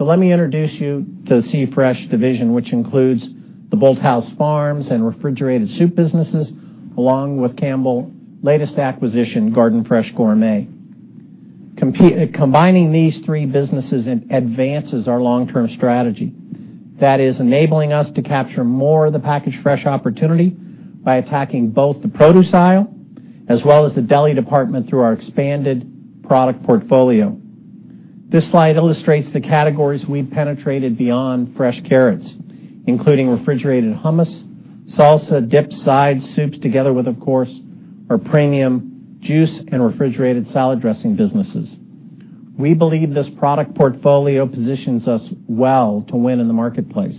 Speaker 7: Let me introduce you to the C-Fresh division, which includes the Bolthouse Farms and refrigerated soup businesses, along with Campbell's latest acquisition, Garden Fresh Gourmet. Combining these three businesses advances our long-term strategy. That is enabling us to capture more of the packaged fresh opportunity by attacking both the produce aisle as well as the deli department through our expanded product portfolio. This slide illustrates the categories we've penetrated beyond fresh carrots, including refrigerated hummus, salsa, dips, sides, soups, together with, of course, our premium juice and refrigerated salad dressing businesses. We believe this product portfolio positions us well to win in the marketplace.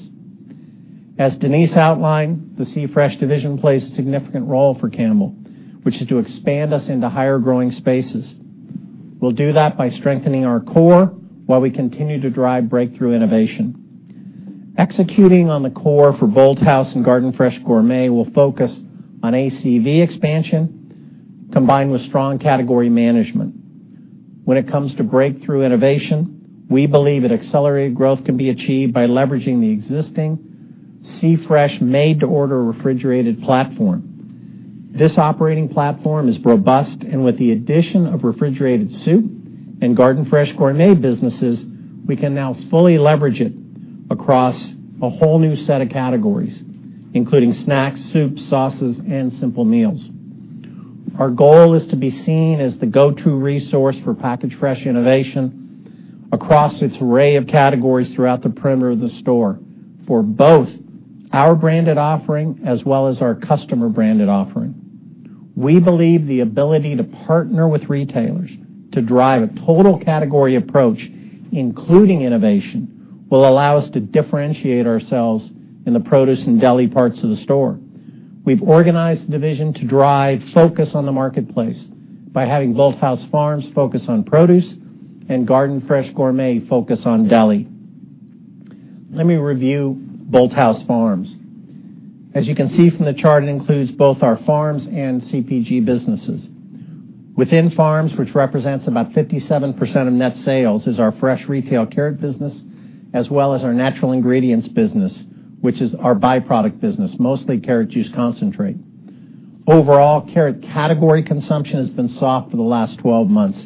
Speaker 7: As Denise outlined, the C-Fresh division plays a significant role for Campbell, which is to expand us into higher-growing spaces. We'll do that by strengthening our core while we continue to drive breakthrough innovation. Executing on the core for Bolthouse and Garden Fresh Gourmet will focus on ACV expansion combined with strong category management. When it comes to breakthrough innovation, we believe that accelerated growth can be achieved by leveraging the existing C-Fresh made-to-order refrigerated platform. This operating platform is robust, and with the addition of refrigerated soup and Garden Fresh Gourmet businesses, we can now fully leverage it across a whole new set of categories, including snacks, soups, sauces, and simple meals. Our goal is to be seen as the go-to resource for packaged fresh innovation across its array of categories throughout the perimeter of the store for both our branded offering as well as our customer-branded offering. We believe the ability to partner with retailers to drive a total category approach, including innovation, will allow us to differentiate ourselves in the produce and deli parts of the store. We've organized the division to drive focus on the marketplace by having Bolthouse Farms focus on produce and Garden Fresh Gourmet focus on deli. Let me review Bolthouse Farms. As you can see from the chart, it includes both our farms and CPG businesses. Within farms, which represents about 57% of net sales, is our fresh retail carrot business as well as our natural ingredients business, which is our byproduct business, mostly carrot juice concentrate. Overall, carrot category consumption has been soft for the last 12 months,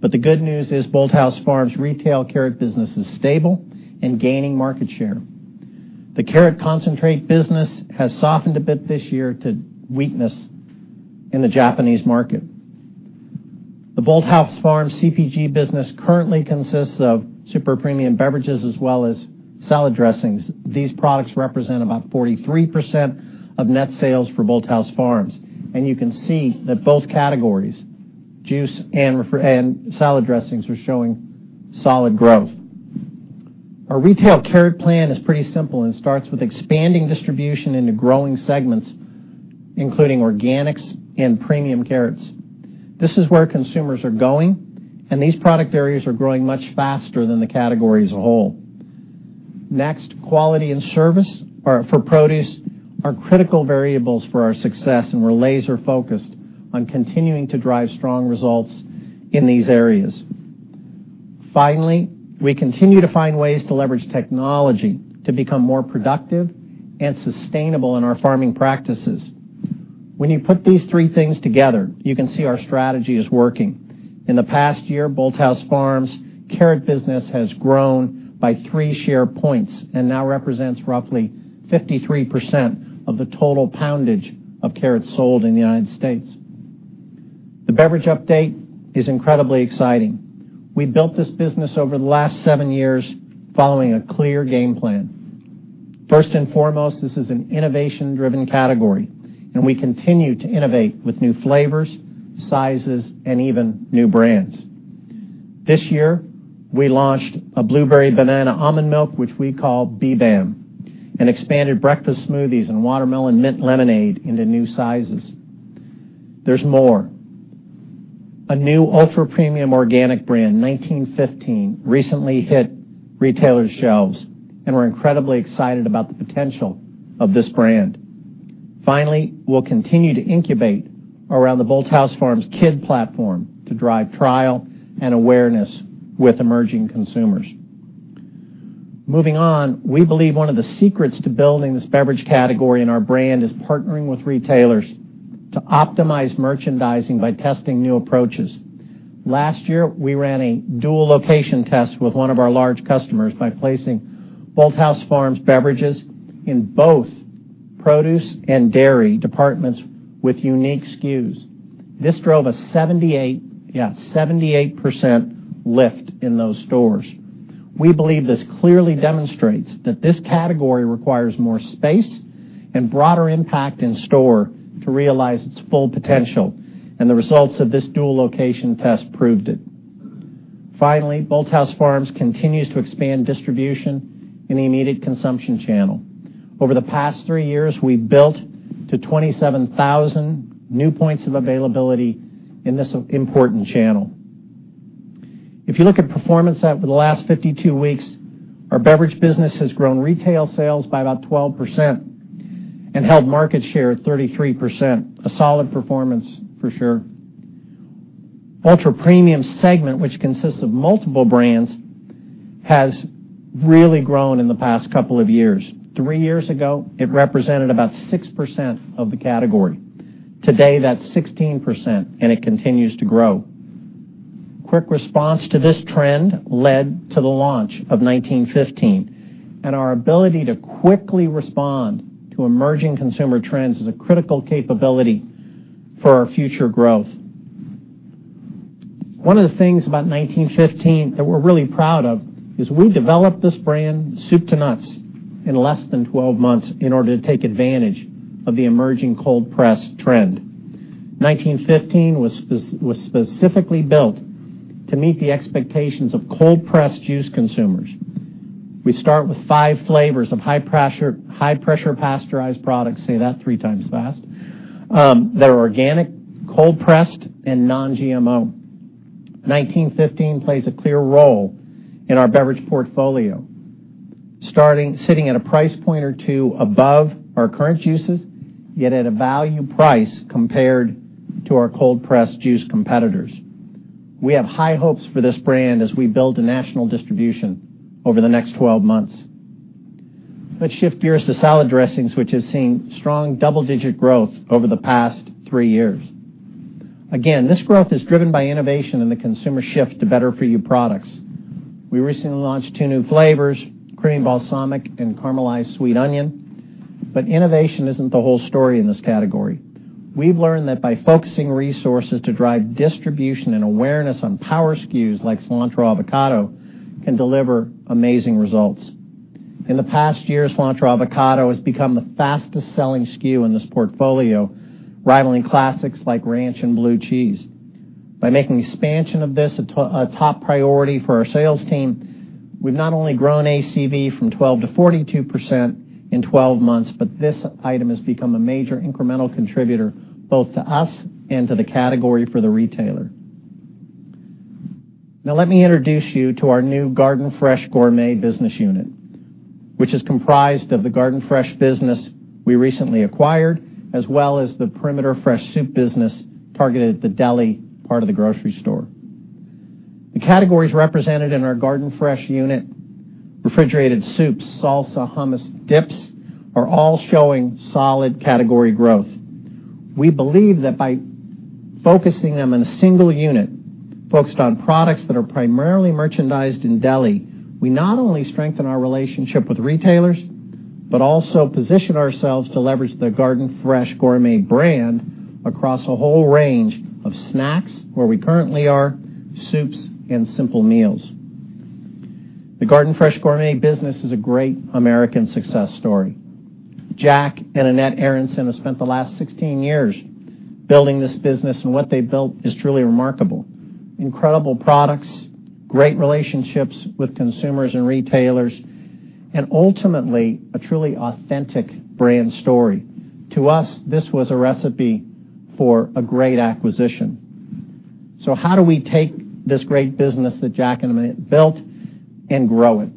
Speaker 7: but the good news is Bolthouse Farms retail carrot business is stable and gaining market share. The carrot concentrate business has softened a bit this year to weakness in the Japanese market. The Bolthouse Farms CPG business currently consists of super premium beverages as well as salad dressings. These products represent about 43% of net sales for Bolthouse Farms, and you can see that both categories, juice and salad dressings, are showing solid growth. Our retail carrot plan is pretty simple and starts with expanding distribution into growing segments, including organics and premium carrots. This is where consumers are going, and these product areas are growing much faster than the category as a whole. Next, quality and service for produce are critical variables for our success, and we're laser focused on continuing to drive strong results in these areas. Finally, we continue to find ways to leverage technology to become more productive and sustainable in our farming practices. When you put these three things together, you can see our strategy is working. In the past year, Bolthouse Farms carrot business has grown by three share points and now represents roughly 53% of the total poundage of carrots sold in the U.S. The beverage update is incredibly exciting. We built this business over the last seven years following a clear game plan. First and foremost, this is an innovation driven category, and we continue to innovate with new flavors, sizes, and even new brands. This year, we launched a Blueberry Banana Almond Milk, which we call BBAM, and expanded breakfast smoothies and watermelon mint lemonade into new sizes. There's more. A new ultra premium organic brand, 1915, recently hit retailers' shelves, and we're incredibly excited about the potential of this brand. Finally, we'll continue to incubate around the Bolthouse Farms kid platform to drive trial and awareness with emerging consumers. Moving on, we believe one of the secrets to building this beverage category and our brand is partnering with retailers to optimize merchandising by testing new approaches. Last year, we ran a dual location test with one of our large customers by placing Bolthouse Farms beverages in both produce and dairy departments with unique SKUs. This drove a 78% lift in those stores. We believe this clearly demonstrates that this category requires more space and broader impact in store to realize its full potential, and the results of this dual location test proved it. Finally, Bolthouse Farms continues to expand distribution in the immediate consumption channel. Over the past three years, we've built to 27,000 new points of availability in this important channel. If you look at performance over the last 52 weeks, our beverage business has grown retail sales by about 12% and held market share at 33%, a solid performance for sure. Ultra premium segment, which consists of multiple brands, has really grown in the past couple of years. Three years ago, it represented about 6% of the category. Today, that's 16%, and it continues to grow. Quick response to this trend led to the launch of 1915, and our ability to quickly respond to emerging consumer trends is a critical capability for our future growth. One of the things about 1915 that we're really proud of is we developed this brand soup to nuts in less than 12 months in order to take advantage of the emerging cold press trend. 1915 was specifically built to meet the expectations of cold press juice consumers. We start with five flavors of high pressure pasteurized products, say that three times fast, that are organic, cold pressed, and non-GMO. 1915 plays a clear role in our beverage portfolio, sitting at a price point or two above our current juices, yet at a value price compared to our cold press juice competitors. We have high hopes for this brand as we build a national distribution over the next 12 months. Let's shift gears to salad dressings, which has seen strong double digit growth over the past three years. Again, this growth is driven by innovation and the consumer shift to better for you products. We recently launched two new flavors, cream balsamic and caramelized sweet onion. But innovation isn't the whole story in this category. We've learned that by focusing resources to drive distribution and awareness on power SKUs like cilantro avocado can deliver amazing results. In the past year, cilantro avocado has become the fastest selling SKU in this portfolio, rivaling classics like ranch and blue cheese. By making expansion of this a top priority for our sales team, we've not only grown ACV from 12% to 42% in 12 months, but this item has become a major incremental contributor both to us and to the category for the retailer. Now let me introduce you to our new Garden Fresh Gourmet business unit which is comprised of the Garden Fresh business we recently acquired, as well as the perimeter fresh soup business targeted at the deli part of the grocery store. The categories represented in our Garden Fresh unit, refrigerated soups, salsa, hummus, dips, are all showing solid category growth. We believe that by focusing them in a single unit, focused on products that are primarily merchandised in deli, we not only strengthen our relationship with retailers, but also position ourselves to leverage the Garden Fresh Gourmet brand across a whole range of snacks, where we currently are, soups, and simple meals. The Garden Fresh Gourmet business is a great American success story. Jack and Annette Aronson have spent the last 16 years building this business, and what they've built is truly remarkable. Incredible products, great relationships with consumers and retailers, and ultimately, a truly authentic brand story. To us, this was a recipe for a great acquisition. How do we take this great business that Jack and Annette built and grow it?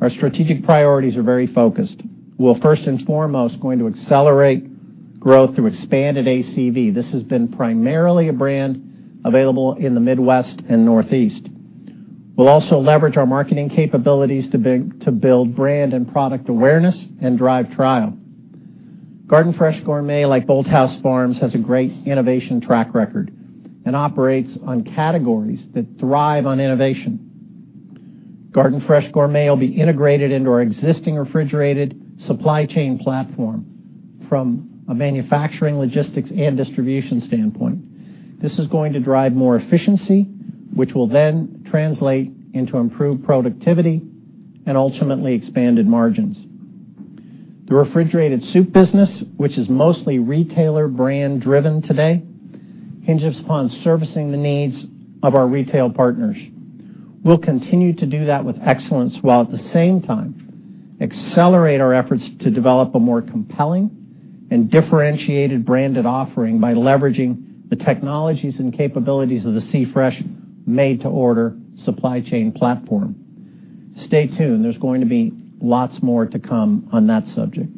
Speaker 7: Our strategic priorities are very focused. We're first and foremost going to accelerate growth through expanded ACV. This has been primarily a brand available in the Midwest and Northeast. We'll also leverage our marketing capabilities to build brand and product awareness and drive trial. Garden Fresh Gourmet, like Bolthouse Farms, has a great innovation track record and operates on categories that thrive on innovation. Garden Fresh Gourmet will be integrated into our existing refrigerated supply chain platform from a manufacturing, logistics, and distribution standpoint. This is going to drive more efficiency, which will then translate into improved productivity and ultimately expanded margins. The refrigerated soup business, which is mostly retailer brand-driven today, hinges upon servicing the needs of our retail partners. We'll continue to do that with excellence, while at the same time accelerate our efforts to develop a more compelling and differentiated branded offering by leveraging the technologies and capabilities of the C-Fresh made-to-order supply chain platform. Stay tuned. There's going to be lots more to come on that subject.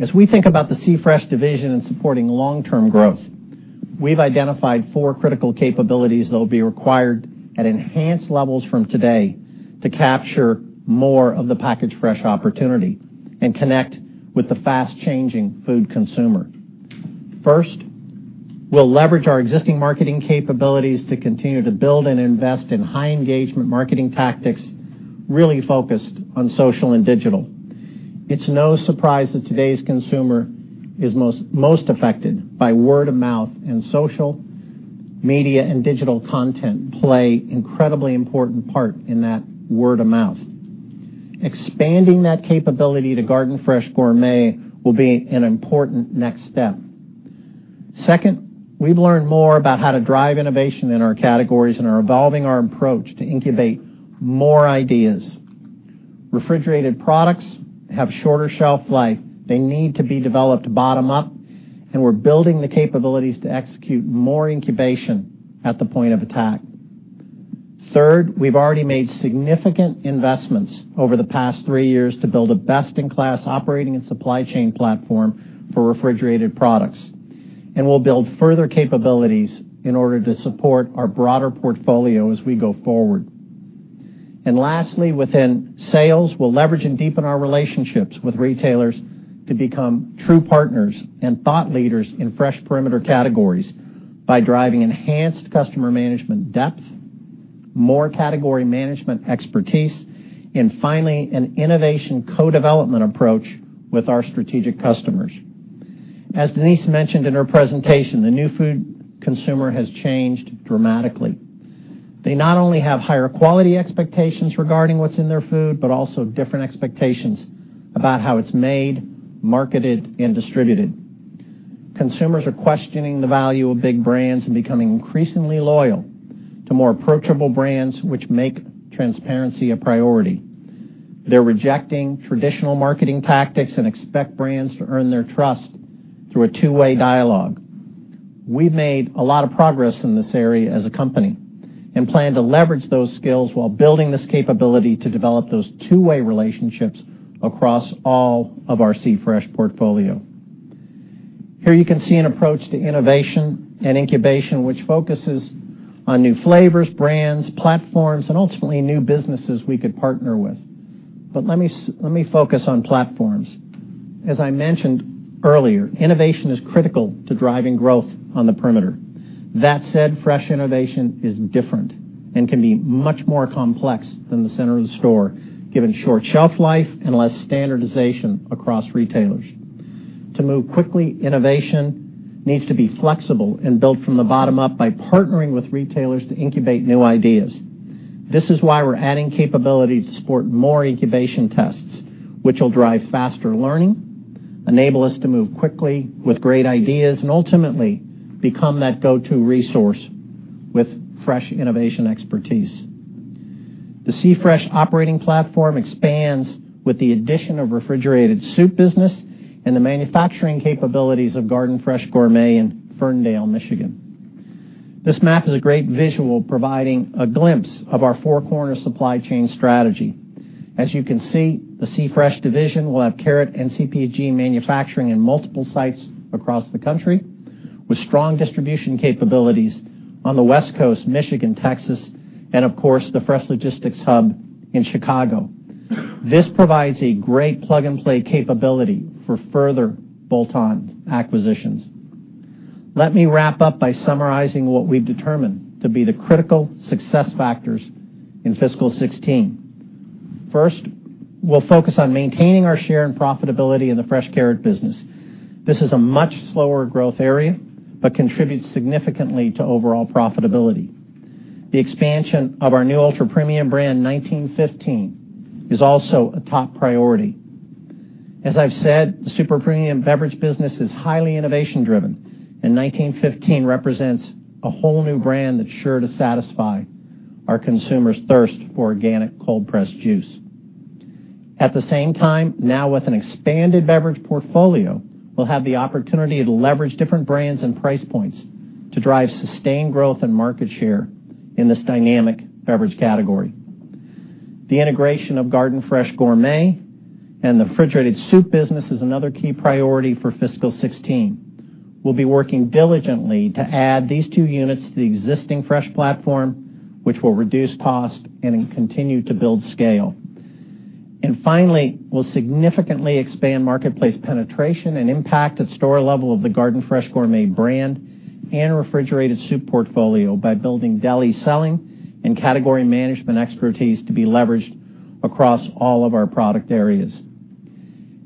Speaker 7: As we think about the C-Fresh division in supporting long-term growth, we've identified four critical capabilities that will be required at enhanced levels from today to capture more of the packaged fresh opportunity and connect with the fast-changing food consumer. First, we'll leverage our existing marketing capabilities to continue to build and invest in high-engagement marketing tactics, really focused on social and digital. It's no surprise that today's consumer is most affected by word of mouth and social media, and digital content play incredibly important part in that word of mouth. Expanding that capability to Garden Fresh Gourmet will be an important next step. Second, we've learned more about how to drive innovation in our categories and are evolving our approach to incubate more ideas. Refrigerated products have shorter shelf life. They need to be developed bottom up. We're building the capabilities to execute more incubation at the point of attack. Third, we've already made significant investments over the past three years to build a best-in-class operating and supply chain platform for refrigerated products. We'll build further capabilities in order to support our broader portfolio as we go forward. Lastly, within sales, we'll leverage and deepen our relationships with retailers to become true partners and thought leaders in fresh perimeter categories by driving enhanced customer management depth, more category management expertise, and finally, an innovation co-development approach with our strategic customers. As Denise mentioned in her presentation, the new food consumer has changed dramatically. They not only have higher quality expectations regarding what's in their food, but also different expectations about how it's made, marketed, and distributed. Consumers are questioning the value of big brands and becoming increasingly loyal to more approachable brands which make transparency a priority. They're rejecting traditional marketing tactics and expect brands to earn their trust through a two-way dialogue. We've made a lot of progress in this area as a company and plan to leverage those skills while building this capability to develop those two-way relationships across all of our C-Fresh portfolio. Here you can see an approach to innovation and incubation, which focuses on new flavors, brands, platforms, and ultimately, new businesses we could partner with. Let me focus on platforms. As I mentioned earlier, innovation is critical to driving growth on the perimeter. That said, fresh innovation is different and can be much more complex than the center of the store, given short shelf life and less standardization across retailers. To move quickly, innovation needs to be flexible and built from the bottom up by partnering with retailers to incubate new ideas. This is why we're adding capability to support more incubation tests, which will drive faster learning, enable us to move quickly with great ideas, and ultimately, become that go-to resource with fresh innovation expertise. The C-Fresh operating platform expands with the addition of refrigerated soup business and the manufacturing capabilities of Garden Fresh Gourmet in Ferndale, Michigan. This map is a great visual providing a glimpse of our four corner supply chain strategy. As you can see, the C-Fresh division will have carrot and CPG manufacturing in multiple sites across the country, with strong distribution capabilities on the West Coast, Michigan, Texas, and of course, the fresh logistics hub in Chicago. This provides a great plug-and-play capability for further bolt-on acquisitions. Let me wrap up by summarizing what we've determined to be the critical success factors in fiscal 2016. First, we'll focus on maintaining our share and profitability in the fresh carrot business. This is a much slower growth area, but contributes significantly to overall profitability. The expansion of our new ultra-premium brand, 1915, is also a top priority. As I've said, the super premium beverage business is highly innovation driven, and 1915 represents a whole new brand that's sure to satisfy our consumers' thirst for organic cold-pressed juice. At the same time, now with an expanded beverage portfolio, we'll have the opportunity to leverage different brands and price points to drive sustained growth and market share in this dynamic beverage category. The integration of Garden Fresh Gourmet and the refrigerated soup business is another key priority for fiscal 2016. Finally, we'll significantly expand marketplace penetration and impact at store level of the Garden Fresh Gourmet brand and refrigerated soup portfolio by building deli selling and category management expertise to be leveraged across all of our product areas.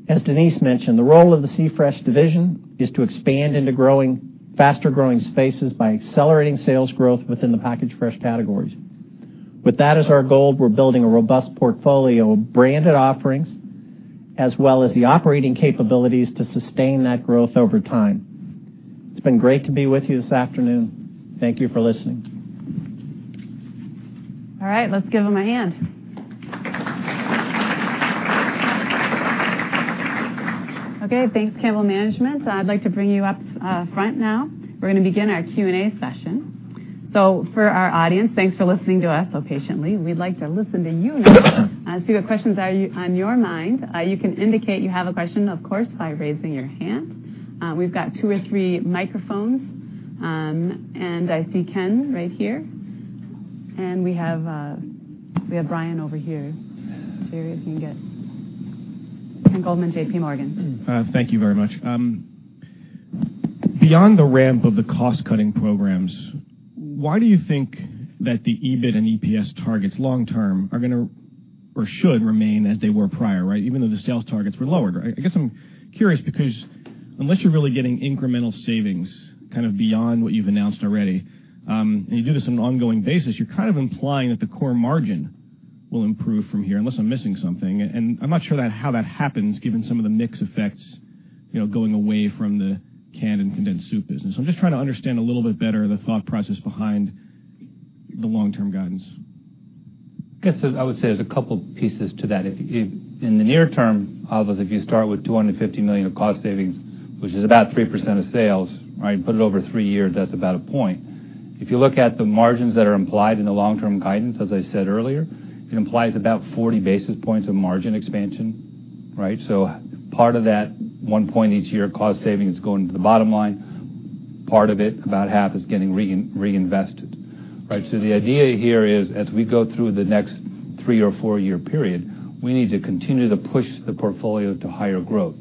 Speaker 7: As Denise mentioned, the role of the C-Fresh division is to expand into faster-growing spaces by accelerating sales growth within the packaged fresh categories. With that as our goal, we're building a robust portfolio of branded offerings, as well as the operating capabilities to sustain that growth over time. It's been great to be with you this afternoon. Thank you for listening.
Speaker 1: All right. Let's give him a hand. Okay, thanks, Campbell Management. I'd like to bring you up front now. We're going to begin our Q&A session. For our audience, thanks for listening to us so patiently. We'd like to listen to you now, see what questions are on your mind. You can indicate you have a question, of course, by raising your hand. We've got two or three microphones, and I see Ken right here. We have Bryan over here. There, if you can get Ken Goldman, JPMorgan.
Speaker 8: Thank you very much. Beyond the ramp of the cost-cutting programs, why do you think that the EBIT and EPS targets long term are going to or should remain as they were prior, even though the sales targets were lowered? I guess I'm curious because unless you're really getting incremental savings beyond what you've announced already, and you do this on an ongoing basis, you're implying that the core margin will improve from here, unless I'm missing something. I'm not sure how that happens given some of the mix effects going away from the canned and condensed soup business. I'm just trying to understand a little bit better the thought process behind the long-term guidance.
Speaker 4: I guess I would say there's a couple pieces to that. In the near term, obviously, if you start with $250 million of cost savings, which is about 3% of sales, right? Put it over 3 years, that's about a point. If you look at the margins that are implied in the long-term guidance, as I said earlier, it implies about 40 basis points of margin expansion, right? Part of that 1 point each year cost savings is going to the bottom line. Part of it, about half, is getting reinvested, right? The idea here is as we go through the next 3 or 4-year period, we need to continue to push the portfolio to higher growth,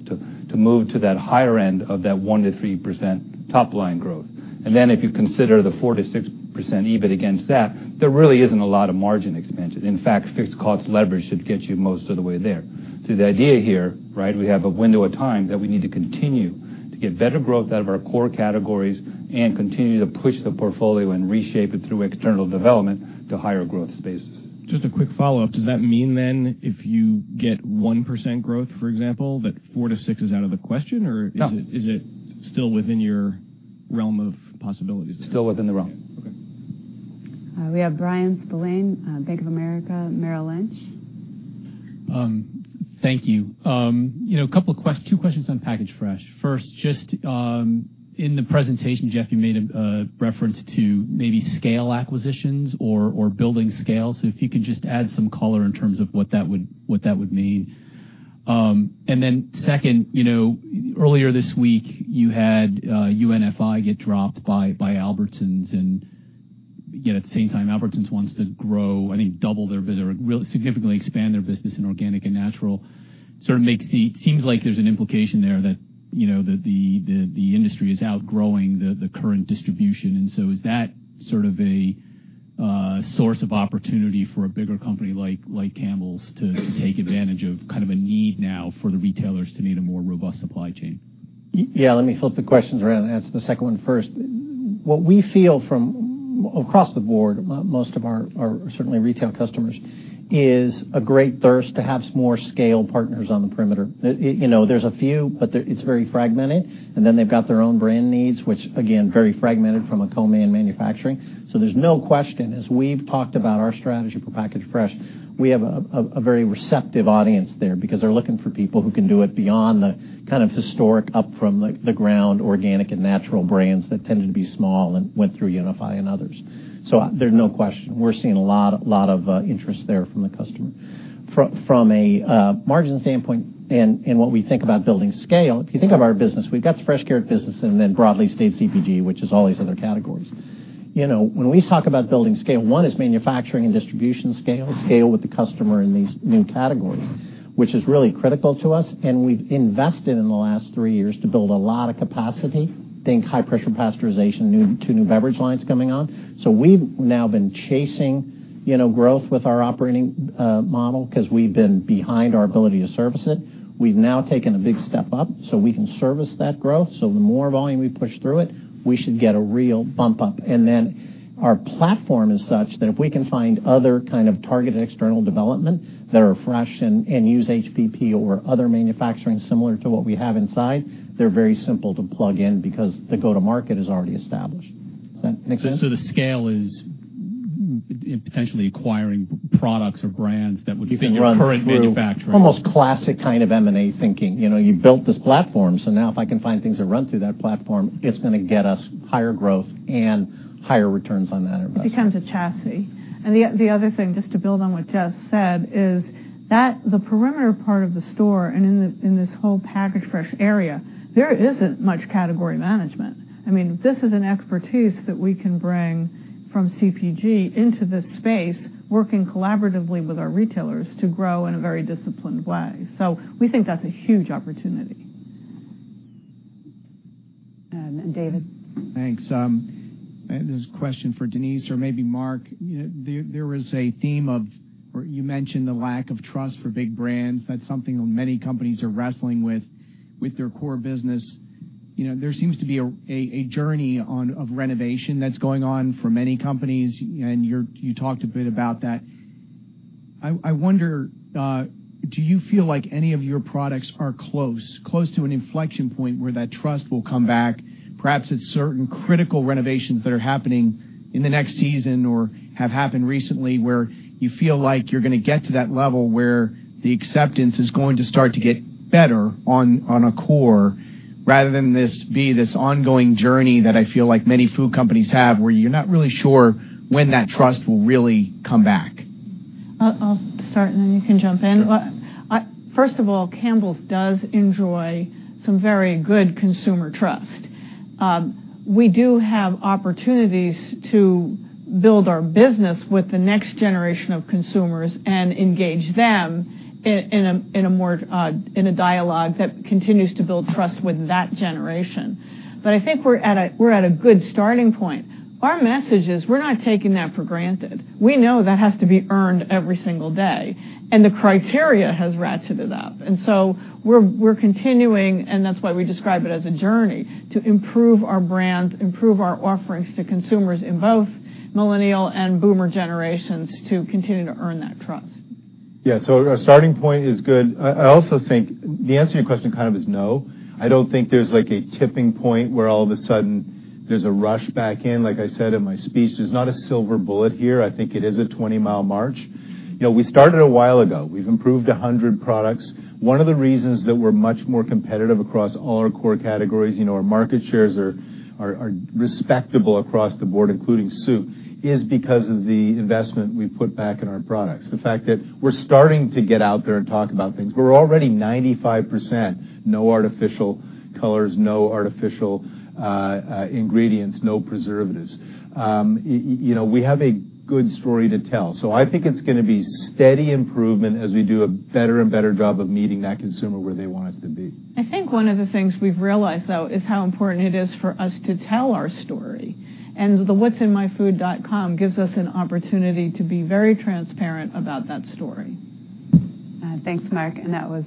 Speaker 4: to move to that higher end of that 1%-3% top-line growth. If you consider the 4%-6% EBIT against that, there really isn't a lot of margin expansion. In fact, fixed cost leverage should get you most of the way there. The idea here, right, we have a window of time that we need to continue to get better growth out of our core categories and continue to push the portfolio and reshape it through external development to higher growth spaces.
Speaker 8: Just a quick follow-up. Does that mean then if you get 1% growth, for example, that 4%-6% is out of the question? Or is it?
Speaker 4: No
Speaker 8: Still within your realm of possibilities?
Speaker 7: Still within the realm.
Speaker 8: Okay.
Speaker 1: We have Bryan Spillane, Bank of America Merrill Lynch.
Speaker 9: Thank you. Two questions on packaged fresh. First, just in the presentation, Jeff, you made a reference to maybe scale acquisitions or building scale. If you could just add some color in terms of what that would mean. Second, earlier this week, you had UNFI get dropped by Albertsons, and yet at the same time, Albertsons wants to grow, I think double their business or significantly expand their business in organic and natural. Seems like there's an implication there that the industry is outgrowing the current distribution. Is that sort of a source of opportunity for a bigger company like Campbell's to take advantage of a need now for the retailers to need a more robust supply chain?
Speaker 7: Yeah, let me flip the questions around and answer the second one first. What we feel from across the board, most of our certainly retail customers, is a great thirst to have more scale partners on the perimeter. There's a few, but it's very fragmented, and then they've got their own brand needs, which again, very fragmented from a co-man manufacturing. There's no question, as we've talked about our strategy for packaged fresh, we have a very receptive audience there because they're looking for people who can do it beyond the kind of historic up from the ground organic and natural brands that tended to be small and went through UNFI and others. There's no question, we're seeing a lot of interest there from the customer. From a margin standpoint, what we think about building scale, if you think of our business, we've got the Fresh Carrot business and then broadly state CPG, which is all these other categories. When we talk about building scale, one is manufacturing and distribution scale with the customer in these new categories, which is really critical to us, and we've invested in the last three years to build a lot of capacity. Think high-pressure pasteurization, two new beverage lines coming on. We've now been chasing growth with our operating model because we've been behind our ability to service it. We've now taken a big step up so we can service that growth. The more volume we push through it, we should get a real bump up. Our platform is such that if we can find other kind of targeted external development that are fresh and use HPP or other manufacturing similar to what we have inside, they're very simple to plug in because the go-to-market is already established. Does that make sense?
Speaker 9: The scale is potentially acquiring products or brands that would fit your current manufacturing.
Speaker 7: Almost classic kind of M&A thinking. You built this platform, now if I can find things that run through that platform, it's going to get us higher growth and higher returns on that investment.
Speaker 3: It becomes a chassis. The other thing, just to build on what Jeff said, is that the perimeter part of the store and in this whole packaged fresh area, there isn't much category management. I mean, this is an expertise that we can bring from CPG into this space, working collaboratively with our retailers to grow in a very disciplined way. We think that's a huge opportunity.
Speaker 1: David.
Speaker 10: Thanks. This is a question for Denise or maybe Mark. There was a theme of, or you mentioned the lack of trust for big brands. That's something many companies are wrestling with their core business. There seems to be a journey of renovation that's going on for many companies, and you talked a bit about that. I wonder, do you feel like any of your products are close to an inflection point where that trust will come back? Perhaps it's certain critical renovations that are happening in the next season or have happened recently where you feel like you're going to get to that level where the acceptance is going to start to get better on a core, rather than this be this ongoing journey that I feel like many food companies have, where you're not really sure when that trust will really come back.
Speaker 3: I'll start, then you can jump in.
Speaker 10: Sure.
Speaker 3: Campbell's does enjoy some very good consumer trust. We do have opportunities to build our business with the next generation of consumers and engage them in a dialogue that continues to build trust with that generation. I think we're at a good starting point. Our message is we're not taking that for granted. We know that has to be earned every single day, and the criteria has ratcheted up. We're continuing, and that's why we describe it as a journey to improve our brand, improve our offerings to consumers in both millennial and boomer generations to continue to earn that trust.
Speaker 5: Our starting point is good. I also think the answer to your question kind of is no. I don't think there's like a tipping point where all of a sudden there's a rush back in. Like I said in my speech, there's not a silver bullet here. I think it is a 20-mile march. We started a while ago. We've improved 100 products. One of the reasons that we're much more competitive across all our core categories, our market shares are respectable across the board, including soup, is because of the investment we put back in our products. The fact that we're starting to get out there and talk about things, we're already 95% no artificial colors, no artificial ingredients, no preservatives. We have a good story to tell. I think it's going to be steady improvement as we do a better and better job of meeting that consumer where they want us to be.
Speaker 3: I think one of the things we've realized, though, is how important it is for us to tell our story, the whatsinmyfood.com gives us an opportunity to be very transparent about that story.
Speaker 1: Thanks, Mark. That was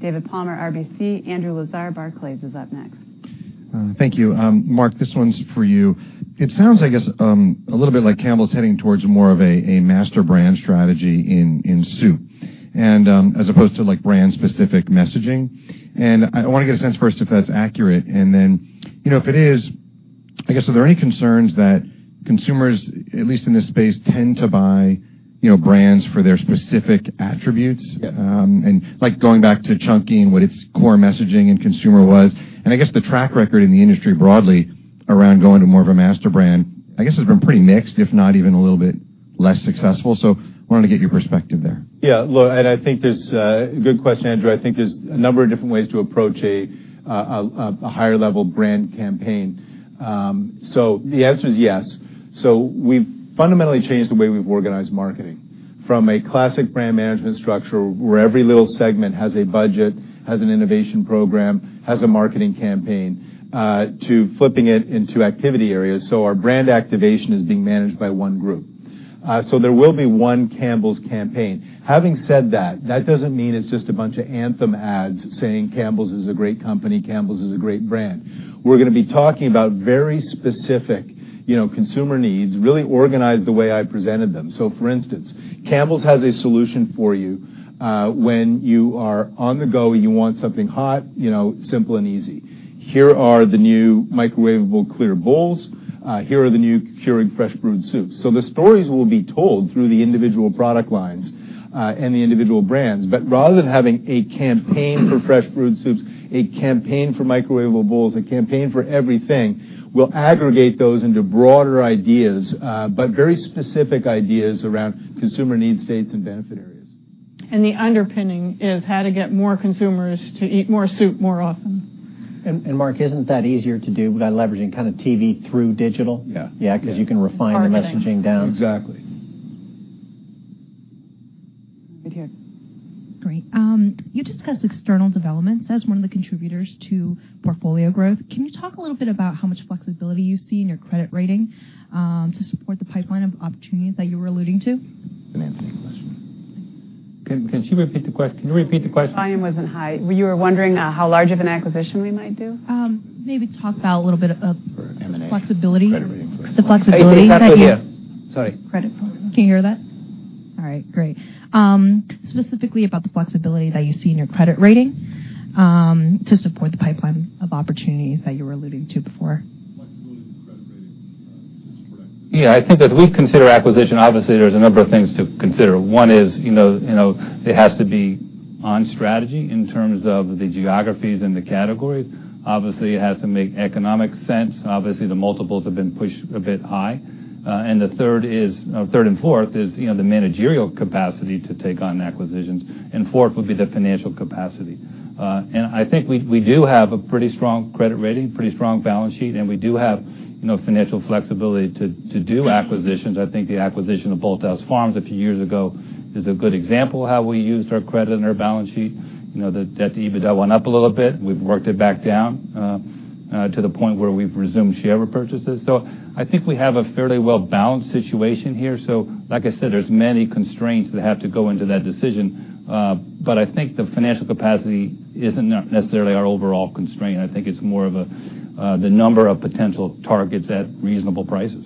Speaker 1: David Palmer, RBC. Andrew Lazar, Barclays, is up next.
Speaker 11: Thank you, Mark. This one's for you. It sounds, I guess, a little bit like Campbell's heading towards more of a master brand strategy in soup, as opposed to brand specific messaging. I want to get a sense first if that's accurate, then, if it is, I guess, are there any concerns that consumers, at least in this space, tend to buy brands for their specific attributes?
Speaker 5: Yes.
Speaker 11: Going back to Chunky and what its core messaging and consumer was, I guess the track record in the industry broadly around going to more of a master brand, I guess, has been pretty mixed, if not even a little bit less successful. I wanted to get your perspective there.
Speaker 5: Yeah, look, good question, Andrew. I think there's a number of different ways to approach a higher level brand campaign. The answer is yes. We've fundamentally changed the way we've organized marketing from a classic brand management structure where every little segment has a budget, has an innovation program, has a marketing campaign, to flipping it into activity areas. Our brand activation is being managed by one group. There will be one Campbell's campaign. Having said that doesn't mean it's just a bunch of anthem ads saying Campbell's is a great company, Campbell's is a great brand. We're going to be talking about very specific consumer needs, really organized the way I presented them. For instance, Campbell's has a solution for you when you are on the go, you want something hot, simple, and easy. Here are the new microwaveable clear bowls. Here are the new Keurig Fresh Brewed Soups. The stories will be told through the individual product lines. The individual brands. Rather than having a campaign for Fresh Brewed Soups, a campaign for microwavable bowls, a campaign for everything, we'll aggregate those into broader ideas, but very specific ideas around consumer need states and benefit areas.
Speaker 3: The underpinning is how to get more consumers to eat more soup more often.
Speaker 7: Mark, isn't that easier to do by leveraging TV through digital?
Speaker 5: Yeah. Yeah. Because you can refine the messaging down.
Speaker 3: Targeting. Exactly.
Speaker 1: Right here.
Speaker 12: Great. You discussed external developments as one of the contributors to portfolio growth. Can you talk a little bit about how much flexibility you see in your credit rating, to support the pipeline of opportunities that you were alluding to?
Speaker 4: Good Anthony question. Can you repeat the question?
Speaker 3: volume wasn't high. You were wondering how large of an acquisition we might do?
Speaker 12: Maybe talk about a little bit of.
Speaker 4: For M&A. flexibility. Credit rating flexibility.
Speaker 12: The flexibility that you-
Speaker 4: Sorry.
Speaker 3: Credit. Can you hear that? All right, great. Specifically about the flexibility that you see in your credit rating, to support the pipeline of opportunities that you were alluding to before.
Speaker 4: Flexibility of the credit rating. That's correct. Yeah, I think as we consider acquisition, obviously, there's a number of things to consider. One is, it has to be on strategy in terms of the geographies and the categories. Obviously, it has to make economic sense. Obviously, the multiples have been pushed a bit high. The third and fourth is, the managerial capacity to take on acquisitions, and fourth would be the financial capacity. I think we do have a pretty strong credit rating, pretty strong balance sheet, and we do have financial flexibility to do acquisitions. I think the acquisition of Bolthouse Farms a few years ago is a good example of how we used our credit and our balance sheet. The debt to EBITDA went up a little bit. We've worked it back down, to the point where we've resumed share repurchases. I think we have a fairly well-balanced situation here. Like I said, there's many constraints that have to go into that decision. But I think the financial capacity isn't necessarily our overall constraint. I think it's more of the number of potential targets at reasonable prices.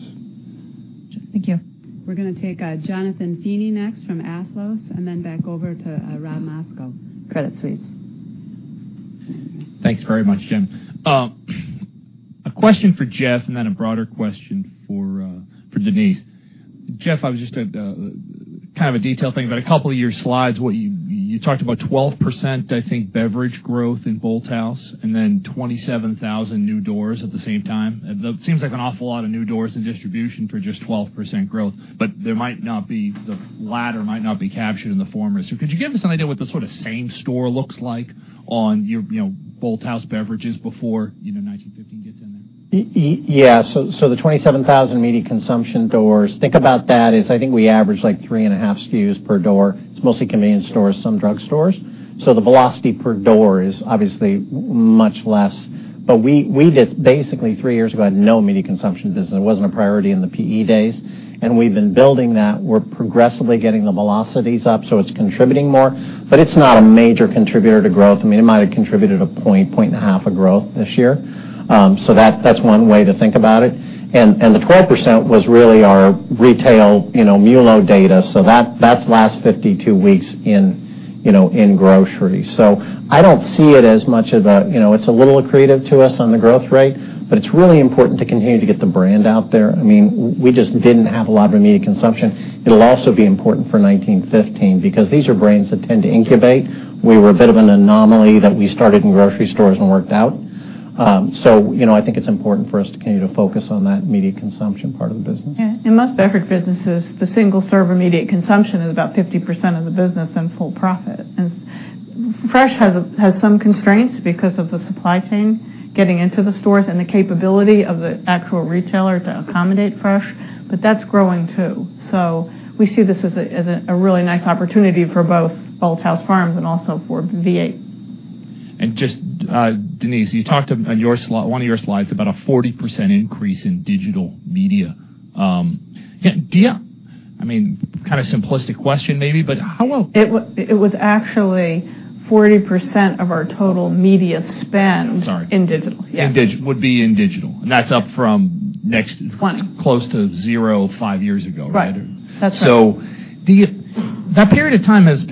Speaker 12: Thank you.
Speaker 1: We're going to take Jonathan Feeney next from Athlos, and then back over to Rob Moskow. Credit Suisse.
Speaker 13: Thanks very much, Jen. A question for Jeff, and then a broader question for Denise. Jeff, I was just at kind of a detail thing, but a couple of your slides, you talked about 12%, I think, beverage growth in Bolthouse and then 27,000 new doors at the same time. That seems like an awful lot of new doors and distribution for just 12% growth, but the latter might not be captured in the former. Could you give us an idea what the sort of same store looks like on your Bolthouse beverages before 1915 gets in there?
Speaker 7: The 27,000 immediate consumption doors, think about that as, I think we average like three and a half SKUs per door. It's mostly convenience stores, some drugstores. The velocity per door is obviously much less. We did basically three years ago had no immediate consumption business. It wasn't a priority in the PE days, and we've been building that. We're progressively getting the velocities up, so it's contributing more. It's not a major contributor to growth. It might have contributed a point and a half of growth this year. That's one way to think about it. The 12% was really our retail MULO data. That's last 52 weeks in grocery. I don't see it as much of a. It's a little accretive to us on the growth rate, but it's really important to continue to get the brand out there. We just didn't have a lot of immediate consumption. It'll also be important for 1915 because these are brands that tend to incubate. We were a bit of an anomaly that we started in grocery stores and worked out. I think it's important for us to continue to focus on that immediate consumption part of the business.
Speaker 3: In most beverage businesses, the single-serve immediate consumption is about 50% of the business and full profit. Fresh has some constraints because of the supply chain getting into the stores and the capability of the actual retailer to accommodate fresh, but that's growing too. We see this as a really nice opportunity for both Bolthouse Farms and also for V8.
Speaker 13: Just, Denise, you talked on one of your slides about a 40% increase in digital media. Kind of simplistic question maybe, but how well-
Speaker 3: It was actually 40% of our total media spend.
Speaker 13: Sorry
Speaker 3: in digital. Yeah.
Speaker 13: Would be in digital. That's up from.
Speaker 3: 20
Speaker 13: close to zero five years ago, right?
Speaker 3: Right. That's right.
Speaker 13: That period of time has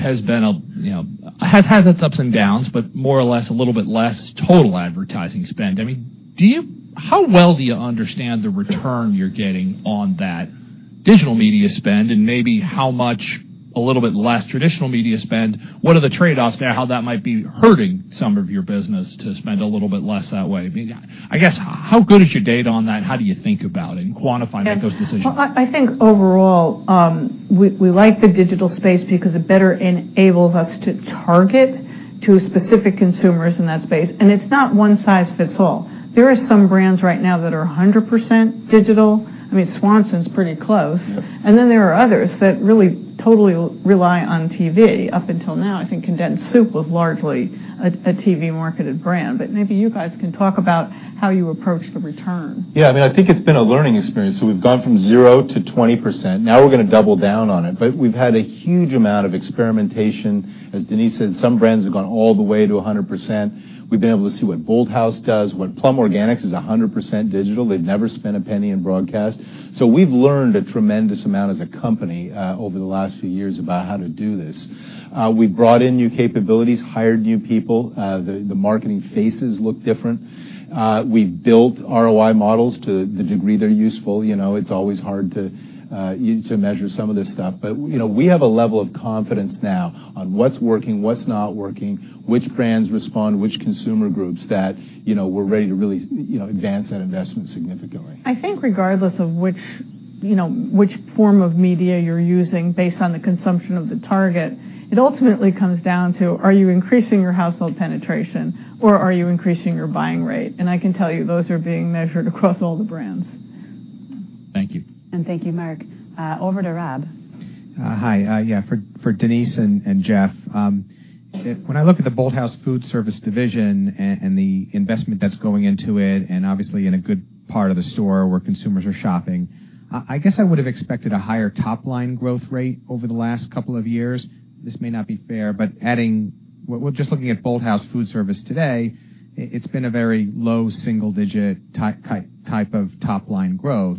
Speaker 13: had its ups and downs, but more or less, a little bit less total advertising spend. How well do you understand the return you're getting on that digital media spend and maybe how much, a little bit less traditional media spend, what are the trade-offs there, how that might be hurting some of your business to spend a little bit less that way? I guess, how good is your data on that? How do you think about it and quantify to make those decisions?
Speaker 3: I think overall, we like the digital space because it better enables us to target to specific consumers in that space. It's not one size fits all. There are some brands right now that are 100% digital. Swanson's pretty close.
Speaker 5: Yeah.
Speaker 3: There are others that really totally rely on TV. Up until now, I think condensed soup was largely a TV-marketed brand. Maybe you guys can talk about how you approach the return.
Speaker 5: Yeah, I think it's been a learning experience. We've gone from zero to 20%. We're going to double down on it. We've had a huge amount of experimentation. As Denise said, some brands have gone all the way to 100%. We've been able to see what Bolthouse does, what Plum Organics is 100% digital. They've never spent a penny in broadcast. We've learned a tremendous amount as a company over the last few years about how to do this We've brought in new capabilities, hired new people. The marketing faces look different. We've built ROI models to the degree they're useful. It's always hard to measure some of this stuff. We have a level of confidence now on what's working, what's not working, which brands respond, which consumer groups that we're ready to really advance that investment significantly.
Speaker 3: I think regardless of which form of media you're using, based on the consumption of the target, it ultimately comes down to, are you increasing your household penetration or are you increasing your buying rate? I can tell you, those are being measured across all the brands.
Speaker 13: Thank you. Thank you, Mark. Over to Rob.
Speaker 12: Hi. Yeah, for Denise and Jeff. When I look at the Bolthouse Food Service division and the investment that's going into it, obviously in a good part of the store where consumers are shopping, I guess I would have expected a higher top-line growth rate over the last couple of years. This may not be fair, but we're just looking at Bolthouse Food Service today, it's been a very low single digit type of top-line growth.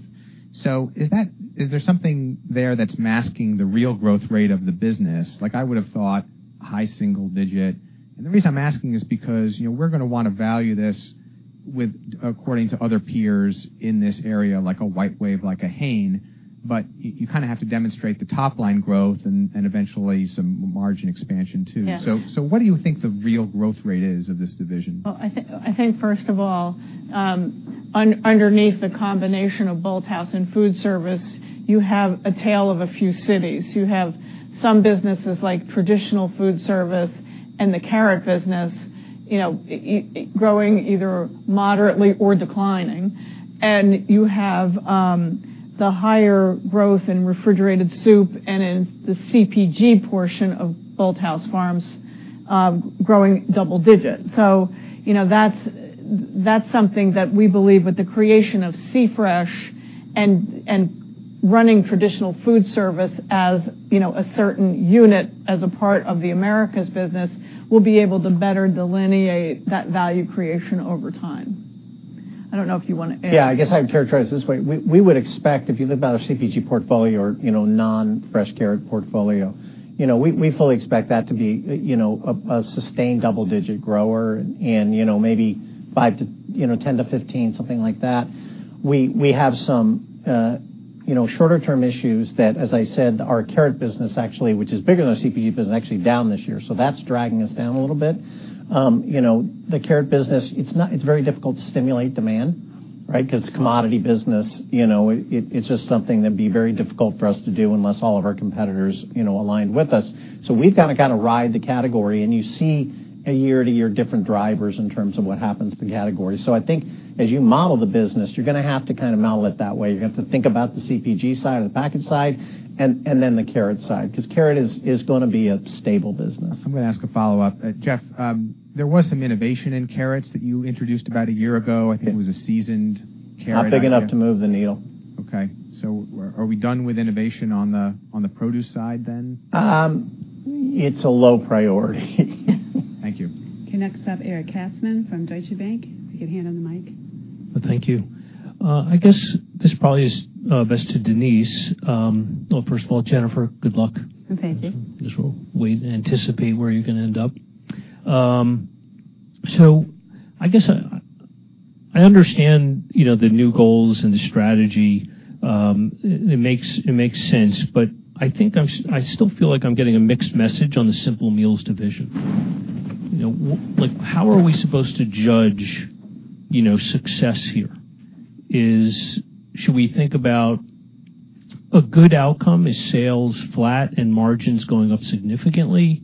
Speaker 12: Is there something there that's masking the real growth rate of the business? I would have thought high single digit. The reason I'm asking is because, we're going to want to value this according to other peers in this area, like a WhiteWave, like a Hain, but you kind of have to demonstrate the top-line growth and eventually some margin expansion, too.
Speaker 3: Yeah. What do you think the real growth rate is of this division? Well, I think first of all, underneath the combination of Bolthouse and Food Service, you have a tale of a few cities. You have some businesses like traditional food service and the carrot business, growing either moderately or declining. You have the higher growth in refrigerated soup and in the CPG portion of Bolthouse Farms growing double digits. That's something that we believe with the creation of C-Fresh and running traditional food service as a certain unit, as a part of the Americas business, we'll be able to better delineate that value creation over time. I don't know if you want to add.
Speaker 7: Yeah, I guess I'd characterize it this way. We would expect if you think about our CPG portfolio or non-fresh carrot portfolio, we fully expect that to be a sustained double-digit grower and maybe 5 to 10 to 15, something like that. We have some shorter-term issues that, as I said, our carrot business actually, which is bigger than our CPG business, actually down this year. That's dragging us down a little bit. The carrot business, it's very difficult to stimulate demand, right? Commodity business, it's just something that'd be very difficult for us to do unless all of our competitors aligned with us. We've got to kind of ride the category, and you see a year-to-year different drivers in terms of what happens to the category. I think as you model the business, you're going to have to kind of model it that way. You're going to have to think about the CPG side or the packaged side and then the carrot side, because carrot is going to be a stable business.
Speaker 12: I'm going to ask a follow-up. Jeff, there was some innovation in carrots that you introduced about a year ago. I think it was a seasoned carrot.
Speaker 7: Not big enough to move the needle.
Speaker 12: Okay, are we done with innovation on the produce side then?
Speaker 7: It's a low priority.
Speaker 12: Thank you.
Speaker 1: Okay, next up, Eric Katzman from Deutsche Bank. If you could hand on the mic.
Speaker 14: Thank you. I guess this probably is best to Denise. Well, first of all, Jennifer, good luck.
Speaker 3: Thank you.
Speaker 14: I guess we'll wait and anticipate where you're going to end up. I guess I understand the new goals and the strategy. It makes sense, but I think I still feel like I'm getting a mixed message on the Simple Meals division. How are we supposed to judge success here? Should we think about a good outcome? Is sales flat and margins going up significantly?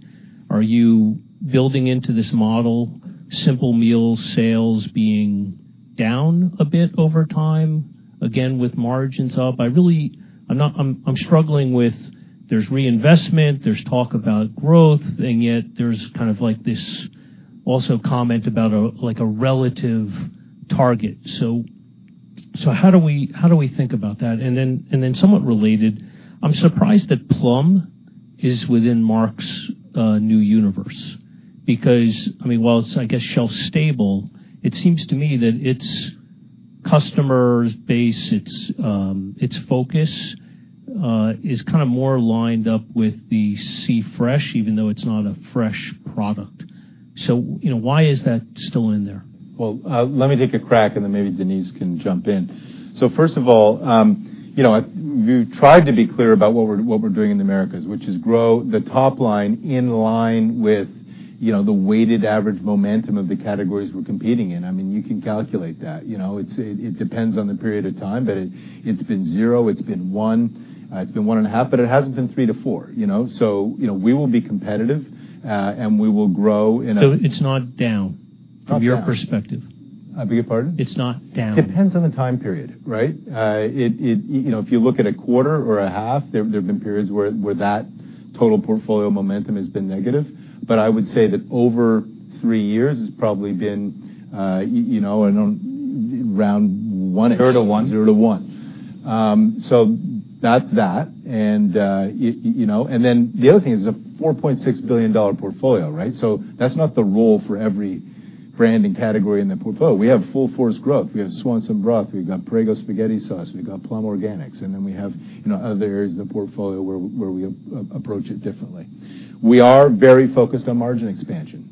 Speaker 14: Are you building into this model Simple Meals sales being down a bit over time, again, with margins up? I'm struggling with there's reinvestment, there's talk about growth, and yet there's kind of like this also comment about like a relative target. How do we think about that? Somewhat related, I'm surprised that Plum is within Mark's new universe because, while it's shelf stable, it seems to me that its customer base, its focus is kind of more lined up with the C-Fresh, even though it's not a fresh product. Why is that still in there?
Speaker 5: Well, let me take a crack and then maybe Denise can jump in. First of all, we've tried to be clear about what we're doing in the Americas, which is grow the top line in line with the weighted average momentum of the categories we're competing in. You can calculate that. It depends on the period of time, but it's been zero, it's been one, it's been one and a half, but it hasn't been three to four. We will be competitive, and we will grow in a-
Speaker 14: It's not down-
Speaker 5: Not down.
Speaker 14: from your perspective.
Speaker 5: I beg your pardon?
Speaker 14: It's not down.
Speaker 5: Depends on the time period, right? If you look at a quarter or a half, there have been periods where that total portfolio momentum has been negative. I would say that over three years, it's probably been around one-ish.
Speaker 4: Zero to one. 0-1%. That's that. The other thing is it's a $4.6 billion portfolio, right? That's not the role for every branding category in the portfolio. We have full-force growth. We have Swanson broth, we've got Prego spaghetti sauce, we've got Plum Organics, and then we have other areas of the portfolio where we approach it differently. We are very focused on margin expansion.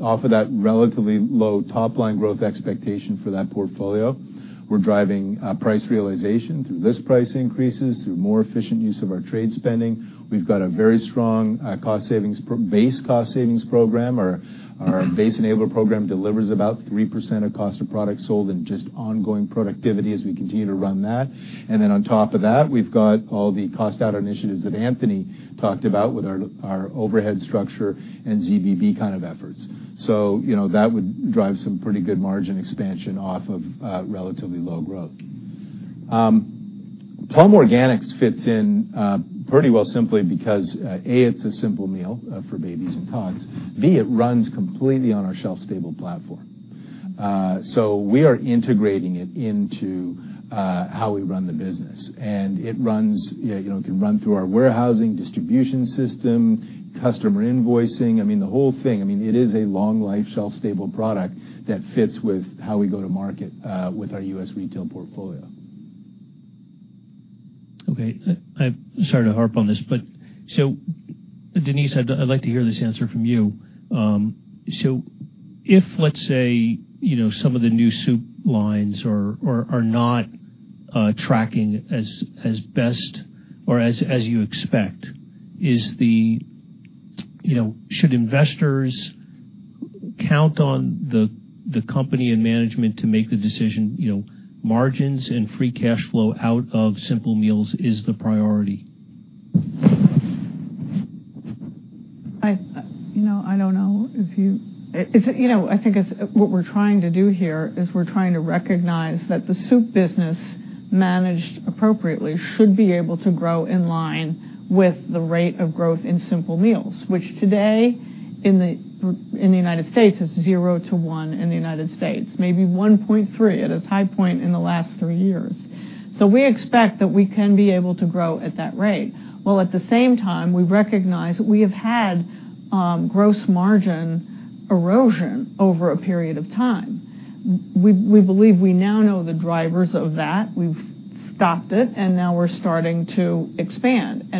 Speaker 4: Off of that relatively low top-line growth expectation for that portfolio, we're driving price realization through list price increases, through more efficient use of our trade spending. We've got a very strong base cost savings program. Our base enabler program delivers about 3% of cost of products sold and just ongoing productivity as we continue to run that.
Speaker 5: On top of that, we've got all the cost out initiatives that Anthony talked about with our overhead structure and ZBB kind of efforts. That would drive some pretty good margin expansion off of relatively low growth. Plum Organics fits in pretty well simply because, A, it's a simple meal for babies and tots. B, it runs completely on our shelf-stable platform. We are integrating it into how we run the business. It can run through our warehousing distribution system, customer invoicing, I mean, the whole thing. It is a long-life shelf-stable product that fits with how we go to market with our U.S. retail portfolio.
Speaker 14: Okay. Sorry to harp on this, Denise, I'd like to hear this answer from you. If, let's say, some of the new soup lines are not tracking as best or as you expect, should investors count on the company and management to make the decision, margins and free cash flow out of Simple Meals is the priority?
Speaker 3: I don't know. I think what we're trying to do here is we're trying to recognize that the soup business, managed appropriately, should be able to grow in line with the rate of growth in Simple Meals, which today in the United States is 0-1% in the United States, maybe 1.3% at its high point in the last three years. We expect that we can be able to grow at that rate. While at the same time, we recognize that we have had gross margin erosion over a period of time. We believe we now know the drivers of that. We've stopped it, and now we're starting to expand.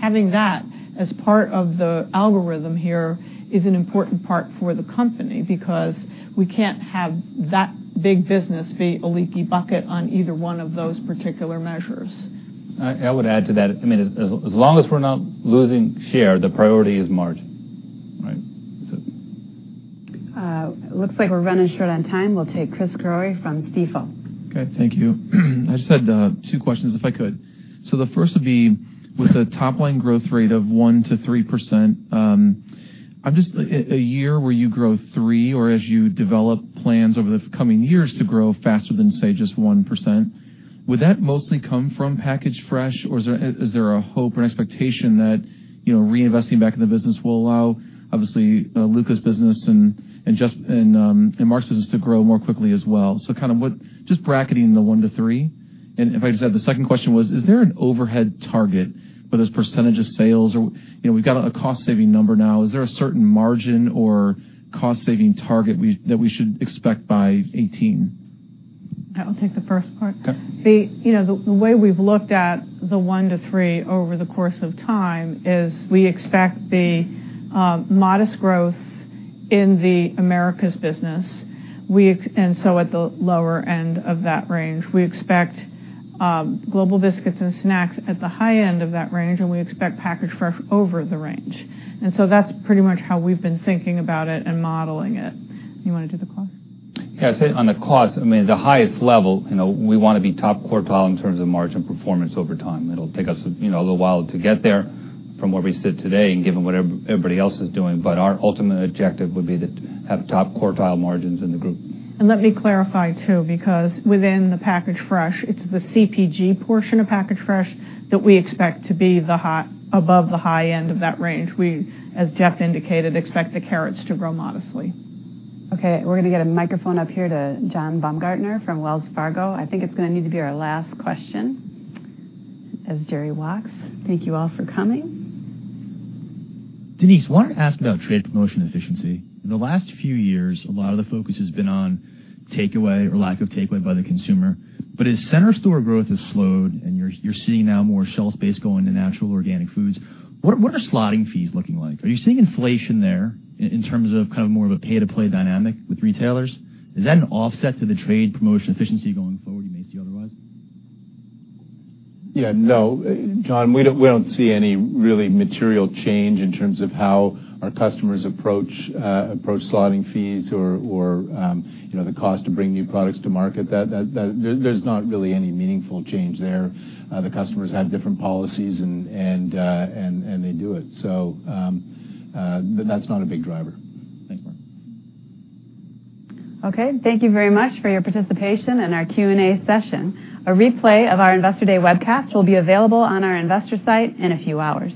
Speaker 3: Having that as part of the algorithm here is an important part for the company because we can't have that big business be a leaky bucket on either one of those particular measures.
Speaker 5: I would add to that, as long as we're not losing share, the priority is margin. Right? That's it.
Speaker 1: Looks like we're running short on time. We'll take Chris Growe from Stifel.
Speaker 15: Okay, thank you. I just had two questions, if I could. The first would be, with a top-line growth rate of 1% to 3%, a year where you grow three or as you develop plans over the coming years to grow faster than, say, just 1%, would that mostly come from Packaged Fresh, or is there a hope or expectation that reinvesting back in the business will allow, obviously, Luca's business and Mark's business to grow more quickly as well? Just bracketing the 1 to 3. If I just add the second question was, is there an overhead target, whether it's % of sales or, we've got a cost-saving number now. Is there a certain margin or cost-saving target that we should expect by 2018?
Speaker 3: I'll take the first part. Okay. The way we've looked at the one to three over the course of time is we expect the modest growth in the Americas business. At the lower end of that range, we expect Global Biscuits and Snacks at the high end of that range, we expect Packaged Fresh over the range. That's pretty much how we've been thinking about it and modeling it. You want to do the cost?
Speaker 4: Yeah, I'd say on the cost, at the highest level, we want to be top quartile in terms of margin performance over time. It'll take us a little while to get there from where we sit today and given what everybody else is doing, but our ultimate objective would be to have top quartile margins in the group.
Speaker 3: Let me clarify, too, because within the Packaged Fresh, it's the CPG portion of Packaged Fresh that we expect to be above the high end of that range. We, as Jeff indicated, expect the carrots to grow modestly.
Speaker 1: Okay, we're going to get a microphone up here to John Baumgartner from Wells Fargo. I think it's going to need to be our last question. As Jerry walks, thank you all for coming.
Speaker 16: Denise, wanted to ask about trade promotion efficiency. In the last few years, a lot of the focus has been on takeaway or lack of takeaway by the consumer. As center store growth has slowed and you're seeing now more shelf space going to natural organic foods, what are slotting fees looking like? Are you seeing inflation there in terms of more of a pay-to-play dynamic with retailers? Is that an offset to the trade promotion efficiency going forward, you may see otherwise?
Speaker 5: Yeah, no. John, we don't see any really material change in terms of how our customers approach slotting fees or the cost to bring new products to market. There's not really any meaningful change there. The customers have different policies, and they do it. That's not a big driver.
Speaker 16: Thanks, Mark.
Speaker 1: Okay, thank you very much for your participation in our Q&A session. A replay of our Investor Day webcast will be available on our investor site in a few hours.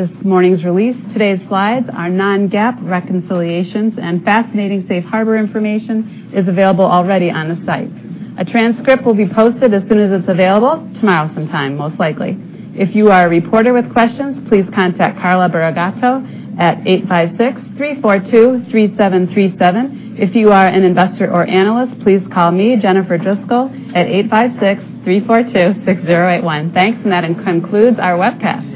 Speaker 1: This morning's release, today's slides, our non-GAAP reconciliations, and fascinating safe harbor information is available already on the site. A transcript will be posted as soon as it's available, tomorrow sometime, most likely. If you are a reporter with questions, please contact Carla Burigatto at 856-342-3737. If you are an investor or analyst, please call me, Jennifer Driscoll, at 856-342-6081. Thanks. That concludes our webcast.